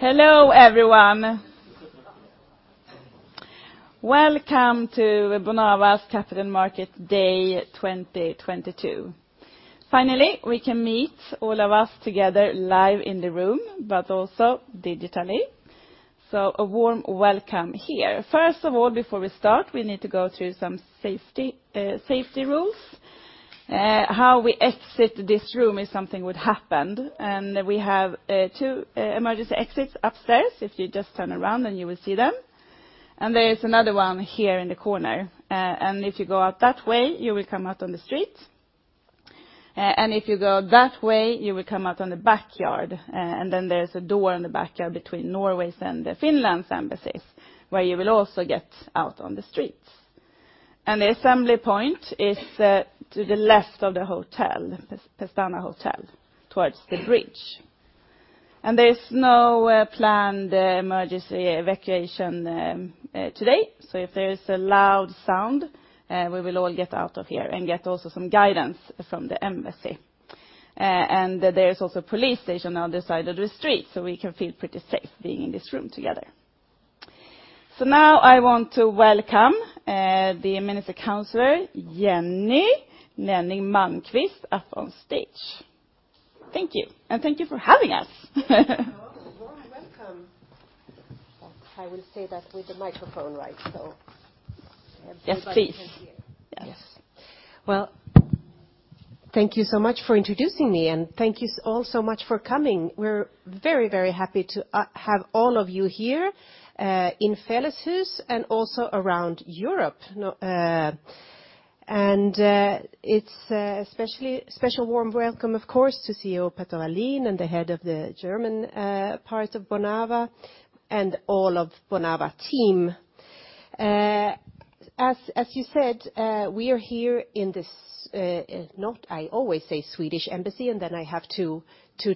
Hello everyone. Welcome to Bonava's Capital Market Day 2022. Finally, we can meet all of us together live in the room, but also digitally. A warm welcome here. First of all, before we start, we need to go through some safety rules. How we exit this room if something would happen. We have two emergency exits upstairs. If you just turn around then you will see them. There is another one here in the corner. If you go out that way, you will come out on the street. If you go that way, you will come out in the backyard. There's a door in the backyard between Norway's and Finland's embassies, where you will also get out on the streets. The assembly point is to the left of the hotel, Pestana Hotel, towards the bridge. There is no planned emergency evacuation today. If there is a loud sound, we will all get out of here and get also some guidance from the embassy. There is also police station on the side of the street, so we can feel pretty safe being in this room together. Now I want to welcome the Minister Counselor, Jenny Lünning Malmqvist up on stage. Thank you, and thank you for having us. Oh, you're welcome. I will say that with the microphone right so. Yes, please. Everybody can hear. Yes. Well, thank you so much for introducing me, and thank you all so much for coming. We're very, very happy to have all of you here in Felleshus and also around Europe. It's special warm welcome, of course, to CEO Peter Wallin and the head of the German part of Bonava, and all of Bonava team. As you said, we are here in this. I always say Swedish Embassy, and then I have to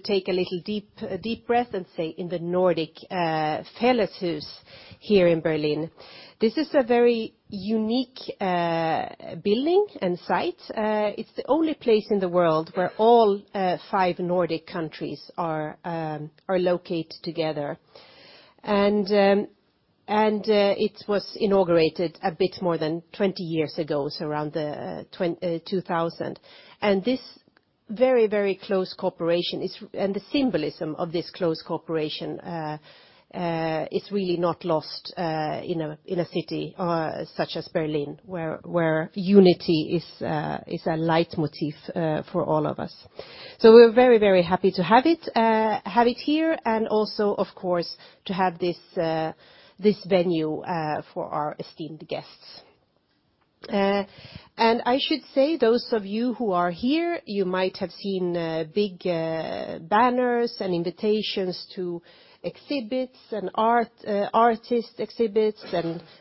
take a little deep breath and say in the Nordic Felleshus here in Berlin. This is a very unique building and site. It's the only place in the world where all five Nordic countries are located together. It was inaugurated a bit more than 20 years ago, so around 2000. This very close cooperation and the symbolism of this close cooperation is really not lost in a city such as Berlin, where unity is a leitmotif for all of us. We're very happy to have it here, and also, of course, to have this venue for our esteemed guests. I should say those of you who are here, you might have seen big banners and invitations to exhibits and art artist exhibits.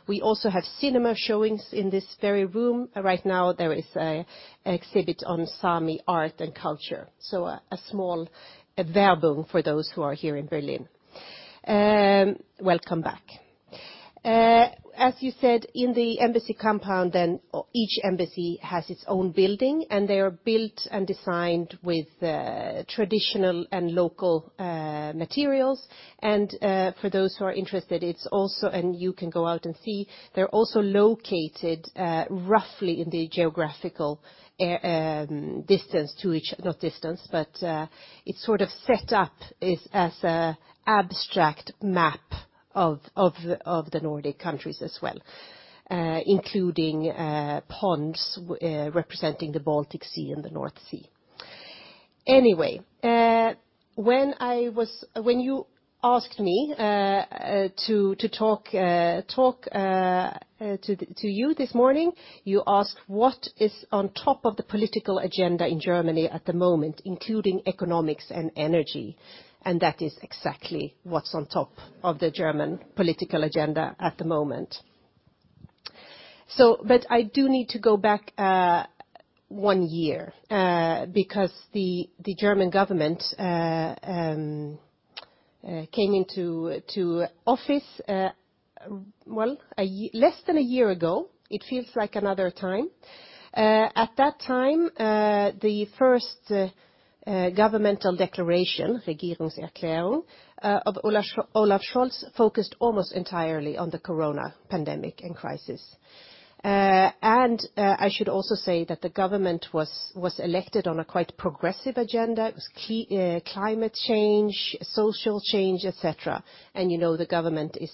We also have cinema showings in this very room. Right now there is a exhibit on Sámi art and culture. A small Werbung for those who are here in Berlin. Welcome back. As you said, in the embassy compound then, or each embassy has its own building, and they are built and designed with traditional and local materials. For those who are interested, it's also and you can go out and see, they're also located roughly in the geographical distance to each. Not distance, but it's sort of set up as a abstract map of the Nordic countries as well, including ponds representing the Baltic Sea and the North Sea. Anyway, when you asked me to talk to you this morning, you ask what is on top of the political agenda in Germany at the moment, including economics and energy. That is exactly what's on top of the German political agenda at the moment. I do need to go back one year because the German government came into office less than a year ago. It feels like another time. At that time, the first governmental declaration, Regierungserklärung, of Olaf Scholz focused almost entirely on the corona pandemic and crisis. I should also say that the government was elected on a quite progressive agenda. It was climate change, social change, et cetera. You know the government is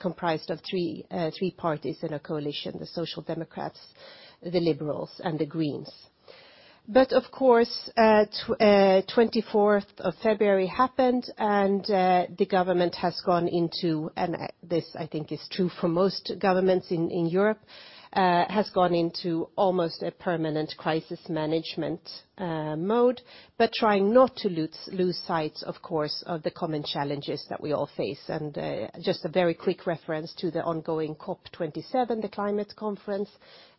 comprised of three parties in a coalition, the Social Democrats, the Liberals, and the Greens. Of course, 24 February happened and the government has gone into almost a permanent crisis management mode, but trying not to lose sight, of course, of the common challenges that we all face. This I think is true for most governments in Europe. Just a very quick reference to the ongoing COP27, the climate conference,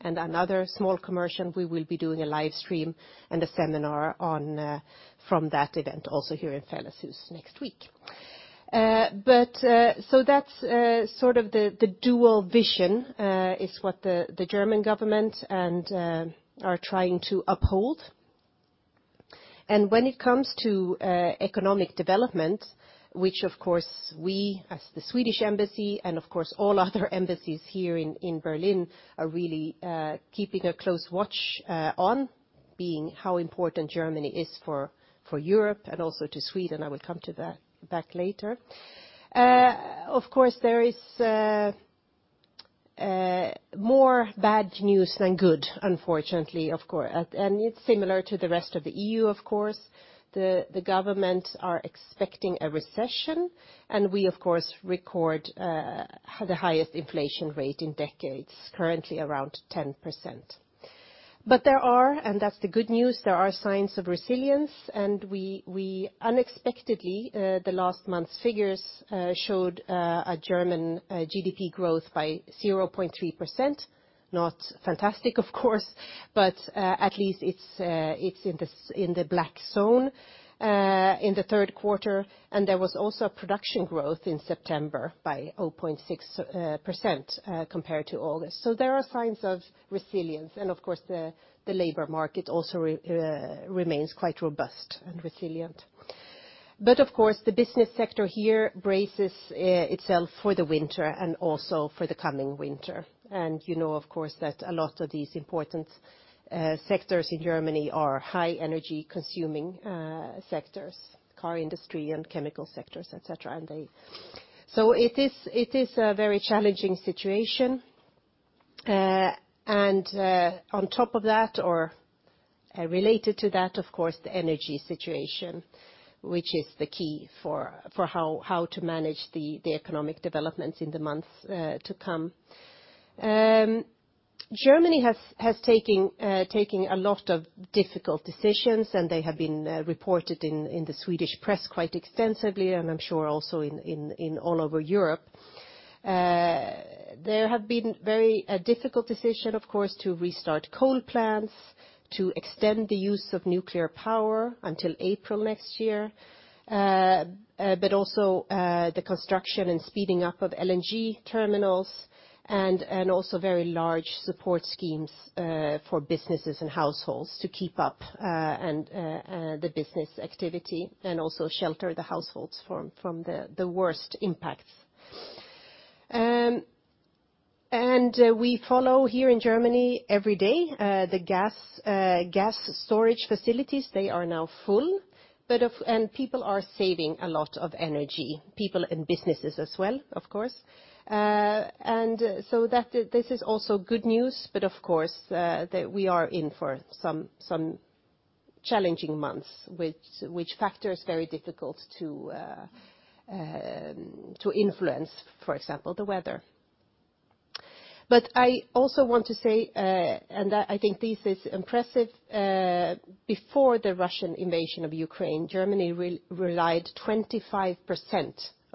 and another small commercial, we will be doing a live stream and a seminar on from that event also here in Felleshus next week. That's sort of the dual vision is what the German government and are trying to uphold. When it comes to economic development, which of course we as the Swedish Embassy, and of course, all other embassies here in Berlin are really keeping a close watch on, being how important Germany is for Europe and also to Sweden. I will come back to that later. Of course, there is more bad news than good, unfortunately. It's similar to the rest of the EU, of course. The government are expecting a recession, and we of course record the highest inflation rate in decades, currently around 10%. There are, and that's the good news, there are signs of resilience. We unexpectedly, the last month's figures showed a German GDP growth by 0.3%. Not fantastic, of course, but at least it's in the black zone in the third quarter. There was also a production growth in September by 0.6% compared to August. There are signs of resilience. Of course, the labor market also remains quite robust and resilient. Of course, the business sector here braces itself for the winter and also for the coming winter. You know, of course, that a lot of these important sectors in Germany are high energy-consuming sectors, car industry and chemical sectors, et cetera. It is a very challenging situation. On top of that or related to that, of course, the energy situation, which is the key for how to manage the economic developments in the months to come. Germany has taken a lot of difficult decisions, and they have been reported in the Swedish press quite extensively, and I'm sure also in all over Europe. There have been very difficult decisions, of course, to restart coal plants, to extend the use of nuclear power until April next year, but also the construction and speeding up of LNG terminals and also very large support schemes for businesses and households to keep up and the business activity and also shelter the households from the worst impacts. We follow here in Germany every day the gas storage facilities. They are now full. People are saving a lot of energy, people and businesses as well, of course. This is also good news. Of course, we are in for some challenging months, which factor is very difficult to influence, for example, the weather. I also want to say, I think this is impressive, before the Russian invasion of Ukraine, Germany relied 25%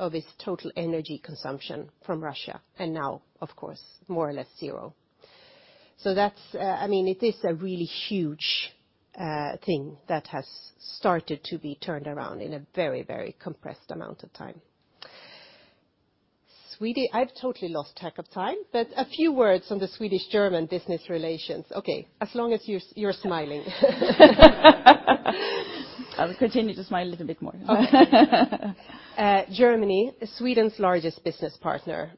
of its total energy consumption from Russia and now, of course, more or less zero. That's. I mean, it is a really huge thing that has started to be turned around in a very compressed amount of time. I've totally lost track of time, but a few words on the Swedish-German business relations. Okay, as long as you're smiling. I'll continue to smile a little bit more. Germany is Sweden's largest business partner,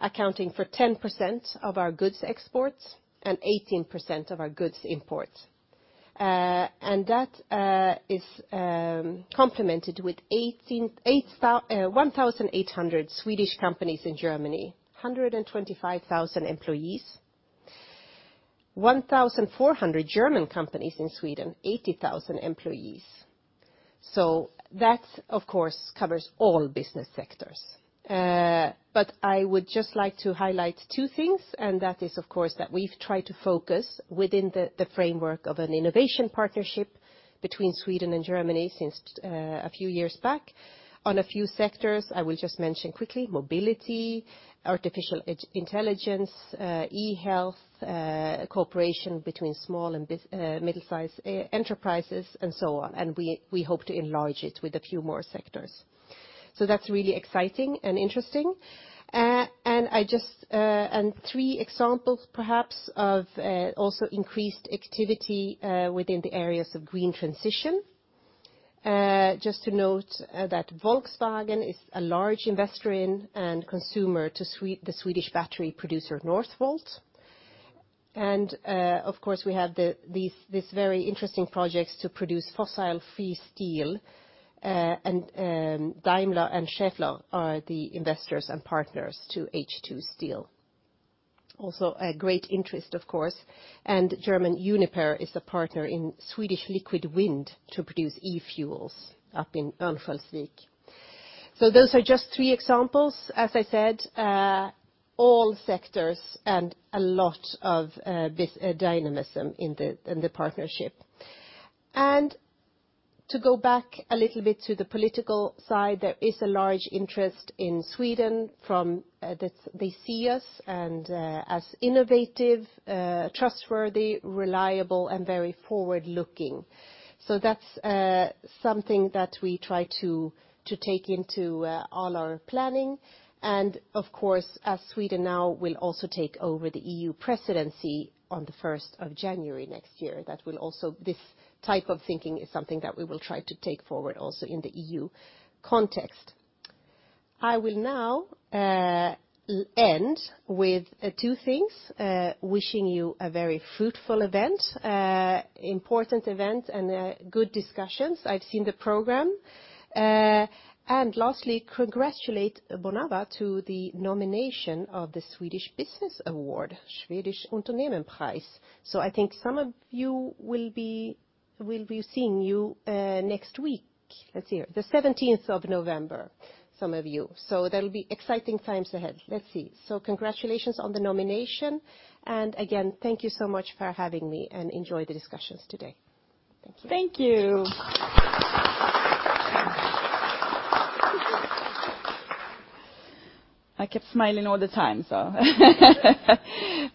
accounting for 10% of our goods exports and 18% of our goods imports. That is complemented with 1,800 Swedish companies in Germany, 125,000 employees, 1,400 German companies in Sweden, 80,000 employees. That, of course, covers all business sectors. I would just like to highlight two things, that is, of course, that we've tried to focus within the framework of an innovation partnership between Sweden and Germany since a few years back. On a few sectors, I will just mention quickly, mobility, artificial intelligence, e-health, cooperation between small and middle-size enterprises, and so on. We hope to enlarge it with a few more sectors. That's really exciting and interesting. Three examples perhaps of also increased activity within the areas of green transition. Just to note that Volkswagen is a large investor in and consumer to the Swedish battery producer Northvolt. Of course, we have this very interesting projects to produce fossil-free steel. Daimler and Schaeffler are the investors and partners to H2 Green Steel. Also a great interest, of course. German Uniper is a partner in Swedish Liquid Wind to produce e-fuels up in Örnsköldsvik. Those are just three examples. As I said, all sectors and a lot of this dynamism in the partnership. To go back a little bit to the political side, there is a large interest in Sweden from, they see us and, as innovative, trustworthy, reliable, and very forward-looking. That's something that we try to take into all our planning. Of course, as Sweden now will also take over the EU presidency on the first of January next year, that will also. This type of thinking is something that we will try to take forward also in the EU context. I will now end with two things. Wishing you a very fruitful event, important event, and good discussions. I've seen the program. Lastly, congratulate Bonava to the nomination of the Swedish Business Award, Swedish Unternehmenspreis. I think some of you we'll be seeing you next week. Let's see here, the seventeenth of November, some of you. That'll be exciting times ahead. Let's see. Congratulations on the nomination. Again, thank you so much for having me, and enjoy the discussions today. Thank you. Thank you. I kept smiling all the time, so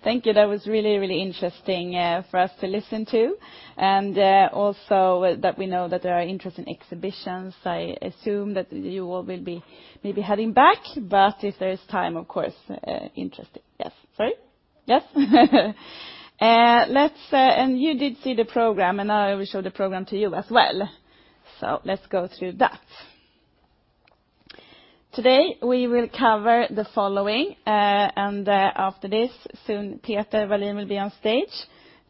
thank you. That was really, really interesting for us to listen to. Also that we know that there are interesting exhibitions. I assume that you all will be maybe heading back. If there's time, of course, interesting. Yes. Sorry? Yes. You did see the program, and now I will show the program to you as well. Let's go through that. Today, we will cover the following. After this, soon Peter Wallin will be on stage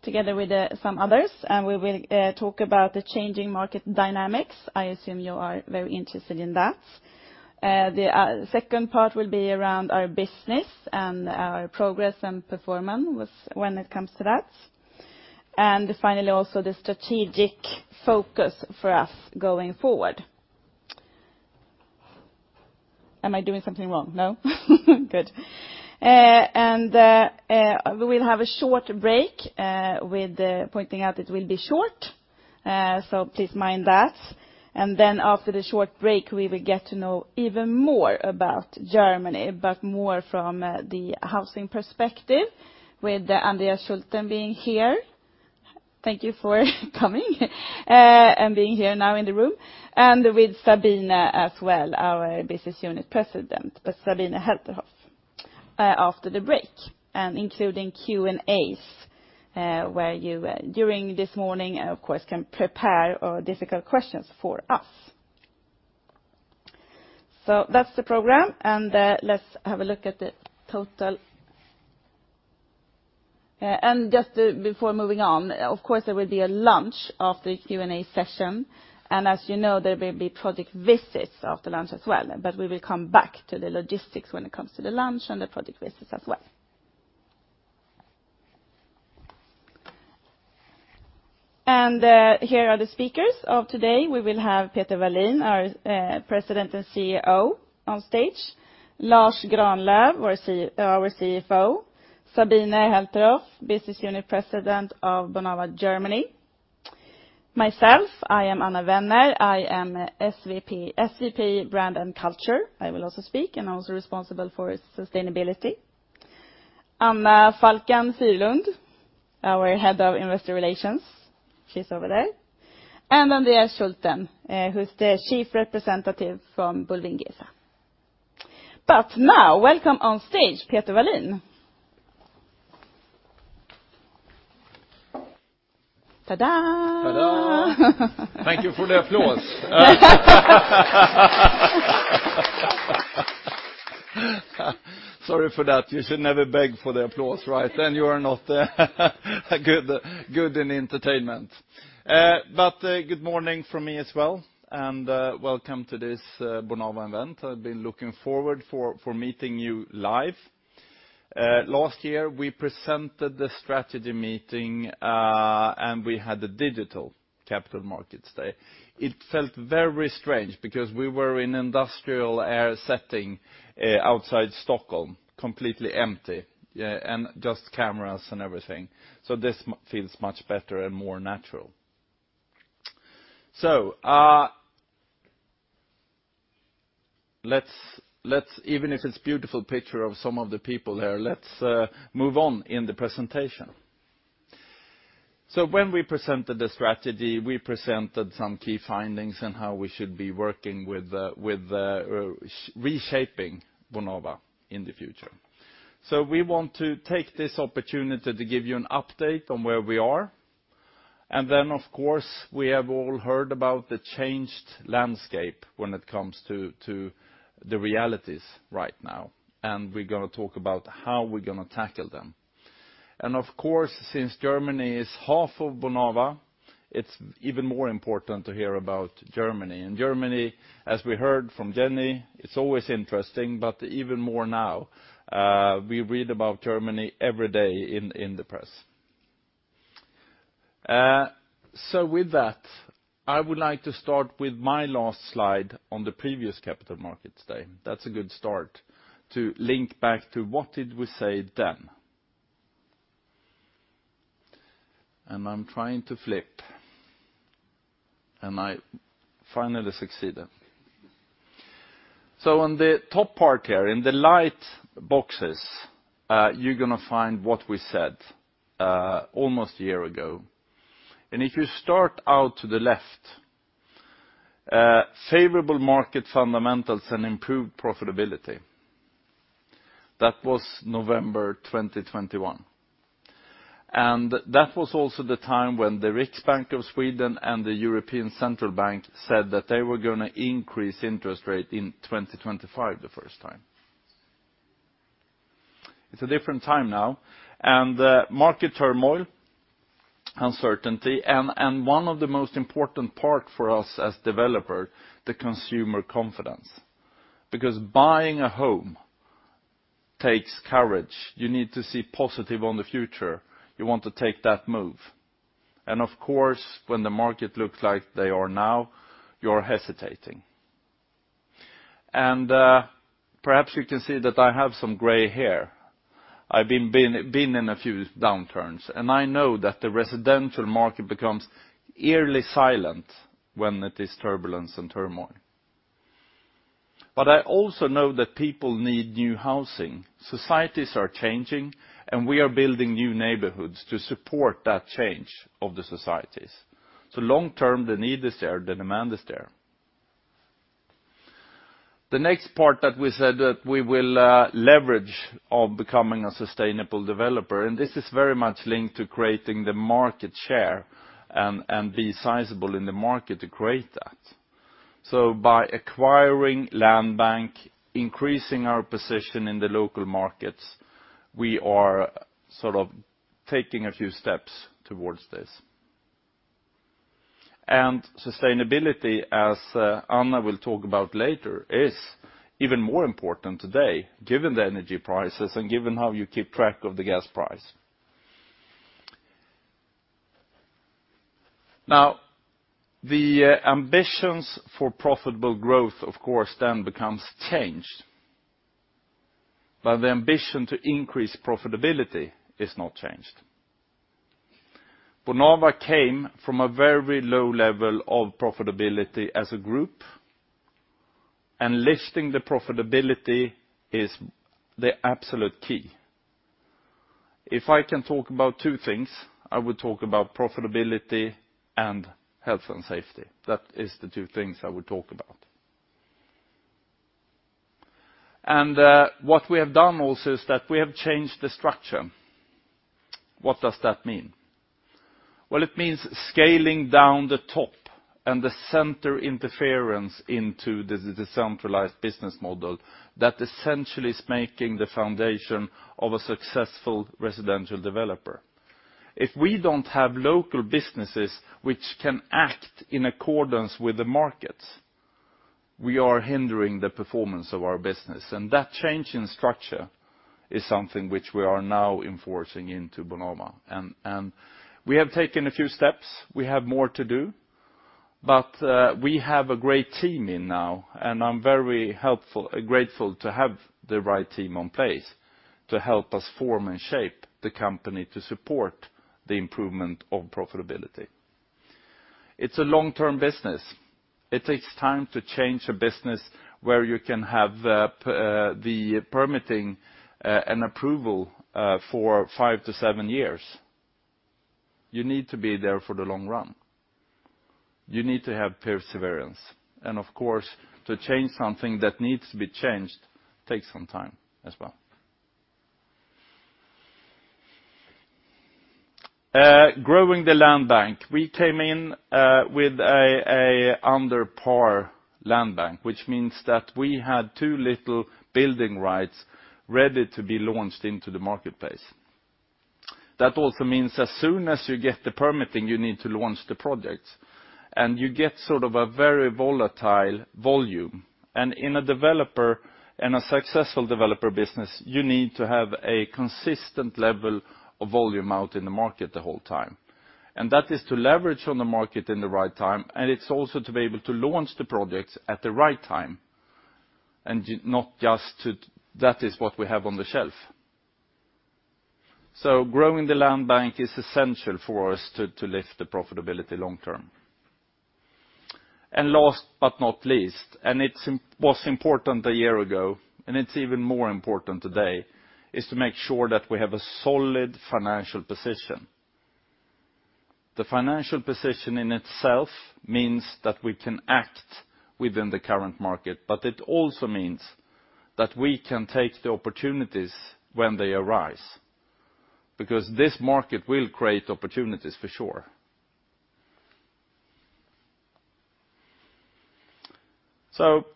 together with some others, and we will talk about the changing market dynamics. I assume you are very interested in that. The second part will be around our business and our progress and performance when it comes to that. Finally, also the strategic focus for us going forward. Am I doing something wrong? No? Good. We will have a short break, with pointing out it will be short, so please mind that. Then after the short break, we will get to know even more about Germany, but more from the housing perspective with Andreas Schulten being here. Thank you for coming and being here now in the room. With Sabine as well, our Business Unit President. Sabine Helterhoff will help us after the break, and including Q&As, where you during this morning, of course, can prepare difficult questions for us. That's the program, and let's have a look at the total. Just before moving on, of course, there will be a lunch after the Q&A session. As you know, there will be project visits after lunch as well. We will come back to the logistics when it comes to the lunch and the project visits as well. Here are the speakers of today. We will have Peter Wallin, our President and CEO on stage. Lars Granlöf, our CFO. Sabine Helterhoff, Business Unit President of Bonava Germany. Myself, I am Anna Wenner, I am SVP Brand and Culture. I will also speak, and I'm also responsible for sustainability. Anna Falck Fyhrlund, our Head of Investor Relations. She's over there. And Andreas Schulten, who's the chief representative from bulwiengesa. Now, welcome on stage, Peter Wallin. Ta-da. Ta-da. Thank you for the applause. Sorry for that. You should never beg for the applause, right? Then you are not good in entertainment. Good morning from me as well, and welcome to this Bonava event. I've been looking forward to meeting you live. Last year, we presented the strategy meeting, and we had a digital capital markets day. It felt very strange because we were in industrial area setting outside Stockholm, completely empty, and just cameras and everything. This feels much better and more natural. Even if it's beautiful picture of some of the people here, let's move on in the presentation. When we presented the strategy, we presented some key findings on how we should be working with the reshaping Bonava in the future. We want to take this opportunity to give you an update on where we are. Then, of course, we have all heard about the changed landscape when it comes to the realities right now, and we're gonna talk about how we're gonna tackle them. Of course, since Germany is half of Bonava, it's even more important to hear about Germany. Germany, as we heard from Jenny, it's always interesting, but even more now, we read about Germany every day in the press. With that, I would like to start with my last slide on the previous capital markets day. That's a good start to link back to what did we say then. On the top part here, in the light boxes, you're gonna find what we said almost a year ago. If you start out to the left, favorable market fundamentals and improved profitability. That was November 2021. That was also the time when the Riksbank of Sweden and the European Central Bank said that they were gonna increase interest rate in 2025 the first time. It's a different time now, and market turmoil, uncertainty, and one of the most important part for us as developer, the consumer confidence. Because buying a home takes courage. You need to see positive on the future. You want to take that move. Of course, when the market looks like they are now, you're hesitating. Perhaps you can see that I have some gray hair. I've been in a few downturns, and I know that the residential market becomes eerily silent when it is turbulence and turmoil. I also know that people need new housing. Societies are changing, and we are building new neighborhoods to support that change of the societies. Long term, the need is there, the demand is there. The next part that we said that we will leverage of becoming a sustainable developer, and this is very much linked to creating the market share and be sizable in the market to create that. By acquiring land bank, increasing our position in the local markets, we are sort of taking a few steps towards this. Sustainability, as Anna will talk about later, is even more important today given the energy prices and given how you keep track of the gas price. Now, the ambitions for profitable growth, of course, then becomes changed. The ambition to increase profitability is not changed. Bonava came from a very low level of profitability as a group, and lifting the profitability is the absolute key. If I can talk about two things, I would talk about profitability and health and safety. That is the two things I would talk about. What we have done also is that we have changed the structure. What does that mean? Well, it means scaling down the top and the central interference into the decentralized business model that essentially is making the foundation of a successful residential developer. If we don't have local businesses which can act in accordance with the markets, we are hindering the performance of our business. That change in structure is something which we are now enforcing into Bonava. We have taken a few steps. We have more to do. We have a great team in place now, and I'm very grateful to have the right team in place to help us form and shape the company to support the improvement of profitability. It's a long-term business. It takes time to change a business where you can have the permitting and approval for five-seven years. You need to be there for the long run. You need to have perseverance. Of course, to change something that needs to be changed takes some time as well. Growing the land bank. We came in with a under par land bank, which means that we had too little building rights ready to be launched into the marketplace. That also means as soon as you get the permitting, you need to launch the project. You get sort of a very volatile volume. In a developer, in a successful developer business, you need to have a consistent level of volume out in the market the whole time. That is to leverage on the market in the right time, and it's also to be able to launch the projects at the right time, and not just to. That is what we have on the shelf. Growing the land bank is essential for us to lift the profitability long term. Last but not least, and it was important a year ago, and it's even more important today, is to make sure that we have a solid financial position. The financial position in itself means that we can act within the current market, but it also means that we can take the opportunities when they arise, because this market will create opportunities for sure. Sort of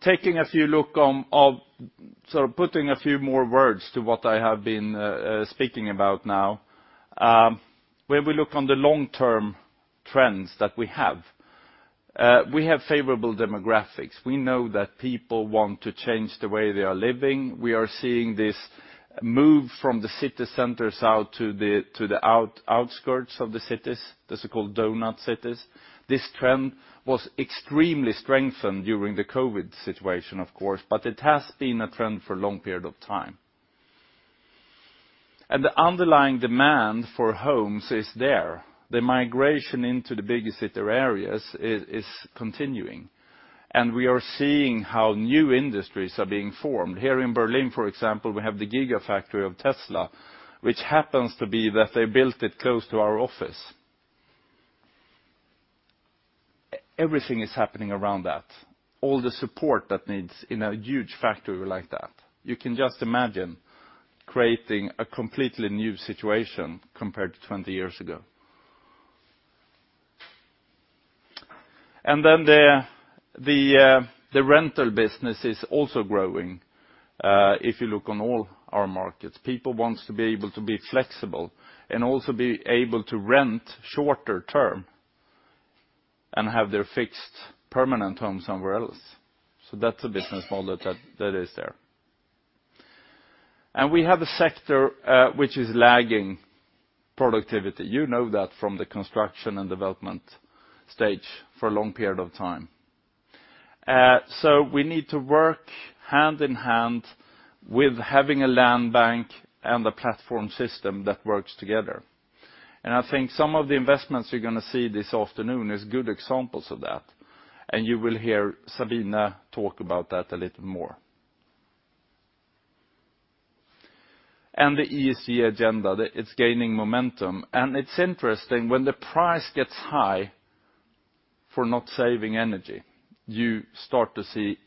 putting a few more words to what I have been speaking about now, when we look on the long-term trends that we have, we have favorable demographics. We know that people want to change the way they are living. We are seeing this move from the city centers out to the outskirts of the cities, the so-called donut cities. This trend was extremely strengthened during the COVID situation, of course, but it has been a trend for a long period of time. The underlying demand for homes is there. The migration into the bigger city areas is continuing. We are seeing how new industries are being formed. Here in Berlin, for example, we have the Gigafactory of Tesla, which happens to be that they built it close to our office. Everything is happening around that. All the support that needs in a huge factory like that. You can just imagine creating a completely new situation compared to 20 years ago. The rental business is also growing, if you look on all our markets. People wants to be able to be flexible and also be able to rent shorter term and have their fixed permanent home somewhere else. That's a business model that is there. We have a sector which is lagging productivity. You know that from the construction and development stage for a long period of time. We need to work hand in hand with having a land bank and a platform system that works together. I think some of the investments you're going to see this afternoon is good examples of that. You will hear Sabine talk about that a little more. The ESG agenda, it's gaining momentum. It's interesting, when the price gets high for not saving energy, you start to see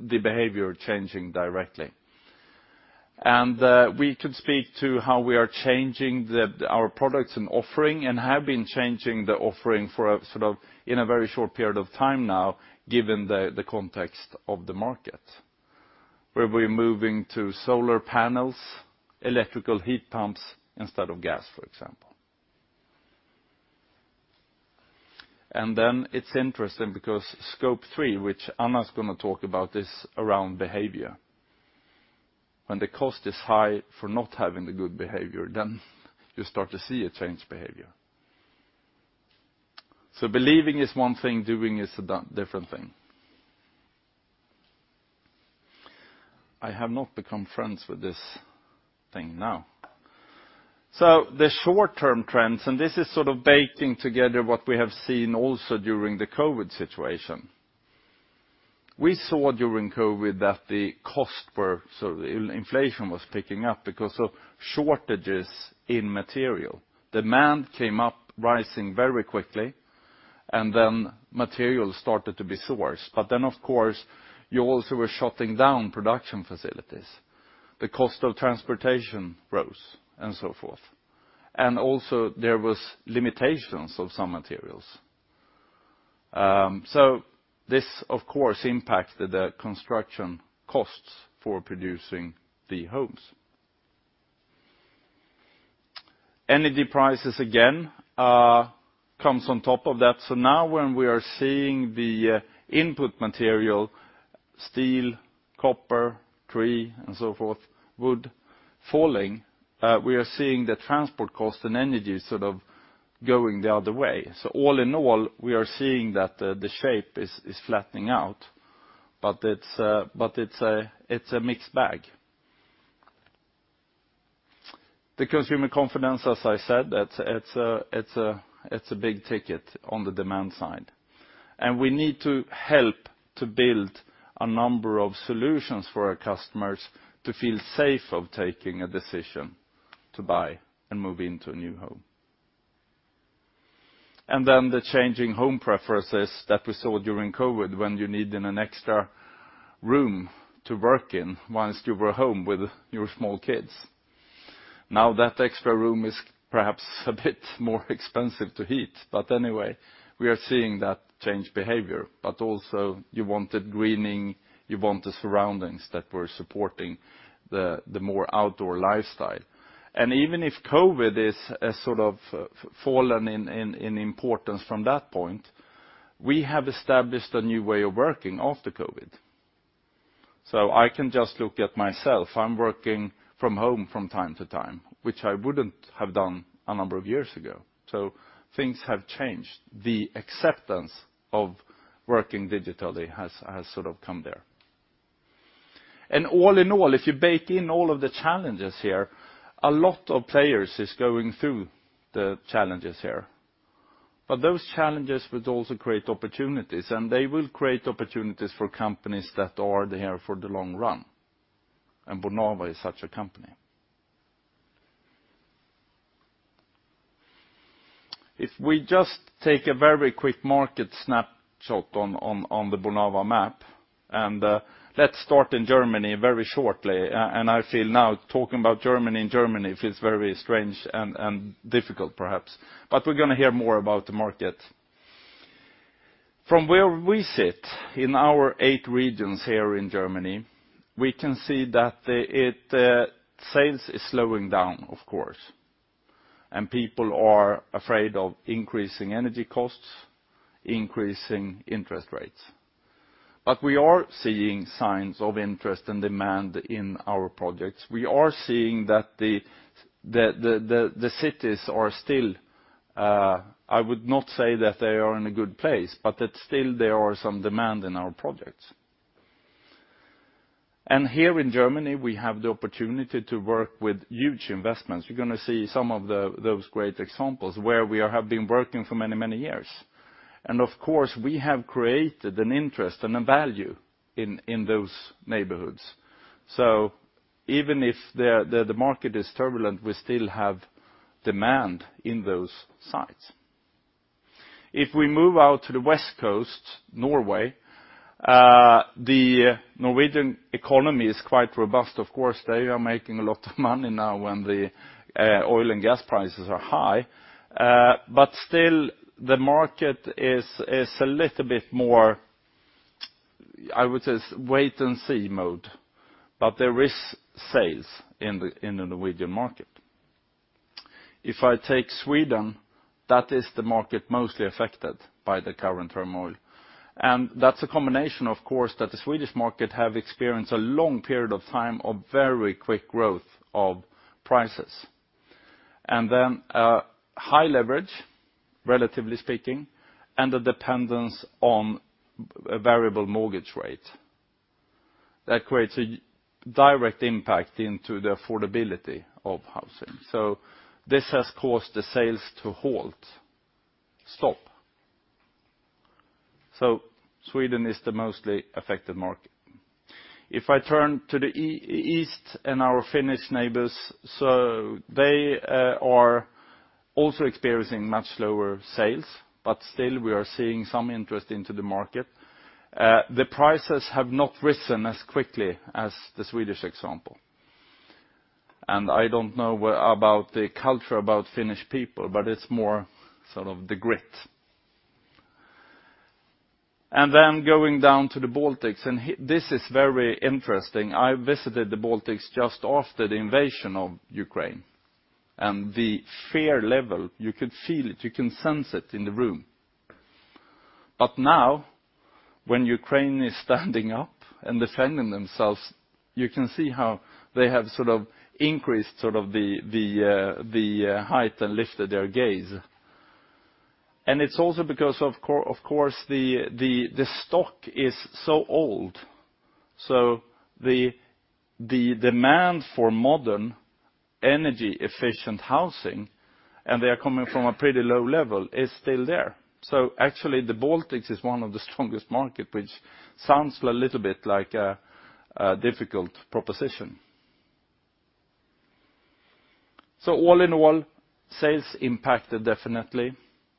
the behavior changing directly. We could speak to how we are changing our products and offering, and have been changing the offering in a very short period of time now, given the context of the market, where we're moving to solar panels, electrical heat pumps instead of gas, for example. Then it's interesting because Scope 3, which Anna's going to talk about, is around behavior. When the cost is high for not having the good behavior, then you start to see a change behavior. Believing is one thing, doing is a different thing. I have not become friends with this thing now. The short-term trends, and this is sort of baking together what we have seen also during the COVID situation. We saw during COVID that the inflation was picking up because of shortages in material. Demand came up rising very quickly, and then material started to be sourced. Then, of course, you also were shutting down production facilities. The cost of transportation rose, and so forth. Also, there was limitations of some materials. This, of course, impacted the construction costs for producing the homes. Energy prices, again, comes on top of that. Now when we are seeing the input material, steel, copper, tree, and so forth, wood falling, we are seeing the transport cost and energy sort of going the other way. All in all, we are seeing that the shape is flattening out, but it's a mixed bag. The consumer confidence, as I said, it's a big ticket on the demand side. We need to help to build a number of solutions for our customers to feel safe of taking a decision to buy and move into a new home. The changing home preferences that we saw during COVID when you needed an extra room to work in whilst you were home with your small kids. Now that extra room is perhaps a bit more expensive to heat. We are seeing that change behavior. You wanted greening, you want the surroundings that were supporting the more outdoor lifestyle. Even if COVID is sort of fallen in importance from that point, we have established a new way of working after COVID. I can just look at myself. I'm working from home from time to time, which I wouldn't have done a number of years ago. Things have changed. The acceptance of working digitally has sort of come there. All in all, if you bake in all of the challenges here, a lot of players is going through the challenges here. Those challenges would also create opportunities, and they will create opportunities for companies that are there for the long run. Bonava is such a company. If we just take a very quick market snapshot on the Bonava map, let's start in Germany very shortly. I feel now talking about Germany in Germany feels very strange and difficult perhaps. We're going to hear more about the market. From where we sit in our eight regions here in Germany, we can see that sales is slowing down, of course. People are afraid of increasing energy costs, increasing interest rates. We are seeing signs of interest and demand in our projects. We are seeing that the cities are still. I would not say that they are in a good place, but that still there are some demand in our projects. Here in Germany, we have the opportunity to work with huge investments. You're gonna see some of the, those great examples where we have been working for many, many years. Of course, we have created an interest and a value in those neighborhoods. Even if the market is turbulent, we still have demand in those sites. If we move out to the west coast, Norway, the Norwegian economy is quite robust. Of course, they are making a lot of money now when the oil and gas prices are high. Still, the market is a little bit more, I would say, wait and see mode. There is sales in the Norwegian market. If I take Sweden, that is the market mostly affected by the current turmoil. That's a combination, of course, that the Swedish market have experienced a long period of time of very quick growth of prices. High leverage, relatively speaking, and the dependence on variable mortgage rate. That creates a direct impact into the affordability of housing. This has caused the sales to halt, stop. Sweden is the mostly affected market. If I turn to the East and our Finnish neighbors, they are also experiencing much lower sales, but still we are seeing some interest into the market. The prices have not risen as quickly as the Swedish example. I don't know about the culture about Finnish people, but it's more sort of the grit. Going down to the Baltics, this is very interesting. I visited the Baltics just after the invasion of Ukraine. The fear level, you could feel it, you can sense it in the room. Now, when Ukraine is standing up and defending themselves, you can see how they have sort of increased the height and lifted their gaze. It's also because of course, the stock is so old. The demand for modern energy-efficient housing, and they are coming from a pretty low level, is still there. Actually, the Baltics is one of the strongest market, which sounds a little bit like a difficult proposition. All in all, sales impacted definitely.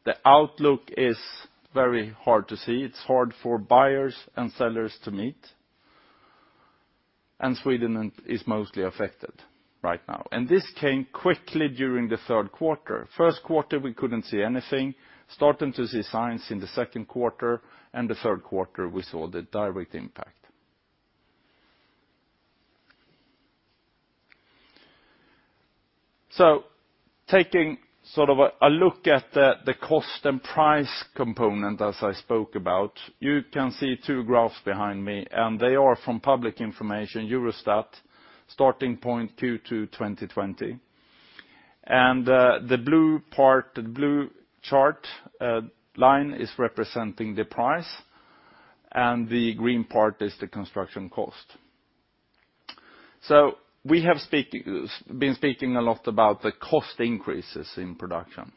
The outlook is very hard to see. It's hard for buyers and sellers to meet. Sweden is mostly affected right now. This came quickly during the third quarter. First quarter, we couldn't see anything. Starting to see signs in the second quarter, and the third quarter we saw the direct impact. Taking sort of a look at the cost and price component as I spoke about, you can see two graphs behind me, and they are from public information, Eurostat, starting point 2.2, 2020. The blue part, the blue chart line is representing the price, and the green part is the construction cost. We have been speaking a lot about the cost increases in production.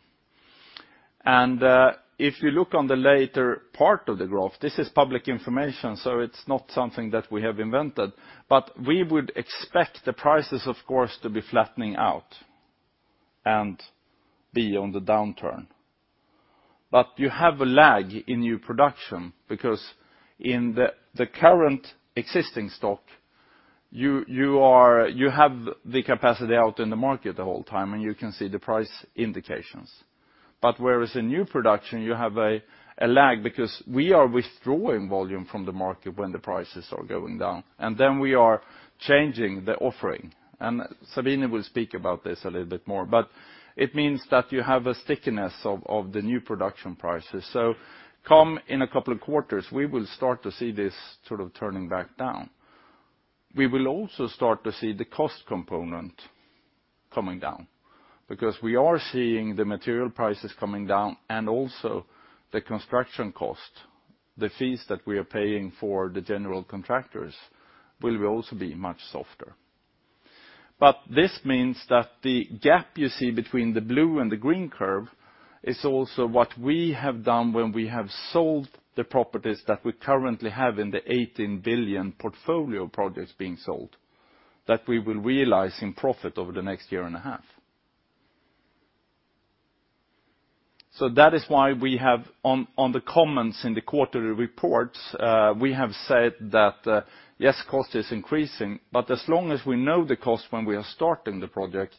If you look on the later part of the graph, this is public information, so it's not something that we have invented. We would expect the prices, of course, to be flattening out and be on the downturn. You have a lag in new production because in the current existing stock, you have the capacity out in the market the whole time, and you can see the price indications. Whereas in new production, you have a lag because we are withdrawing volume from the market when the prices are going down. Then we are changing the offering. Sabine will speak about this a little bit more. It means that you have a stickiness of the new production prices. Come in a couple of quarters, we will start to see this sort of turning back down. We will also start to see the cost component coming down because we are seeing the material prices coming down and also the construction cost. The fees that we are paying for the general contractors will also be much softer. This means that the gap you see between the blue and the green curve is also what we have done when we have sold the properties that we currently have in the 18 billion portfolio projects being sold that we will realize in profit over the next year and a half. That is why we have in the comments in the quarterly reports, we have said that, yes, cost is increasing, but as long as we know the cost when we are starting the project,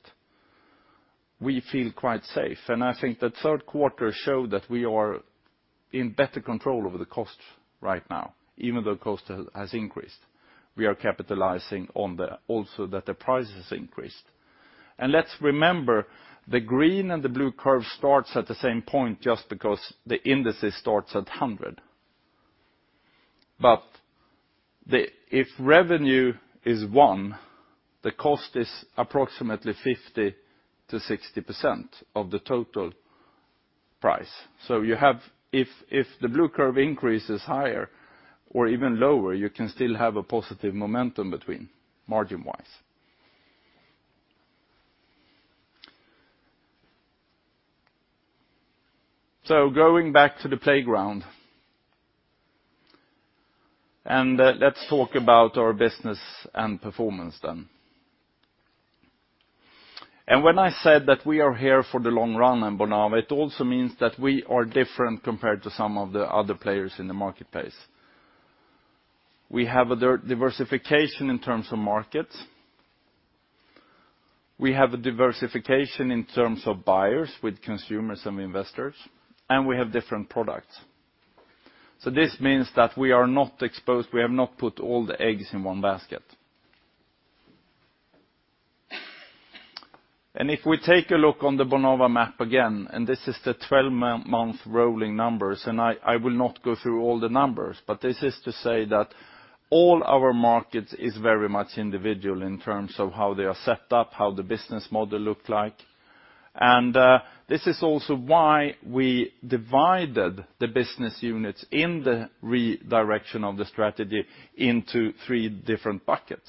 we feel quite safe. I think that third quarter showed that we are in better control over the cost right now, even though cost has increased. We are capitalizing on that. Also, that the price has increased. Let's remember, the green and the blue curve starts at the same point just because the indices starts at 100. If revenue is one, the cost is approximately 50%-60% of the total price. You have, if the blue curve increase is higher or even lower, you can still have a positive momentum between margin-wise. Going back to the playground. Let's talk about our business and performance then. When I said that we are here for the long run in Bonava, it also means that we are different compared to some of the other players in the marketplace. We have a diversification in terms of markets. We have a diversification in terms of buyers with consumers and investors, and we have different products. This means that we are not exposed. We have not put all the eggs in one basket. If we take a look on the Bonava map again, and this is the 12-month rolling numbers, and I will not go through all the numbers, but this is to say that all our markets is very much individual in terms of how they are set up, how the business model look like. This is also why we divided the business units in the redirection of the strategy into three different buckets.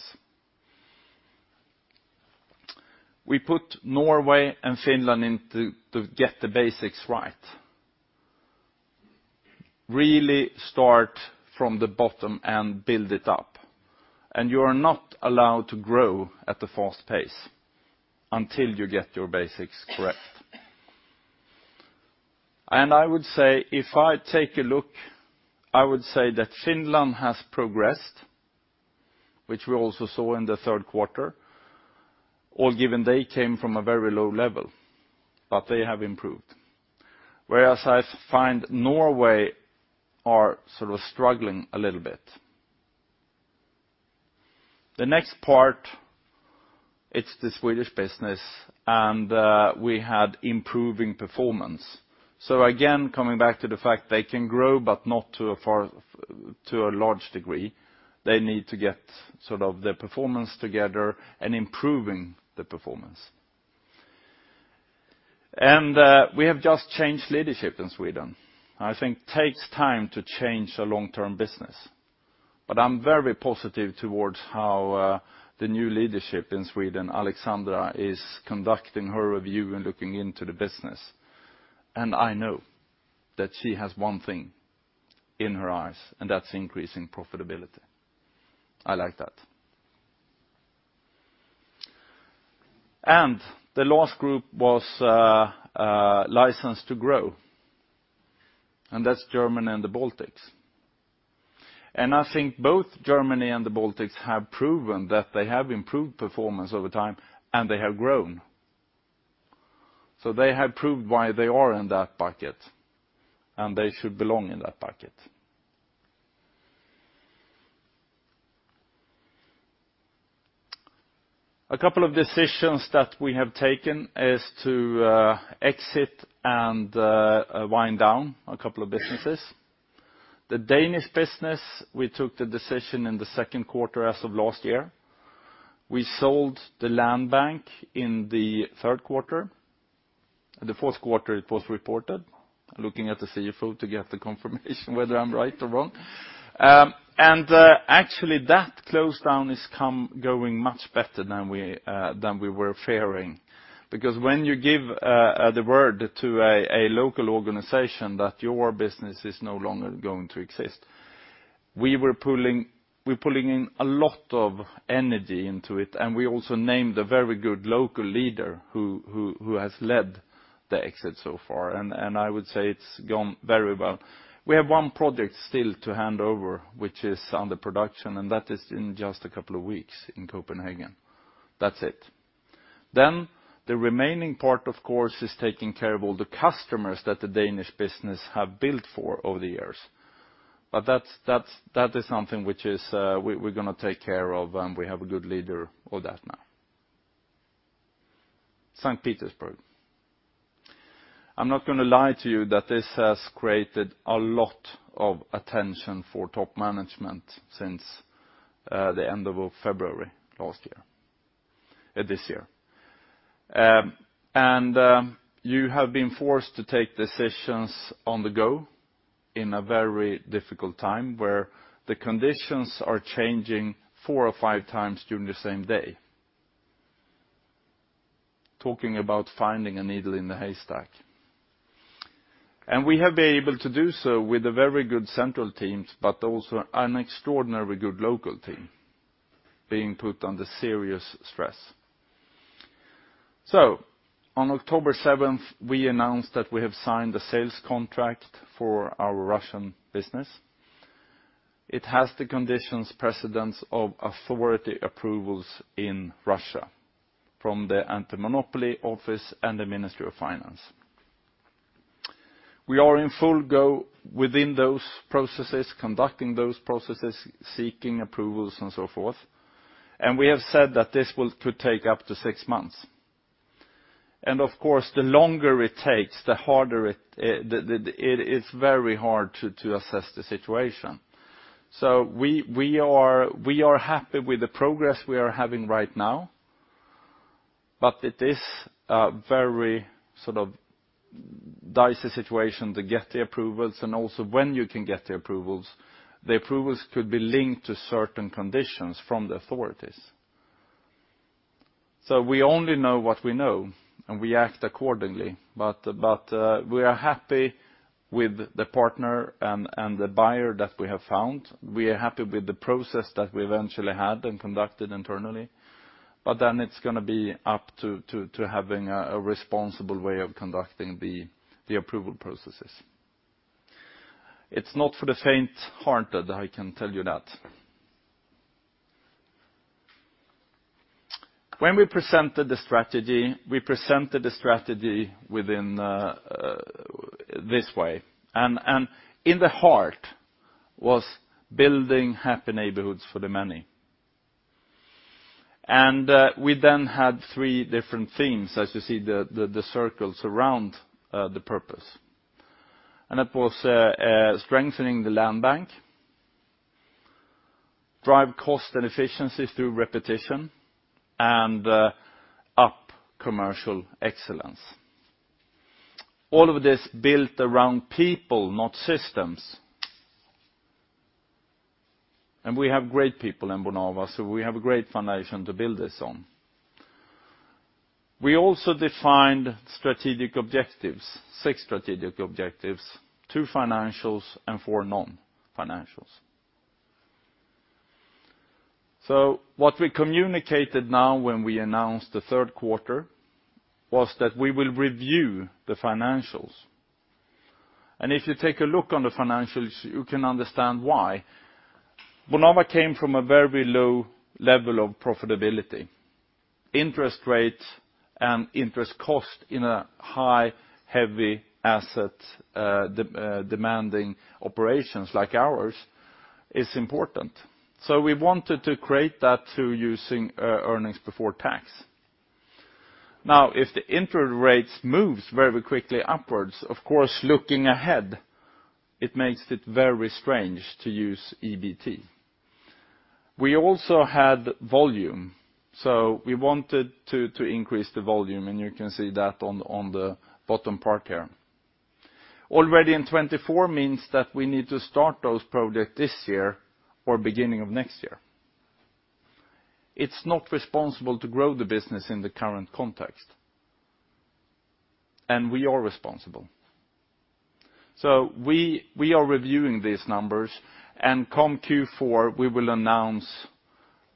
We put Norway and Finland in to get the basics right. Really start from the bottom and build it up. You are not allowed to grow at a fast pace until you get your basics correct. I would say, if I take a look, that Finland has progressed, which we also saw in the third quarter, or given they came from a very low level. They have improved. Whereas I find Norway are sort of struggling a little bit. The next part, it's the Swedish business, and we had improving performance. Again, coming back to the fact they can grow, but not to a large degree. They need to get sort of their performance together and improving the performance. We have just changed leadership in Sweden. I think takes time to change a long-term business. I'm very positive towards how the new leadership in Sweden, Alexandra, is conducting her review and looking into the business. I know that she has one thing in her eyes, and that's increasing profitability. I like that. The last group was licensed to grow, and that's Germany and the Baltics. I think both Germany and the Baltics have proven that they have improved performance over time, and they have grown. They have proved why they are in that bucket, and they should belong in that bucket. A couple of decisions that we have taken is to exit and wind down a couple of businesses. The Danish business, we took the decision in the second quarter as of last year. We sold the land bank in the third quarter. The fourth quarter, it was reported. Looking at the CFO to get the confirmation whether I'm right or wrong. Actually, that close down has gone much better than we were fearing. Because when you give the word to a local organization that your business is no longer going to exist, we're pulling in a lot of energy into it, and we also named a very good local leader who has led the exit so far. I would say it's gone very well. We have one project still to hand over, which is under production, and that is in just a couple of weeks in Copenhagen. That's it. Then the remaining part, of course, is taking care of all the customers that the Danish business have built for over the years. But that is something which we're gonna take care of, and we have a good leader of that now. St. Petersburg. I'm not gonna lie to you that this has created a lot of attention for top management since the end of February last year, this year. You have been forced to take decisions on the go in a very difficult time where the conditions are changing four or five times during the same day. Talking about finding a needle in the haystack. We have been able to do so with a very good central teams, but also an extraordinarily good local team being put under serious stress. On October seventh, we announced that we have signed the sales contract for our Russian business. It has the conditions precedents of authority approvals in Russia from the Federal Antimonopoly Service and the Ministry of Finance of the Russian Federation. We are in full go within those processes, conducting those processes, seeking approvals and so forth. We have said that this could take up to six months. Of course, the longer it takes, the harder it is to assess the situation. We are happy with the progress we are having right now. It is a very sort of dicey situation to get the approvals, and also when you can get the approvals, the approvals could be linked to certain conditions from the authorities. We only know what we know, and we act accordingly. We are happy with the partner and the buyer that we have found. We are happy with the process that we eventually had and conducted internally. Then it's going to be up to having a responsible way of conducting the approval processes. It's not for the faint-hearted, I can tell you that. When we presented the strategy within this way. In the heart was building happy neighborhoods for the many. We then had three different themes, as you see the circles around the purpose. It was strengthening the land bank, drive cost and efficiencies through repetition, and up commercial excellence. All of this built around people, not systems. We have great people in Bonava, so we have a great foundation to build this on. We also defined strategic objectives, six strategic objectives, two financials and four non-financials. What we communicated now when we announced the third quarter was that we will review the financials. If you take a look on the financials, you can understand why. Bonava came from a very low level of profitability. Interest rates and interest cost in a high, heavy asset demanding operations like ours is important. We wanted to create that through using earnings before tax. Now, if the interest rates moves very quickly upwards, of course, looking ahead, it makes it very strange to use EBT. We also had volume, so we wanted to increase the volume, and you can see that on the bottom part here. Already in 2024 means that we need to start those projects this year or beginning of next year. It's not responsible to grow the business in the current context. We are responsible. We are reviewing these numbers, and come Q4, we will announce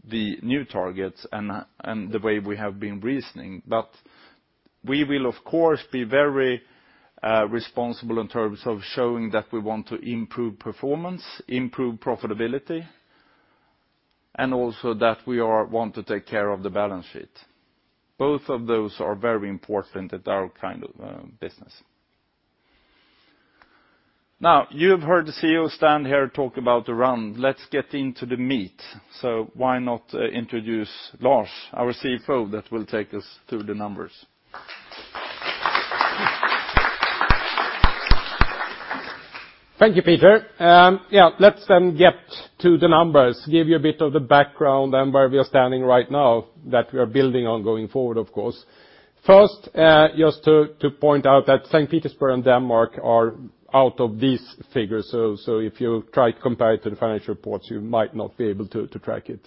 the new targets and the way we have been reasoning. We will of course be very responsible in terms of showing that we want to improve performance, improve profitability, and also that we want to take care of the balance sheet. Both of those are very important in our kind of business. Now, you have heard the CEO stand here and talk about the run. Let's get into the meat. Why not introduce Lars, our CFO, that will take us through the numbers? Thank you, Peter. Yeah, let's then get to the numbers, give you a bit of the background and where we are standing right now that we are building on going forward, of course. First, just to point out that St. Petersburg and Denmark are out of these figures. If you try to compare it to the financial reports, you might not be able to track it.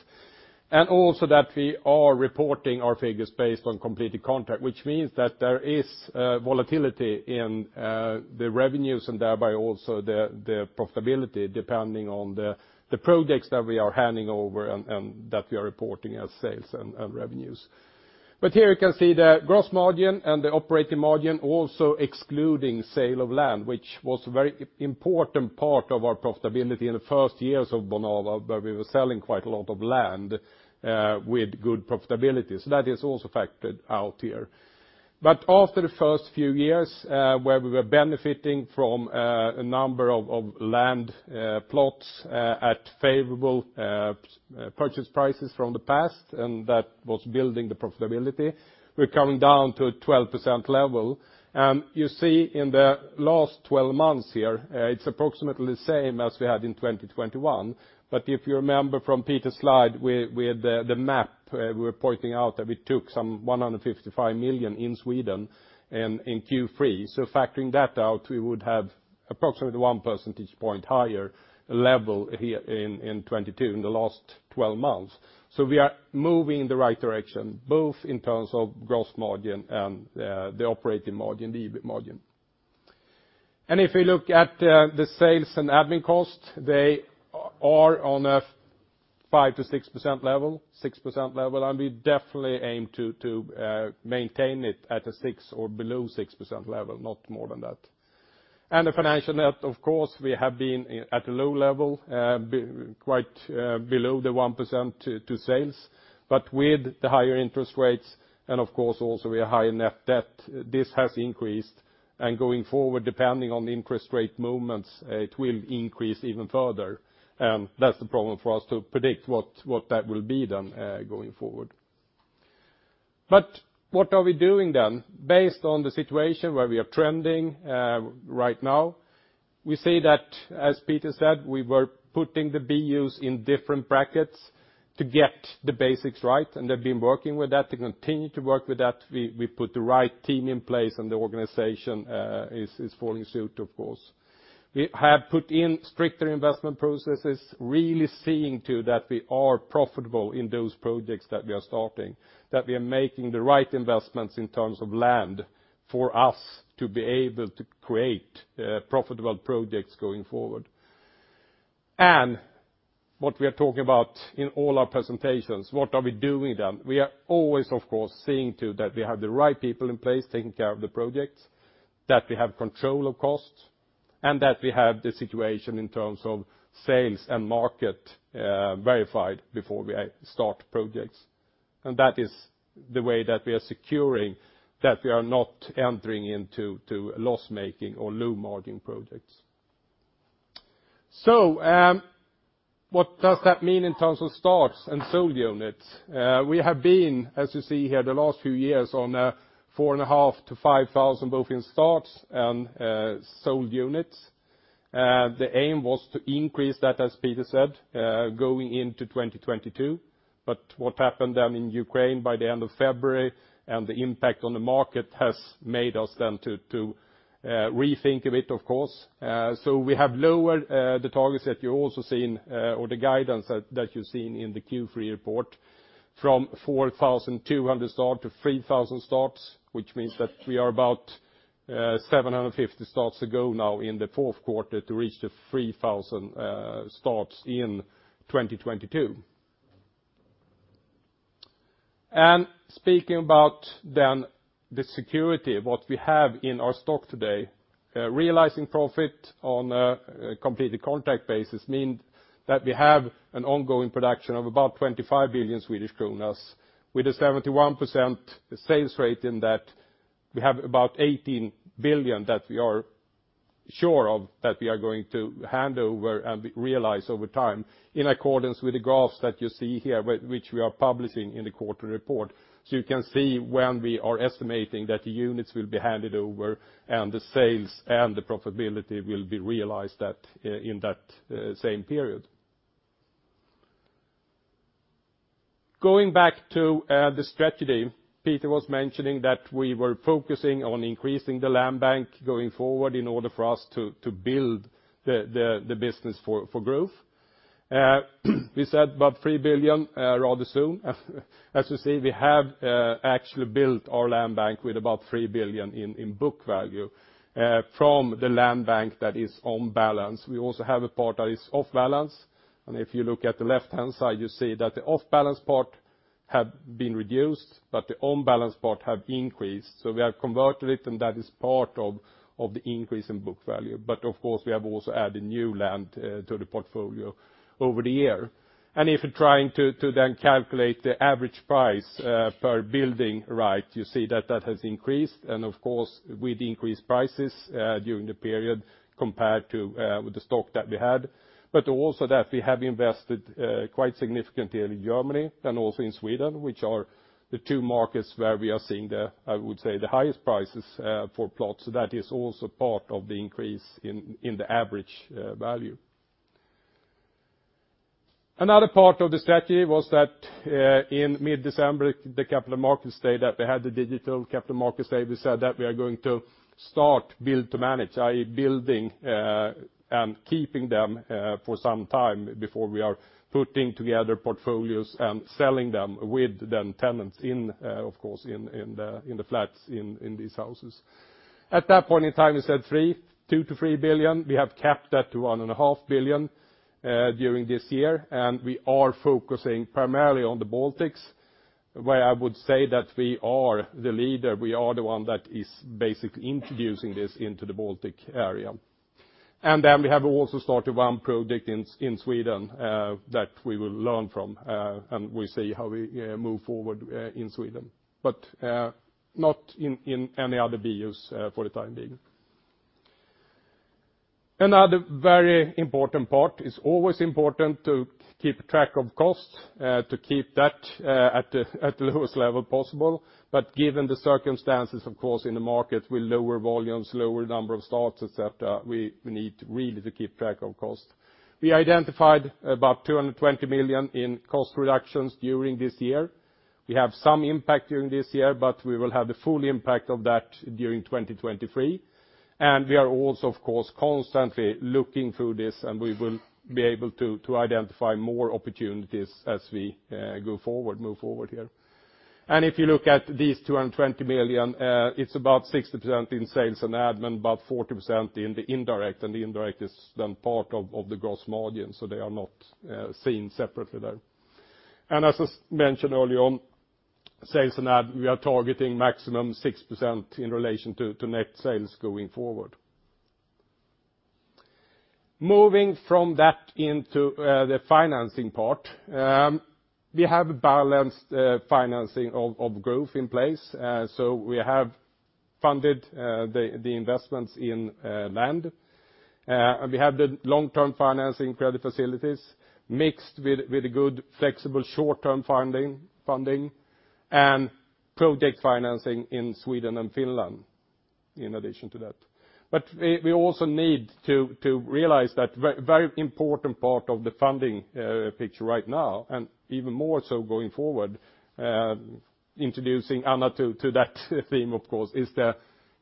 Also that we are reporting our figures based on completed contract, which means that there is volatility in the revenues and thereby also the profitability depending on the projects that we are handing over and that we are reporting as sales and revenues. Here you can see the gross margin and the operating margin also excluding sale of land, which was a very important part of our profitability in the first years of Bonava, where we were selling quite a lot of land with good profitability. That is also factored out here. After the first few years, where we were benefiting from a number of land plots at favorable purchase prices from the past, and that was building the profitability, we're coming down to a 12% level. You see in the last twelve months here, it's approximately the same as we had in 2021. If you remember from Peter's slide with the map, we were pointing out that we took some 155 million in Sweden in Q3. Factoring that out, we would have approximately one percentage point higher level here in 2022 in the last twelve months. We are moving in the right direction, both in terms of gross margin and the operating margin, the EBIT margin. If you look at the sales and admin costs, they are on a 5%-6% level, 6% level. We definitely aim to maintain it at a 6% or below 6% level, not more than that. The financial net, of course, we have been at a low level, quite below the 1% to sales. With the higher interest rates, and of course also we have higher net debt, this has increased. Going forward, depending on the interest rate movements, it will increase even further. That's the problem for us to predict what that will be then, going forward. What are we doing then? Based on the situation where we are trending right now. We see that, as Peter said, we were putting the BUs in different brackets to get the basics right, and they've been working with that, they continue to work with that. We put the right team in place, and the organization is following suit, of course. We have put in stricter investment processes, really seeing to that we are profitable in those projects that we are starting, that we are making the right investments in terms of land for us to be able to create profitable projects going forward. What we are talking about in all our presentations, what are we doing then? We are always, of course, seeing to that we have the right people in place taking care of the projects, that we have control of costs, and that we have the situation in terms of sales and market, verified before we start projects. That is the way that we are securing that we are not entering into loss-making or low-margin projects. What does that mean in terms of starts and sold units? We have been, as you see here, the last few years on 4,500-5,000 both in starts and sold units. The aim was to increase that, as Peter said, going into 2022. What happened then in Ukraine by the end of February, and the impact on the market has made us then to rethink a bit, of course. We have lowered the targets that you're also seeing or the guidance that you've seen in the Q3 report from 4,200 starts to 3,000 starts, which means that we are about 750 starts to go now in the fourth quarter to reach the 3,000 starts in 2022. Speaking about then the security, what we have in our stock today, realizing profit on a completed contract basis means that we have an ongoing production of about 25 billion Swedish kronor. With a 71% sales rate in that, we have about 18 billion that we are sure of that we are going to hand over and realize over time in accordance with the graphs that you see here which we are publishing in the quarterly report. You can see when we are estimating that the units will be handed over, and the sales and the profitability will be realized that in that same period. Going back to the strategy, Peter was mentioning that we were focusing on increasing the land bank going forward in order for us to build the business for growth. We said about 3 billion rather soon. As you see, we have actually built our land bank with about 3 billion in book value from the land bank that is on balance. We also have a part that is off balance, and if you look at the left-hand side, you see that the off-balance part have been reduced, but the on-balance part have increased. We have converted it, and that is part of the increase in book value. Of course, we have also added new land to the portfolio over the year. If you're trying to then calculate the average price per building right, you see that has increased. Of course, with increased prices during the period compared to with the stock that we had. Also that we have invested quite significantly in Germany and also in Sweden, which are the two markets where we are seeing the, I would say, the highest prices for plots. That is also part of the increase in the average value. Another part of the strategy was that, in mid-December, the capital markets day, that we had the digital capital markets day, we said that we are going to start build to manage, i.e., building and keeping them for some time before we are putting together portfolios and selling them with the tenants in, of course, in the flats in these houses. At that point in time, we said 2 billion-3 billion. We have capped that to 1.5 billion during this year. We are focusing primarily on the Baltics, where I would say that we are the leader. We are the one that is basically introducing this into the Baltic area. We have also started one project in Sweden that we will learn from, and we see how we move forward in Sweden. Not in any other BUs for the time being. Another very important part, it's always important to keep track of costs to keep that at the lowest level possible. Given the circumstances, of course, in the market with lower volumes, lower number of starts, et cetera, we need really to keep track of cost. We identified about 220 million in cost reductions during this year. We have some impact during this year, but we will have the full impact of that during 2023. We are also, of course, constantly looking through this, and we will be able to identify more opportunities as we go forward, move forward here. If you look at these 220 million, it's about 60% in sales and admin, about 40% in the indirect. The indirect is then part of the gross margin, so they are not seen separately there. As I mentioned early on, sales and admin, we are targeting maximum 6% in relation to net sales going forward. Moving from that into the financing part, we have a balanced financing of growth in place. So we have funded the investments in land. We have the long-term financing credit facilities mixed with good, flexible, short-term funding. Project financing in Sweden and Finland in addition to that. We also need to realize that very important part of the funding picture right now, and even more so going forward, introducing Anna to that theme of course, is the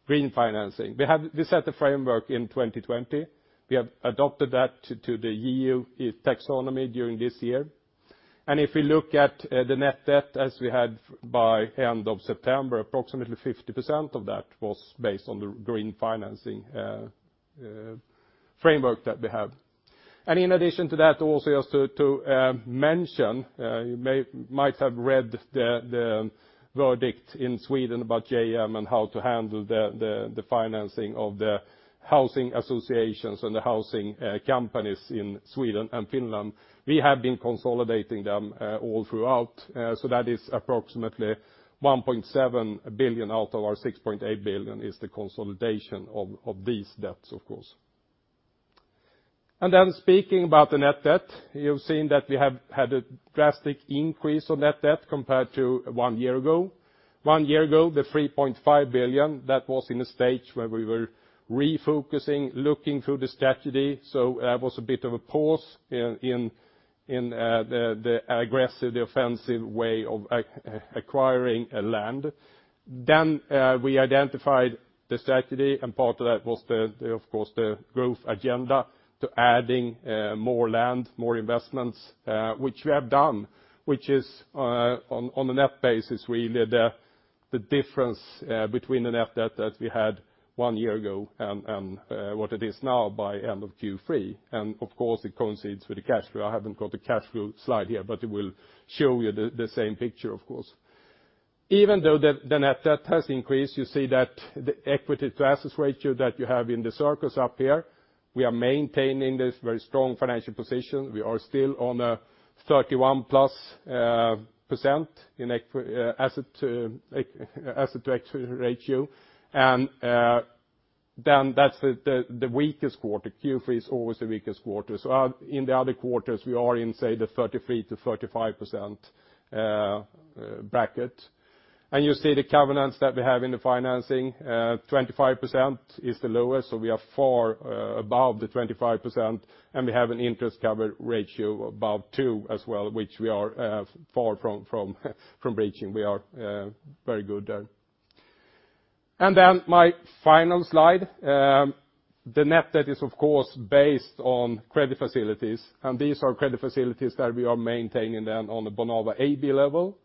green financing. We have set the framework in 2020. We have adopted that to the EU Taxonomy during this year. If we look at the net debt as we had by end of September, approximately 50% of that was based on the green financing framework that we have. In addition to that also, just to mention, you might have read the verdict in Sweden about JM and how to handle the financing of the housing associations and the housing companies in Sweden and Finland. We have been consolidating them all throughout. That is approximately 1.7 billion out of our 6.8 billion is the consolidation of these debts, of course. Then speaking about the net debt, you've seen that we have had a drastic increase in net debt compared to one year ago. One year ago, the 3.5 billion, that was in a stage where we were refocusing, looking through the strategy. That was a bit of a pause in the aggressive, the offensive way of acquiring a land. We identified the strategy, and part of that was, of course, the growth agenda to adding more land, more investments, which we have done, which is on a net basis, really the difference between the net debt that we had one year ago and what it is now by end of Q3. Of course, it coincides with the cash flow. I haven't got the cash flow slide here, but it will show you the same picture of course. Even though the net debt has increased, you see that the equity to assets ratio that you have in the circles up here. We are maintaining this very strong financial position. We are still on a 31+% in asset to equity ratio. That's the weakest quarter. Q3 is always the weakest quarter. In the other quarters, we are in, say, the 33%-35% bracket. You see the covenants that we have in the financing, 25% is the lowest. We are far above the 25%, and we have an interest cover ratio above two as well, which we are far from reaching. We are very good there. My final slide. The net debt is of course based on credit facilities, and these are credit facilities that we are maintaining then on the Bonava AB level.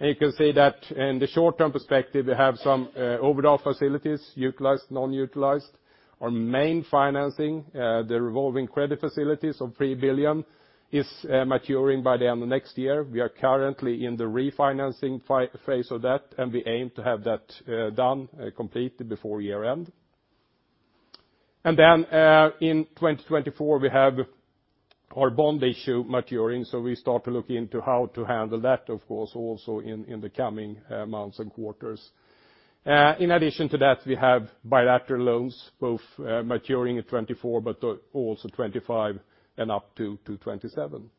You can see that in the short-term perspective, we have some overall facilities, utilized, non-utilized. Our main financing, the revolving credit facilities of 3 billion, is maturing by the end of next year. We are currently in the refinancing phase of that, and we aim to have that done completely before year end. In 2024, we have our bond issue maturing, so we start to look into how to handle that, of course, also in the coming months and quarters. In addition to that, we have bilateral loans, both maturing in 2024, but also 2025 and up to 2027.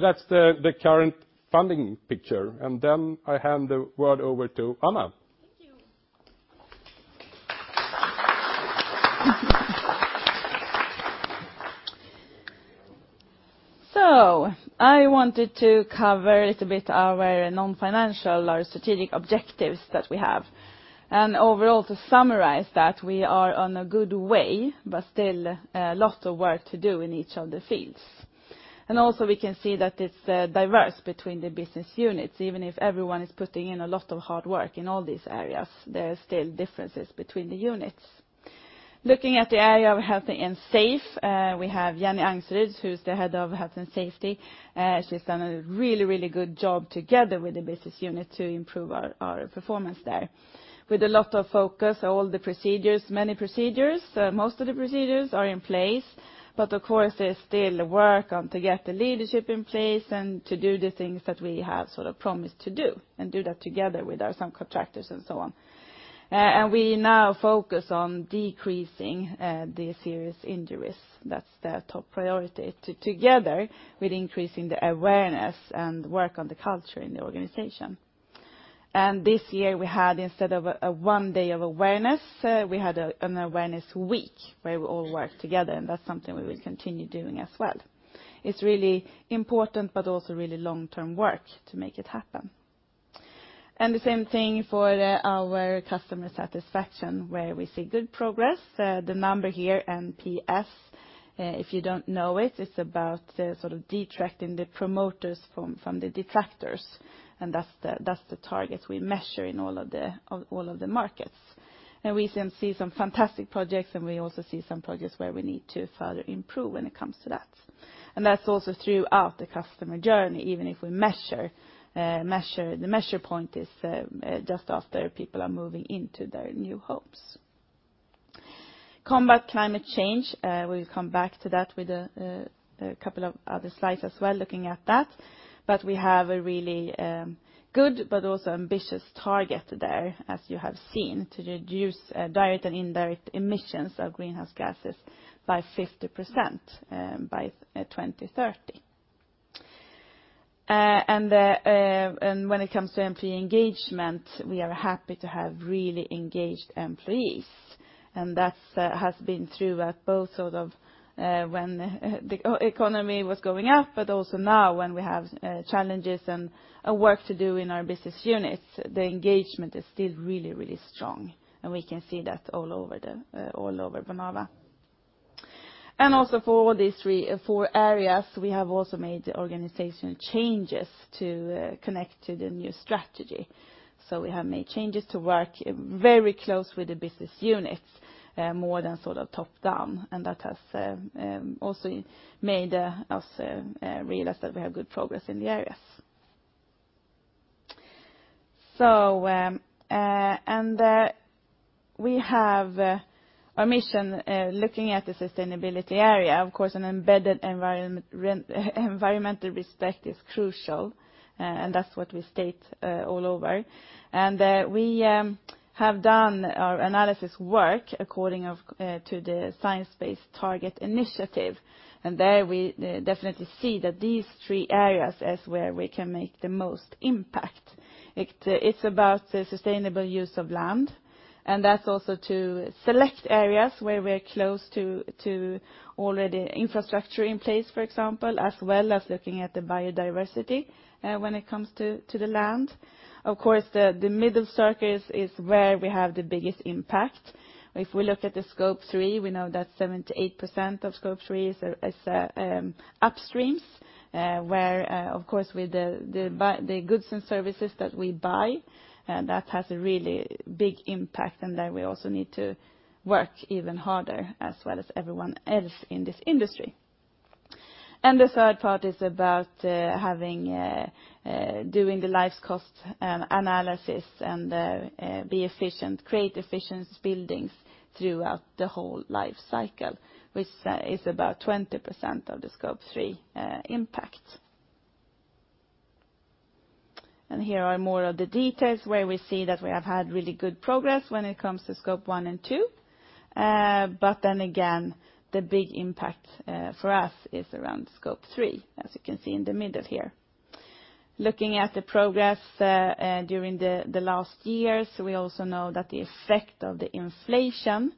That's the current funding picture. I hand the word over to Anna. Thank you. I wanted to cover a little bit our non-financial or strategic objectives that we have. Overall to summarize that, we are on a good way, but still lots of work to do in each of the fields. We can see that it's diverse between the business units. Even if everyone is putting in a lot of hard work in all these areas, there are still differences between the units. Looking at the area of health and safety, we have Jenny Engstrand, who's the Head of Health and Safety. She's done a really, really good job together with the business unit to improve our performance there. With a lot of focus, all the procedures, many procedures, most of the procedures are in place, but of course there's still work on to get the leadership in place and to do the things that we have sort of promised to do and do that together with our subcontractors and so on. We now focus on decreasing the serious injuries, that's the top priority, together with increasing the awareness and work on the culture in the organization. This year we had, instead of a one day of awareness, an awareness week where we all worked together, and that's something we will continue doing as well. It's really important, but also really long-term work to make it happen. The same thing for our customer satisfaction, where we see good progress. The number here, NPS, if you don't know it's about sort of detracting the promoters from the detractors, and that's the target we measure in all of the markets. We then see some fantastic projects, and we also see some projects where we need to further improve when it comes to that. That's also throughout the customer journey, even if we measure, the measure point is, just after people are moving into their new homes. Combat climate change, we'll come back to that with a couple of other slides as well looking at that. We have a really good but also ambitious target there, as you have seen, to reduce direct and indirect emissions of greenhouse gases by 50% by 2030. When it comes to employee engagement, we are happy to have really engaged employees. That has been through both sort of when the economy was going up, but also now when we have challenges and work to do in our business units, the engagement is still really strong, and we can see that all over Bonava. Also for these four areas, we have also made organizational changes to connect to the new strategy. We have made changes to work very close with the business units, more than sort of top-down, and that has also made us realize that we have good progress in the areas. We have our mission, looking at the sustainability area. Of course, an embedded environmental respect is crucial, and that's what we state all over. We have done our analysis work according to the Science Based Targets initiative. There we definitely see that these three areas is where we can make the most impact. It's about the sustainable use of land, and that's also to select areas where we're close to already infrastructure in place, for example, as well as looking at the biodiversity, when it comes to the land. Of course, the middle circle is where we have the biggest impact. If we look at the Scope 3, we know that 78% of Scope 3 is upstream, where, of course, with the goods and services that we buy, that has a really big impact and that we also need to work even harder as well as everyone else in this industry. The third part is about doing the life cycle cost analysis and be efficient, create efficient buildings throughout the whole life cycle, which is about 20% of the Scope 3 impact. Here are more of the details where we see that we have had really good progress when it comes to Scope 1 and 2. The big impact for us is around Scope 3, as you can see in the middle here. Looking at the progress during the last years, we also know that the effect of the inflation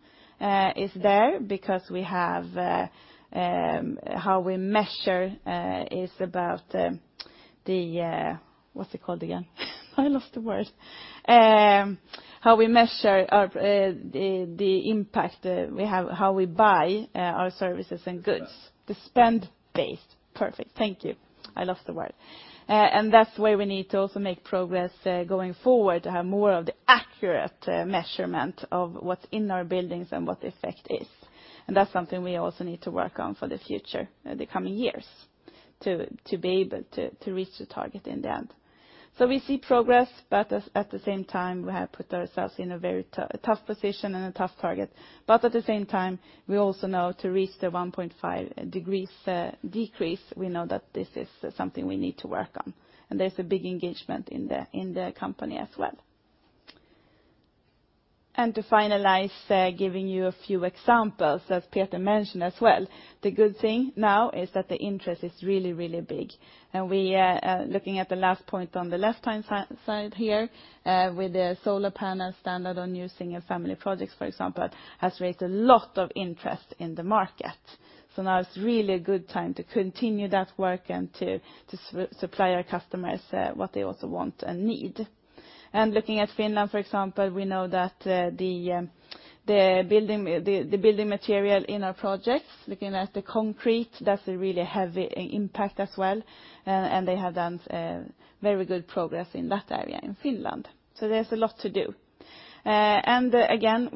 is there because we have how we measure is about the what's it called again? I lost the word. How we measure the impact we have, how we buy our services and goods. Spend. The spend base. Perfect. Thank you. I lost the word. That's where we need to also make progress, going forward to have more of the accurate measurement of what's in our buildings and what the effect is. That's something we also need to work on for the future, the coming years, to be able to reach the target in the end. We see progress, but at the same time, we have put ourselves in a very tough position and a tough target. At the same time, we also know to reach the 1.5 degrees decrease, we know that this is something we need to work on. There's a big engagement in the company as well. To finalize, giving you a few examples, as Peter mentioned as well, the good thing now is that the interest is really, really big. We, looking at the last point on the left-hand side here, with the solar panel standard on new single-family projects, for example, has raised a lot of interest in the market. Now it's really a good time to continue that work and to supply our customers what they also want and need. Looking at Finland, for example, we know that the building material in our projects, looking at the concrete, that's a really heavy impact as well. They have done very good progress in that area in Finland. There's a lot to do. We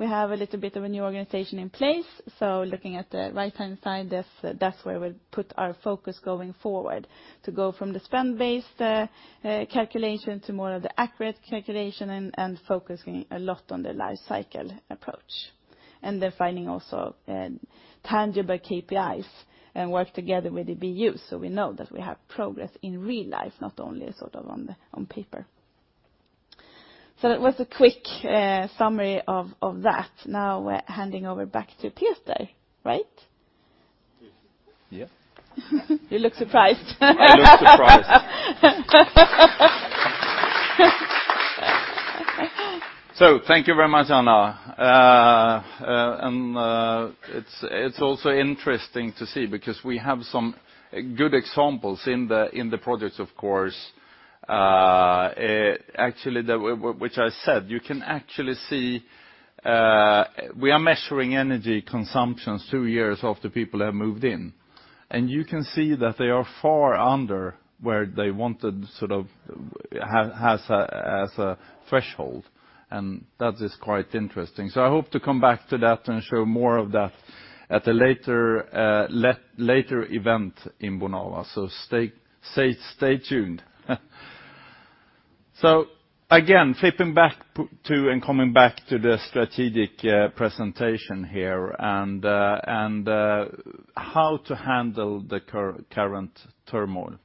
have a little bit of a new organization in place. Looking at the right-hand side, that's where we'll put our focus going forward, to go from the spend-based calculation to more of the accurate calculation and focusing a lot on the life cycle approach. Finding also tangible KPIs and work together with the BUs so we know that we have progress in real life, not only sort of on paper. That was a quick summary of that. Handing over back to Peter, right? Yeah. You look surprised. I look surprised. Thank you very much, Anna. It's also interesting to see because we have some good examples in the projects, of course. Actually, as I said, you can actually see we are measuring energy consumptions two years after people have moved in. You can see that they are far under where they wanted sort of as a threshold, and that is quite interesting. I hope to come back to that and show more of that at a later event in Bonava. Stay tuned. Again, flipping back to and coming back to the strategic presentation here and how to handle the current turmoil.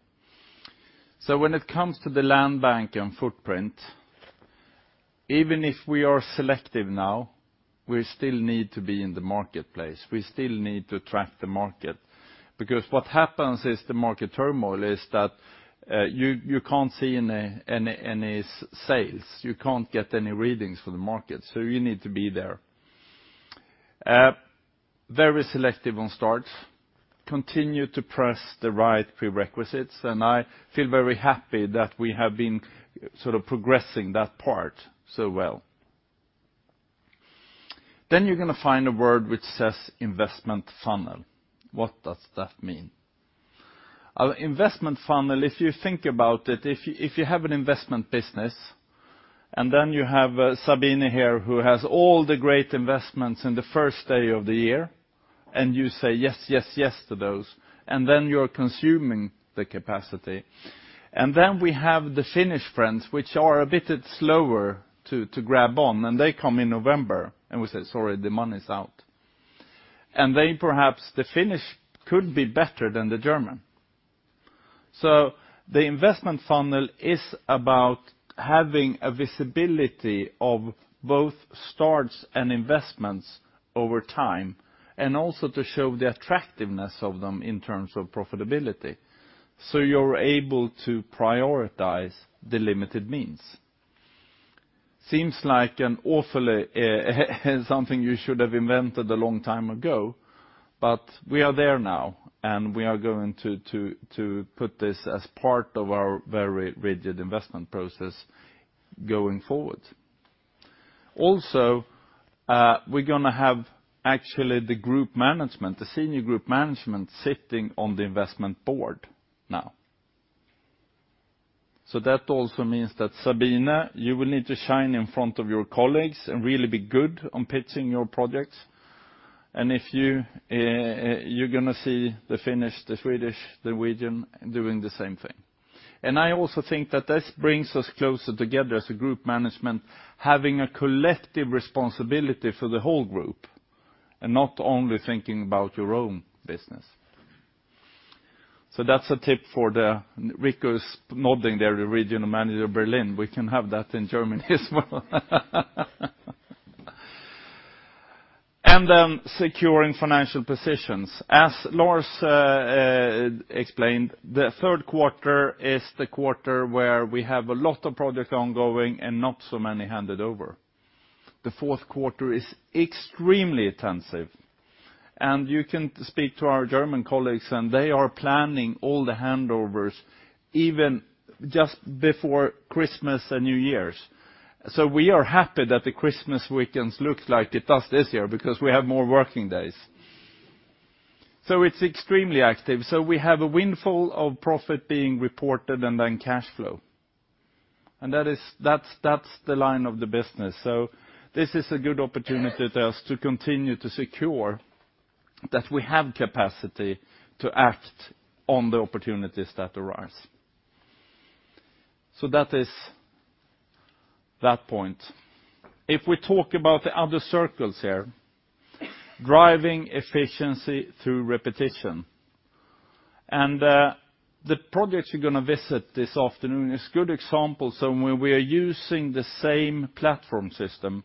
When it comes to the land bank and footprint. Even if we are selective now, we still need to be in the marketplace. We still need to track the market. Because what happens is the market turmoil is that, you can't see any sales. You can't get any readings for the market, so you need to be there. Very selective on starts, continue to press the right prerequisites, and I feel very happy that we have been sort of progressing that part so well. You're gonna find a word which says investment funnel. What does that mean? Our investment funnel, if you think about it, if you have an investment business, and then you have Sabine here, who has all the great investments in the first day of the year, and you say yes, yes to those, and then you're consuming the capacity. Then we have the Finnish friends, which are a bit slower to grab on, and they come in November, and we say, "Sorry, the money's out." They perhaps, the Finnish could be better than the German. The investment funnel is about having a visibility of both starts and investments over time, and also to show the attractiveness of them in terms of profitability, so you're able to prioritize the limited means. Seems like an awfully something you should have invented a long time ago, but we are there now, and we are going to put this as part of our very rigid investment process going forward. We're gonna have actually the group management, the senior group management sitting on the investment board now. That also means that Sabine, you will need to shine in front of your colleagues and really be good on pitching your projects. If you're gonna see the Finnish, the Swedish, Norwegian doing the same thing. I also think that this brings us closer together as a group management, having a collective responsibility for the whole group, and not only thinking about your own business. That's a tip for Rico's nodding there, the regional manager of Berlin. We can have that in Germany as well. Securing financial positions. As Lars explained, the third quarter is the quarter where we have a lot of projects ongoing and not so many handed over. The fourth quarter is extremely intensive. You can speak to our German colleagues, and they are planning all the handovers even just before Christmas and New Year's. We are happy that the Christmas weekends looks like it does this year, because we have more working days. It's extremely active. We have a windfall of profit being reported and then cash flow. That's the line of the business. This is a good opportunity to us to continue to secure that we have capacity to act on the opportunities that arise. That is that point. If we talk about the other circles here, driving efficiency through repetition. The projects you're gonna visit this afternoon is good examples of when we are using the same platform system,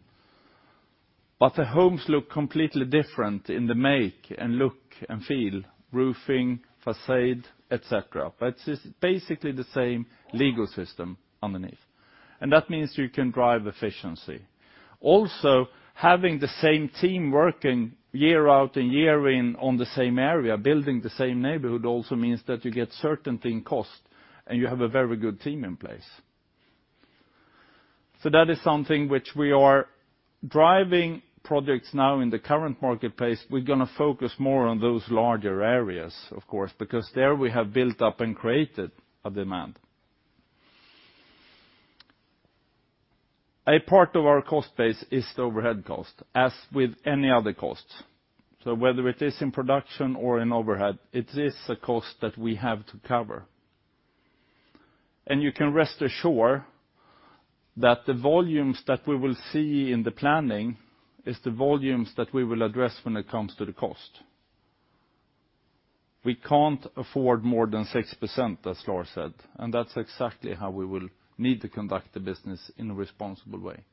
but the homes look completely different in the make and look and feel, roofing, façade, et cetera. It's basically the same legal system underneath. That means you can drive efficiency. Also, having the same team working year out and year in on the same area, building the same neighborhood also means that you get certainty in cost, and you have a very good team in place. That is something which we are driving projects now in the current marketplace. We're gonna focus more on those larger areas, of course, because there we have built up and created a demand. A part of our cost base is the overhead cost, as with any other cost. Whether it is in production or in overhead, it is a cost that we have to cover. You can rest assured that the volumes that we will see in the planning is the volumes that we will address when it comes to the cost. We can't afford more than 6%, as Lars said, and that's exactly how we will need to conduct the business in a responsible way.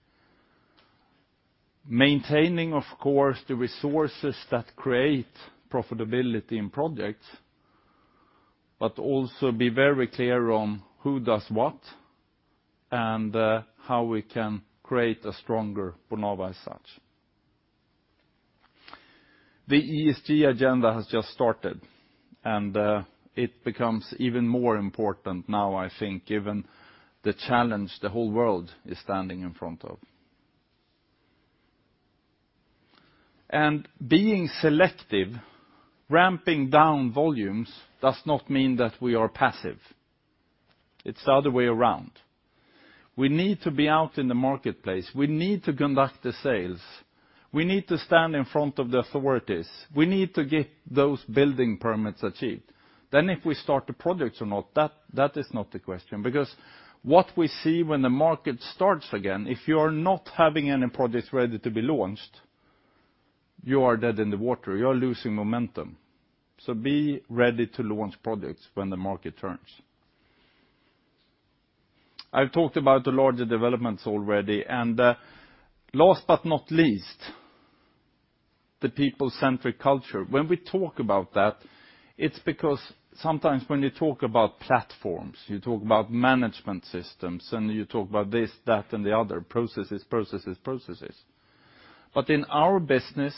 Maintaining, of course, the resources that create profitability in projects, but also be very clear on who does what and how we can create a stronger Bonava as such. The ESG agenda has just started, and it becomes even more important now, I think, given the challenge the whole world is standing in front of. Being selective, ramping down volumes does not mean that we are passive. It's the other way around. We need to be out in the marketplace. We need to conduct the sales. We need to stand in front of the authorities. We need to get those building permits achieved. If we start the projects or not, that is not the question. Because what we see when the market starts again, if you're not having any projects ready to be launched. You are dead in the water. You are losing momentum. Be ready to launch products when the market turns. I've talked about the larger developments already. Last but not least, the people-centric culture. When we talk about that, it's because sometimes when you talk about platforms, you talk about management systems, and you talk about this, that, and the other, processes, processes. In our business,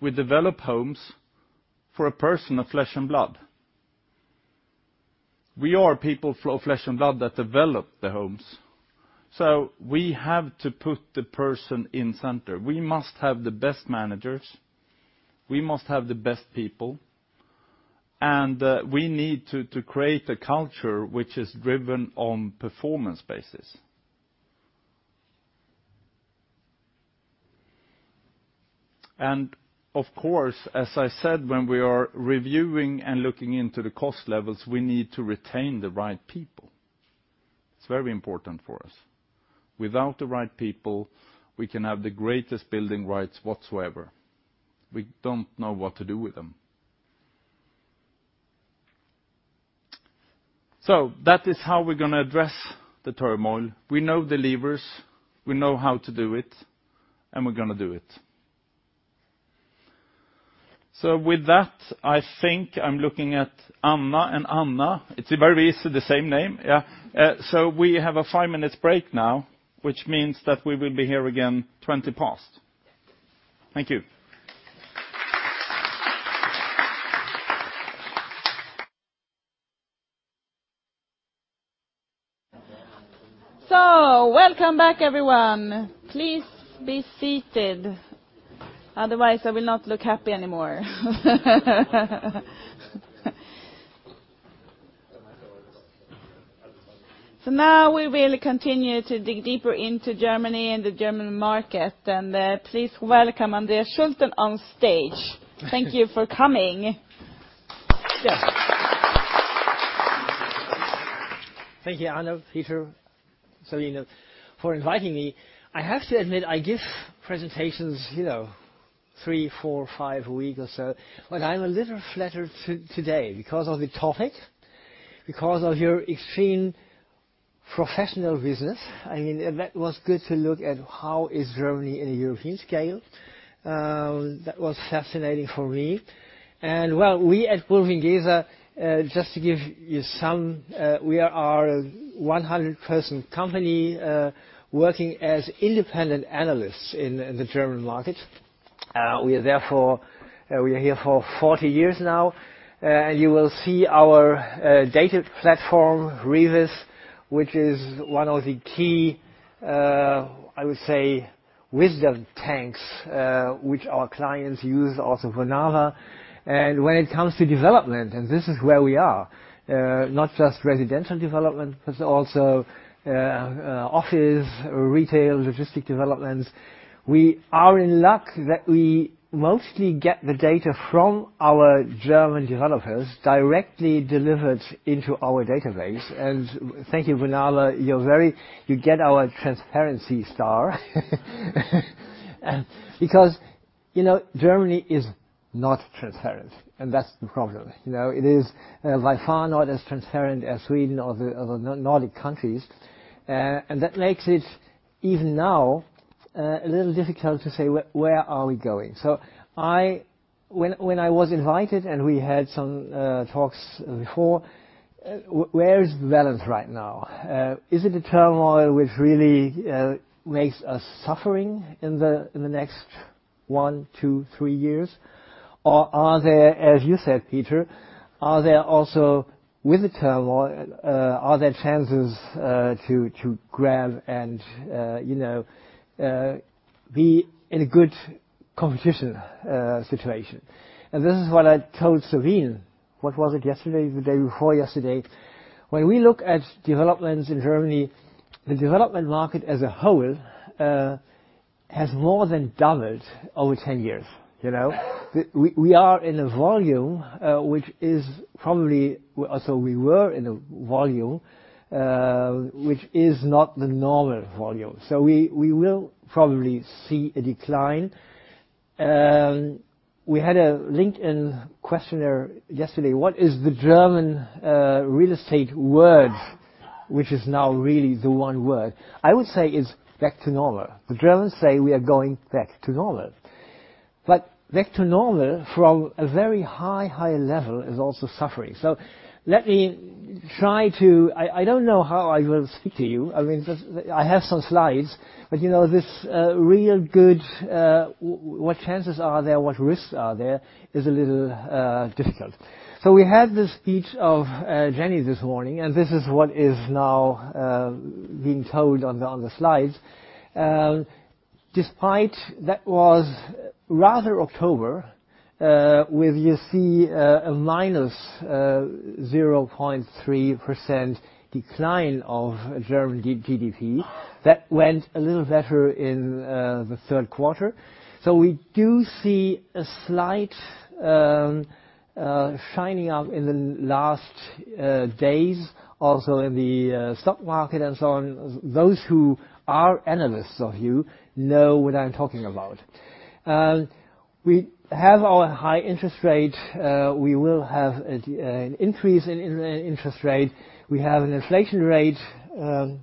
we develop homes for a person of flesh and blood. We are people of flesh and blood that develop the homes, so we have to put the person in center. We must have the best managers, we must have the best people, and we need to create a culture which is driven on performance basis. Of course, as I said, when we are reviewing and looking into the cost levels, we need to retain the right people. It's very important for us. Without the right people, we can have the greatest building rights whatsoever. We don't know what to do with them. That is how we're gonna address the turmoil. We know the levers, we know how to do it, and we're gonna do it. With that, I think I'm looking at Anna and Anna. It's very easy, the same name. Yeah. We have a five minutes break now, which means that we will be here again 20 past. Thank you. Welcome back, everyone. Please be seated. Otherwise, I will not look happy anymore. Now we will continue to dig deeper into Germany and the German market. Please welcome Andreas Schulten on stage. Thank you for coming. Yeah. Thank you, Anna, Peter, Sabine, for inviting me. I have to admit, I give presentations, you know, three, four, five a week or so, but I'm a little flattered today because of the topic, because of your extreme professional business. I mean, that was good to look at how is Germany in a European scale. That was fascinating for me. Well, we at bulwiengesa, just to give you some, we are a 100-person company, working as independent analysts in the German market. We are therefore, we are here for 40 years now. You will see our data platform, RIWIS, which is one of the key, I would say think tanks, which our clients use also for Bonava. When it comes to development, and this is where we are, not just residential development, but also, office, retail, logistics developments. We are in luck that we mostly get the data from our German developers directly delivered into our database. Thank you, Bonava. You're very. You get our transparency star. Because, you know, Germany is not transparent, and that's the problem. You know, it is, by far not as transparent as Sweden or the Nordic countries. And that makes it, even now, a little difficult to say where we are going. When I was invited, and we had some talks before, where is the balance right now? Is it a turmoil which really makes us suffering in the next one, two, three years? Are there, as you said, Peter, also, with the turmoil, chances to grab and, you know, be in a good competition situation? This is what I told Sabine. What was it? Yesterday, the day before yesterday. When we look at developments in Germany, the development market as a whole has more than doubled over 10 years, you know. We are in a volume which is probably so we were in a volume which is not the normal volume. We will probably see a decline. We had a LinkedIn questionnaire yesterday. What is the German real estate word which is now really the one word. I would say is back to normal. The Germans say we are going back to normal. Back to normal from a very high level is also suffering. Let me try to I don't know how I will speak to you. I mean, just I have some slides, but you know, this really what chances are there, what risks are there, is a little difficult. We had the speech of Jenny this morning, and this is what is now being told on the slides. Despite that, in October where you see a minus 0.3% decline of German GDP. That went a little better in the third quarter. We do see a slight shining up in the last days, also in the stock market and so on. Those who are analysts, you know what I'm talking about. We have our high interest rate. We will have an increase in interest rate. We have an inflation rate. I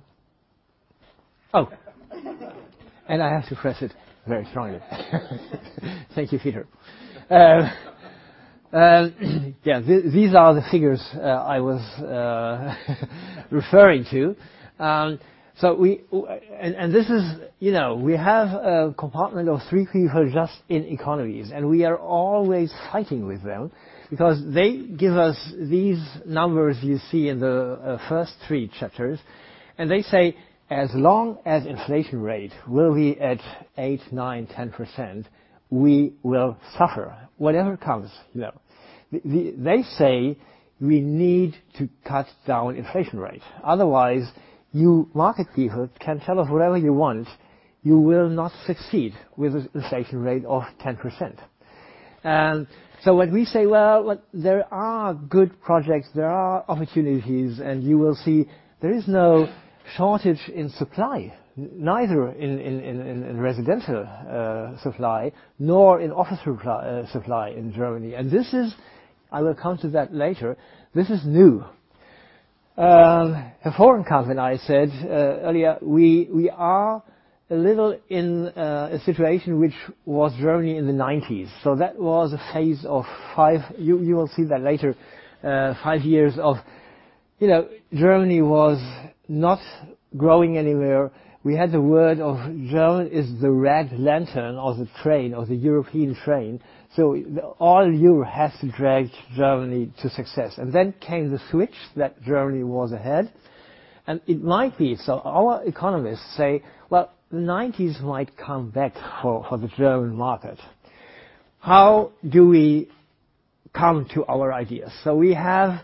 have to press it very strongly. Thank you, Peter. Yeah, these are the figures I was referring to. We and this is, you know, we have a department of three people just in economics, and we are always fighting with them because they give us these numbers you see in the first three chapters. They say, "As long as inflation rate will be at 8, 9, 10%, we will suffer." Whatever comes, you know. They say we need to cut down inflation rate, otherwise you market people can tell us whatever you want, you will not succeed with an inflation rate of 10%. When we say, "Well, look, there are good projects, there are opportunities," and you will see there is no shortage in supply, neither in residential supply nor in office supply in Germany. I will come to that later. This is new. A foreign company, I said earlier, we are a little in a situation which was Germany in the nineties. That was a phase of five years. You will see that later. Germany was not growing anywhere. We had the word of Germany is the red lantern of the train, of the European train. All Europe has to drag Germany to success. Then came the switch that Germany was ahead. It might be. Our economists say, "nineties might come back for the German market." How do we come to our ideas? We have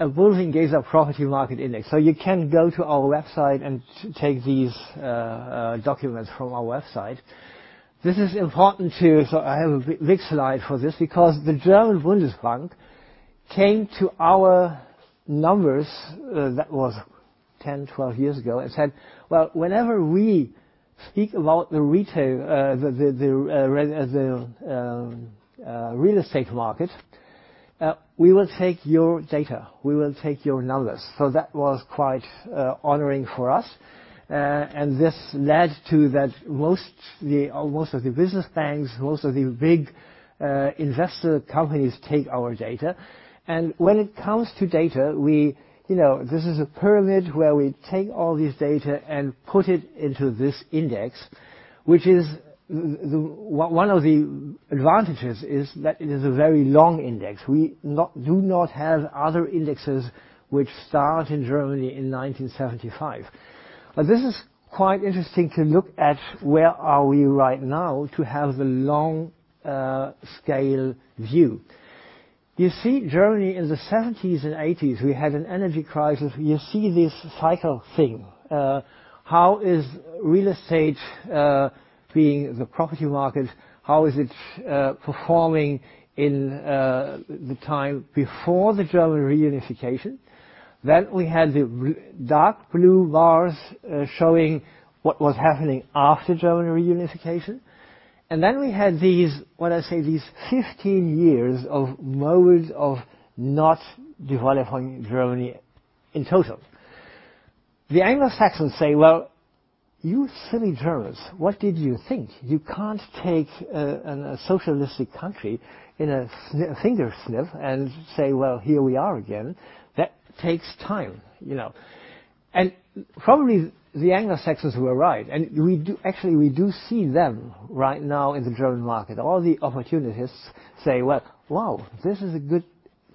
a Bulwiengesa property market index. You can go to our website and take these documents from our website. This is important. I have a big slide for this because the Deutsche Bundesbank came to our numbers, that was 10, 12 years ago and said, "whenever we speak about the retail real estate market, we will take your data. We will take your numbers." That was quite honoring for us. This led to most of the business banks, most of the big investor companies take our data. When it comes to data, we, you know, this is a pyramid where we take all this data and put it into this index, which is one of the advantages is that it is a very long index. We do not have other indexes which start in Germany in 1975. This is quite interesting to look at where are we right now to have the long scale view. You see Germany in the seventies and eighties, we had an energy crisis. You see this cycle thing. How is real estate, being the property market, how is it performing in the time before the German reunification? We had the dark blue bars showing what was happening after German reunification. We had these, what I say, these 15 years of modes of not developing Germany in total. The Anglo-Saxons say, "Well, you silly Germans, what did you think? You can't take a socialistic country in a snap of the fingers and say, 'Well, here we are again.' That takes time, you know?" Probably the Anglo-Saxons were right. Actually we see them right now in the German market. All the opportunists say, "Well, wow, this is a good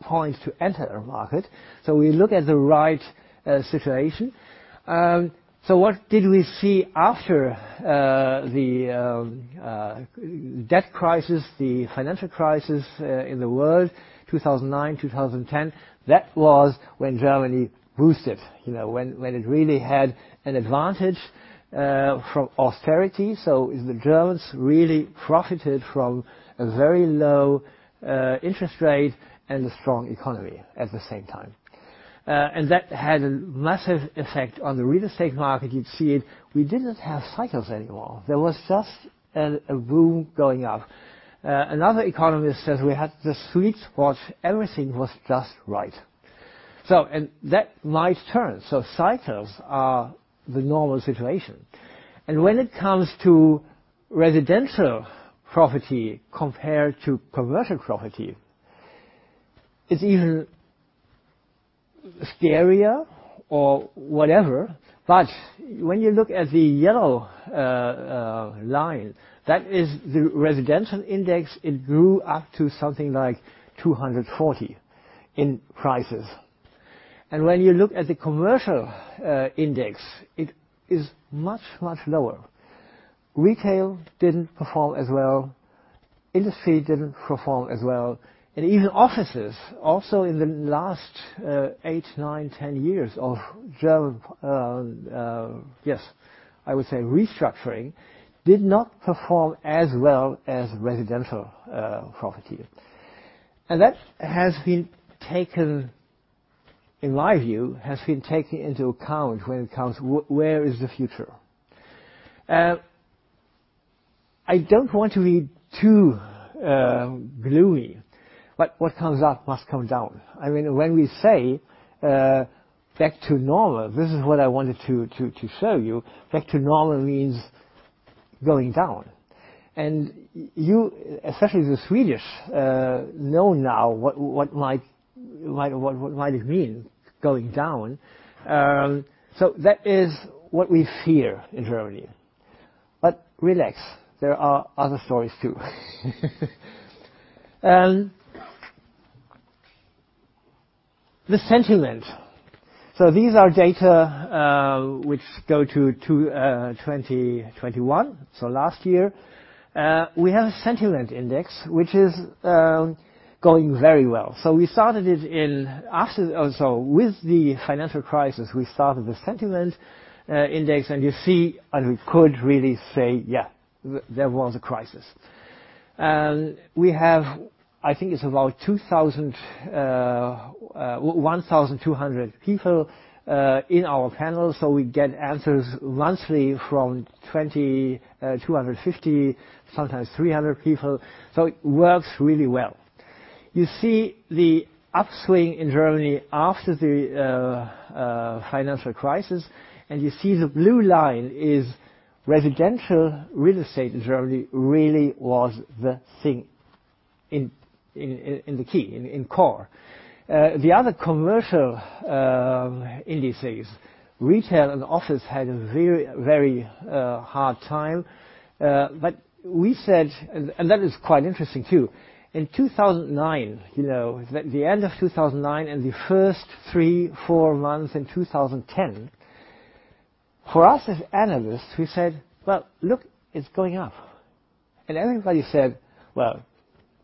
point to enter a market." We look at the right situation. What did we see after the debt crisis, the financial crisis in the world, 2009, 2010? That was when Germany boosted, you know, when it really had an advantage from austerity. The Germans really profited from a very low interest rate and a strong economy at the same time. That had a massive effect on the real estate market. You'd see it. We didn't have cycles anymore. There was just a boom going up. Another economist says we had the sweet spot. Everything was just right. That might turn. Cycles are the normal situation. When it comes to residential property compared to commercial property, it's even scarier or whatever. When you look at the yellow line, that is the residential index. It grew up to something like 240 in prices. When you look at the commercial index, it is much, much lower. Retail didn't perform as well. Industry didn't perform as well. Even offices, also in the last eight, nine, 10 years of German yes, I would say restructuring, did not perform as well as residential property. That has been taken. In my view, has been taken into account when it comes where is the future. I don't want to be too gloomy, but what comes up must come down. I mean, when we say back to normal, this is what I wanted to show you. Back to normal means going down. You, especially the Swedish, know now what might it mean going down. That is what we fear in Germany. Relax, there are other stories too. The sentiment. These are data which go to 2021, so last year. We have a sentiment index which is going very well. We started it in... After also with the financial crisis, we started the sentiment index and you see we could really say, "Yeah, there was a crisis." We have, I think it's about 1,200 people in our panel. We get answers monthly from 200 to 250, sometimes 300 people. It works really well. You see the upswing in Germany after the financial crisis, and you see the blue line is residential real estate in Germany really was the thing in the key in core. The other commercial indices, retail and office had a very hard time. We said, and that is quite interesting too. In 2009, the end of 2009 and the first three, four months in 2010, for us as analysts, we said, "Well, look, it's going up." Everybody said, "Well,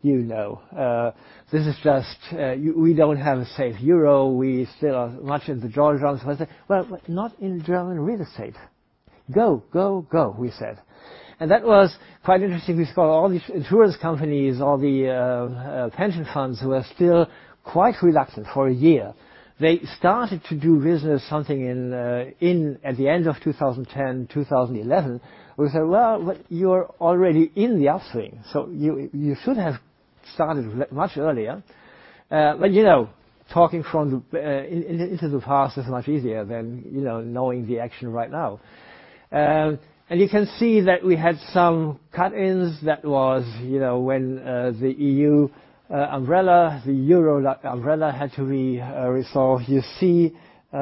you know, this is just, we don't have a safe euro. We still are much in the euro crisis." Well, not in German real estate. "Go, go," we said. That was quite interesting. We saw all these insurance companies, all the pension funds who are still quite reluctant for a year. They started to do business at the end of 2010, 2011. We said, "Well, but you're already in the upswing, so you should have started much earlier." You know, talking into the past is much easier than, you know, knowing the action right now. You can see that we had some cut-ins that was, you know, when the EU umbrella, the euro umbrella had to resolve. You see, can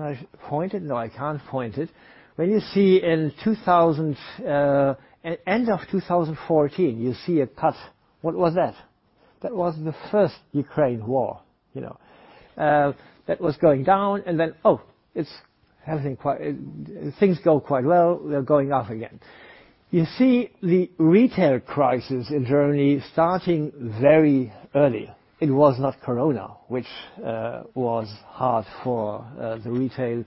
I point it? No, I can't point it. When you see in 2000, end of 2014, you see a cut. What was that? That was the first Ukraine war, you know. That was going down, and then, oh, it's everything quiet, things go quite well. They're going up again. You see the retail crisis in Germany starting very early. It was not Corona, which was hard for the retail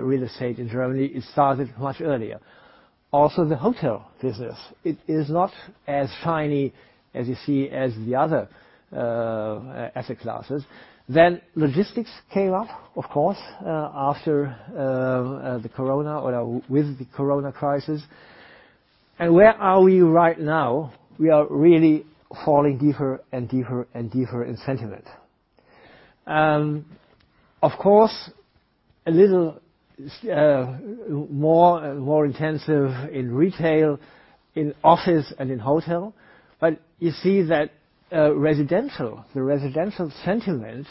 real estate in Germany. It started much earlier. Also, the hotel business. It is not as shiny as you see as the other asset classes. Logistics came up, of course, after the Corona or with the Corona crisis. Where are we right now? We are really falling deeper in sentiment. Of course, a little more intensive in retail, in office and in hotel. You see that residential, the residential sentiment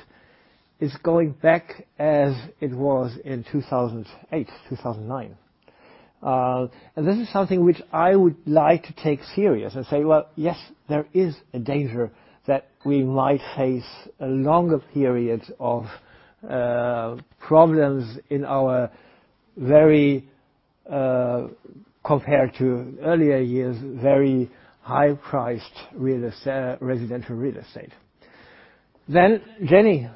is going back as it was in 2008, 2009. This is something which I would like to take serious and say, "Well, yes, there is a danger that we might face a longer period of problems in our very, compared to earlier years, very high-priced residential real estate." Jenny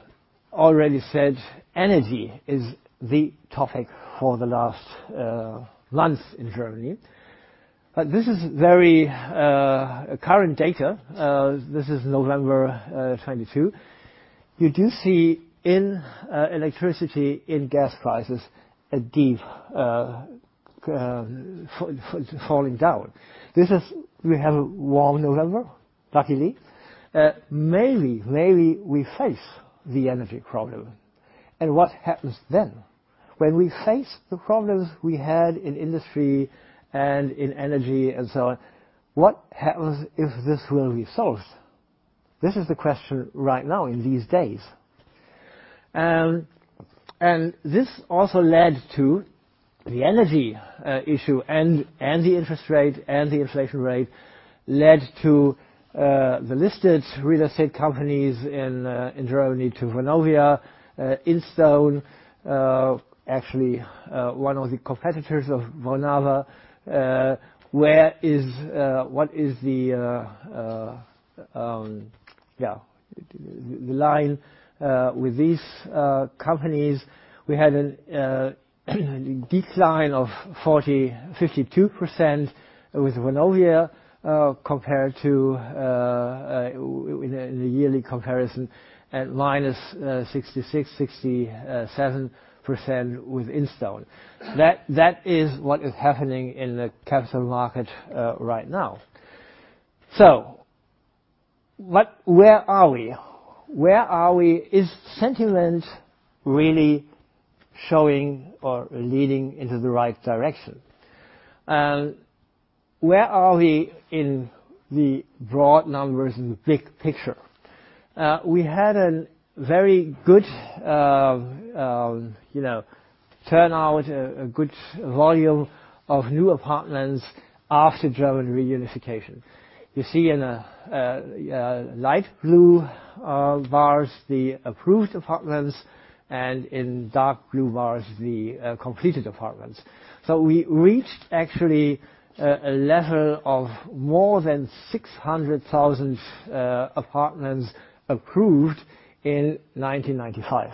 already said energy is the topic for the last months in Germany. This is very current data. This is November 2022. You do see in electricity, in gas prices, a deep falling down. This is. We have a warm November, luckily. Maybe we face the energy problem. What happens then? When we face the problems we had in industry and in energy and so on, what happens if this will be solved? This is the question right now in these days. This also led to the energy issue and the interest rate and the inflation rate led to the listed real estate companies in Germany to Vonovia, Instone, actually one of the competitors of Bonava. What is, yeah, the line with these companies? We had a decline of 52% with Vonovia compared to in a yearly comparison at minus 66-67% with Instone. That is what is happening in the capital market right now. So, what? Where are we? Is sentiment really showing or leading into the right direction? Where are we in the broad numbers and big picture? We had a very good, you know, turnout, a good volume of new apartments after German reunification. You see in light blue bars the approved apartments, and in dark blue bars the completed apartments. We reached actually a level of more than 600,000 apartments approved in 1995.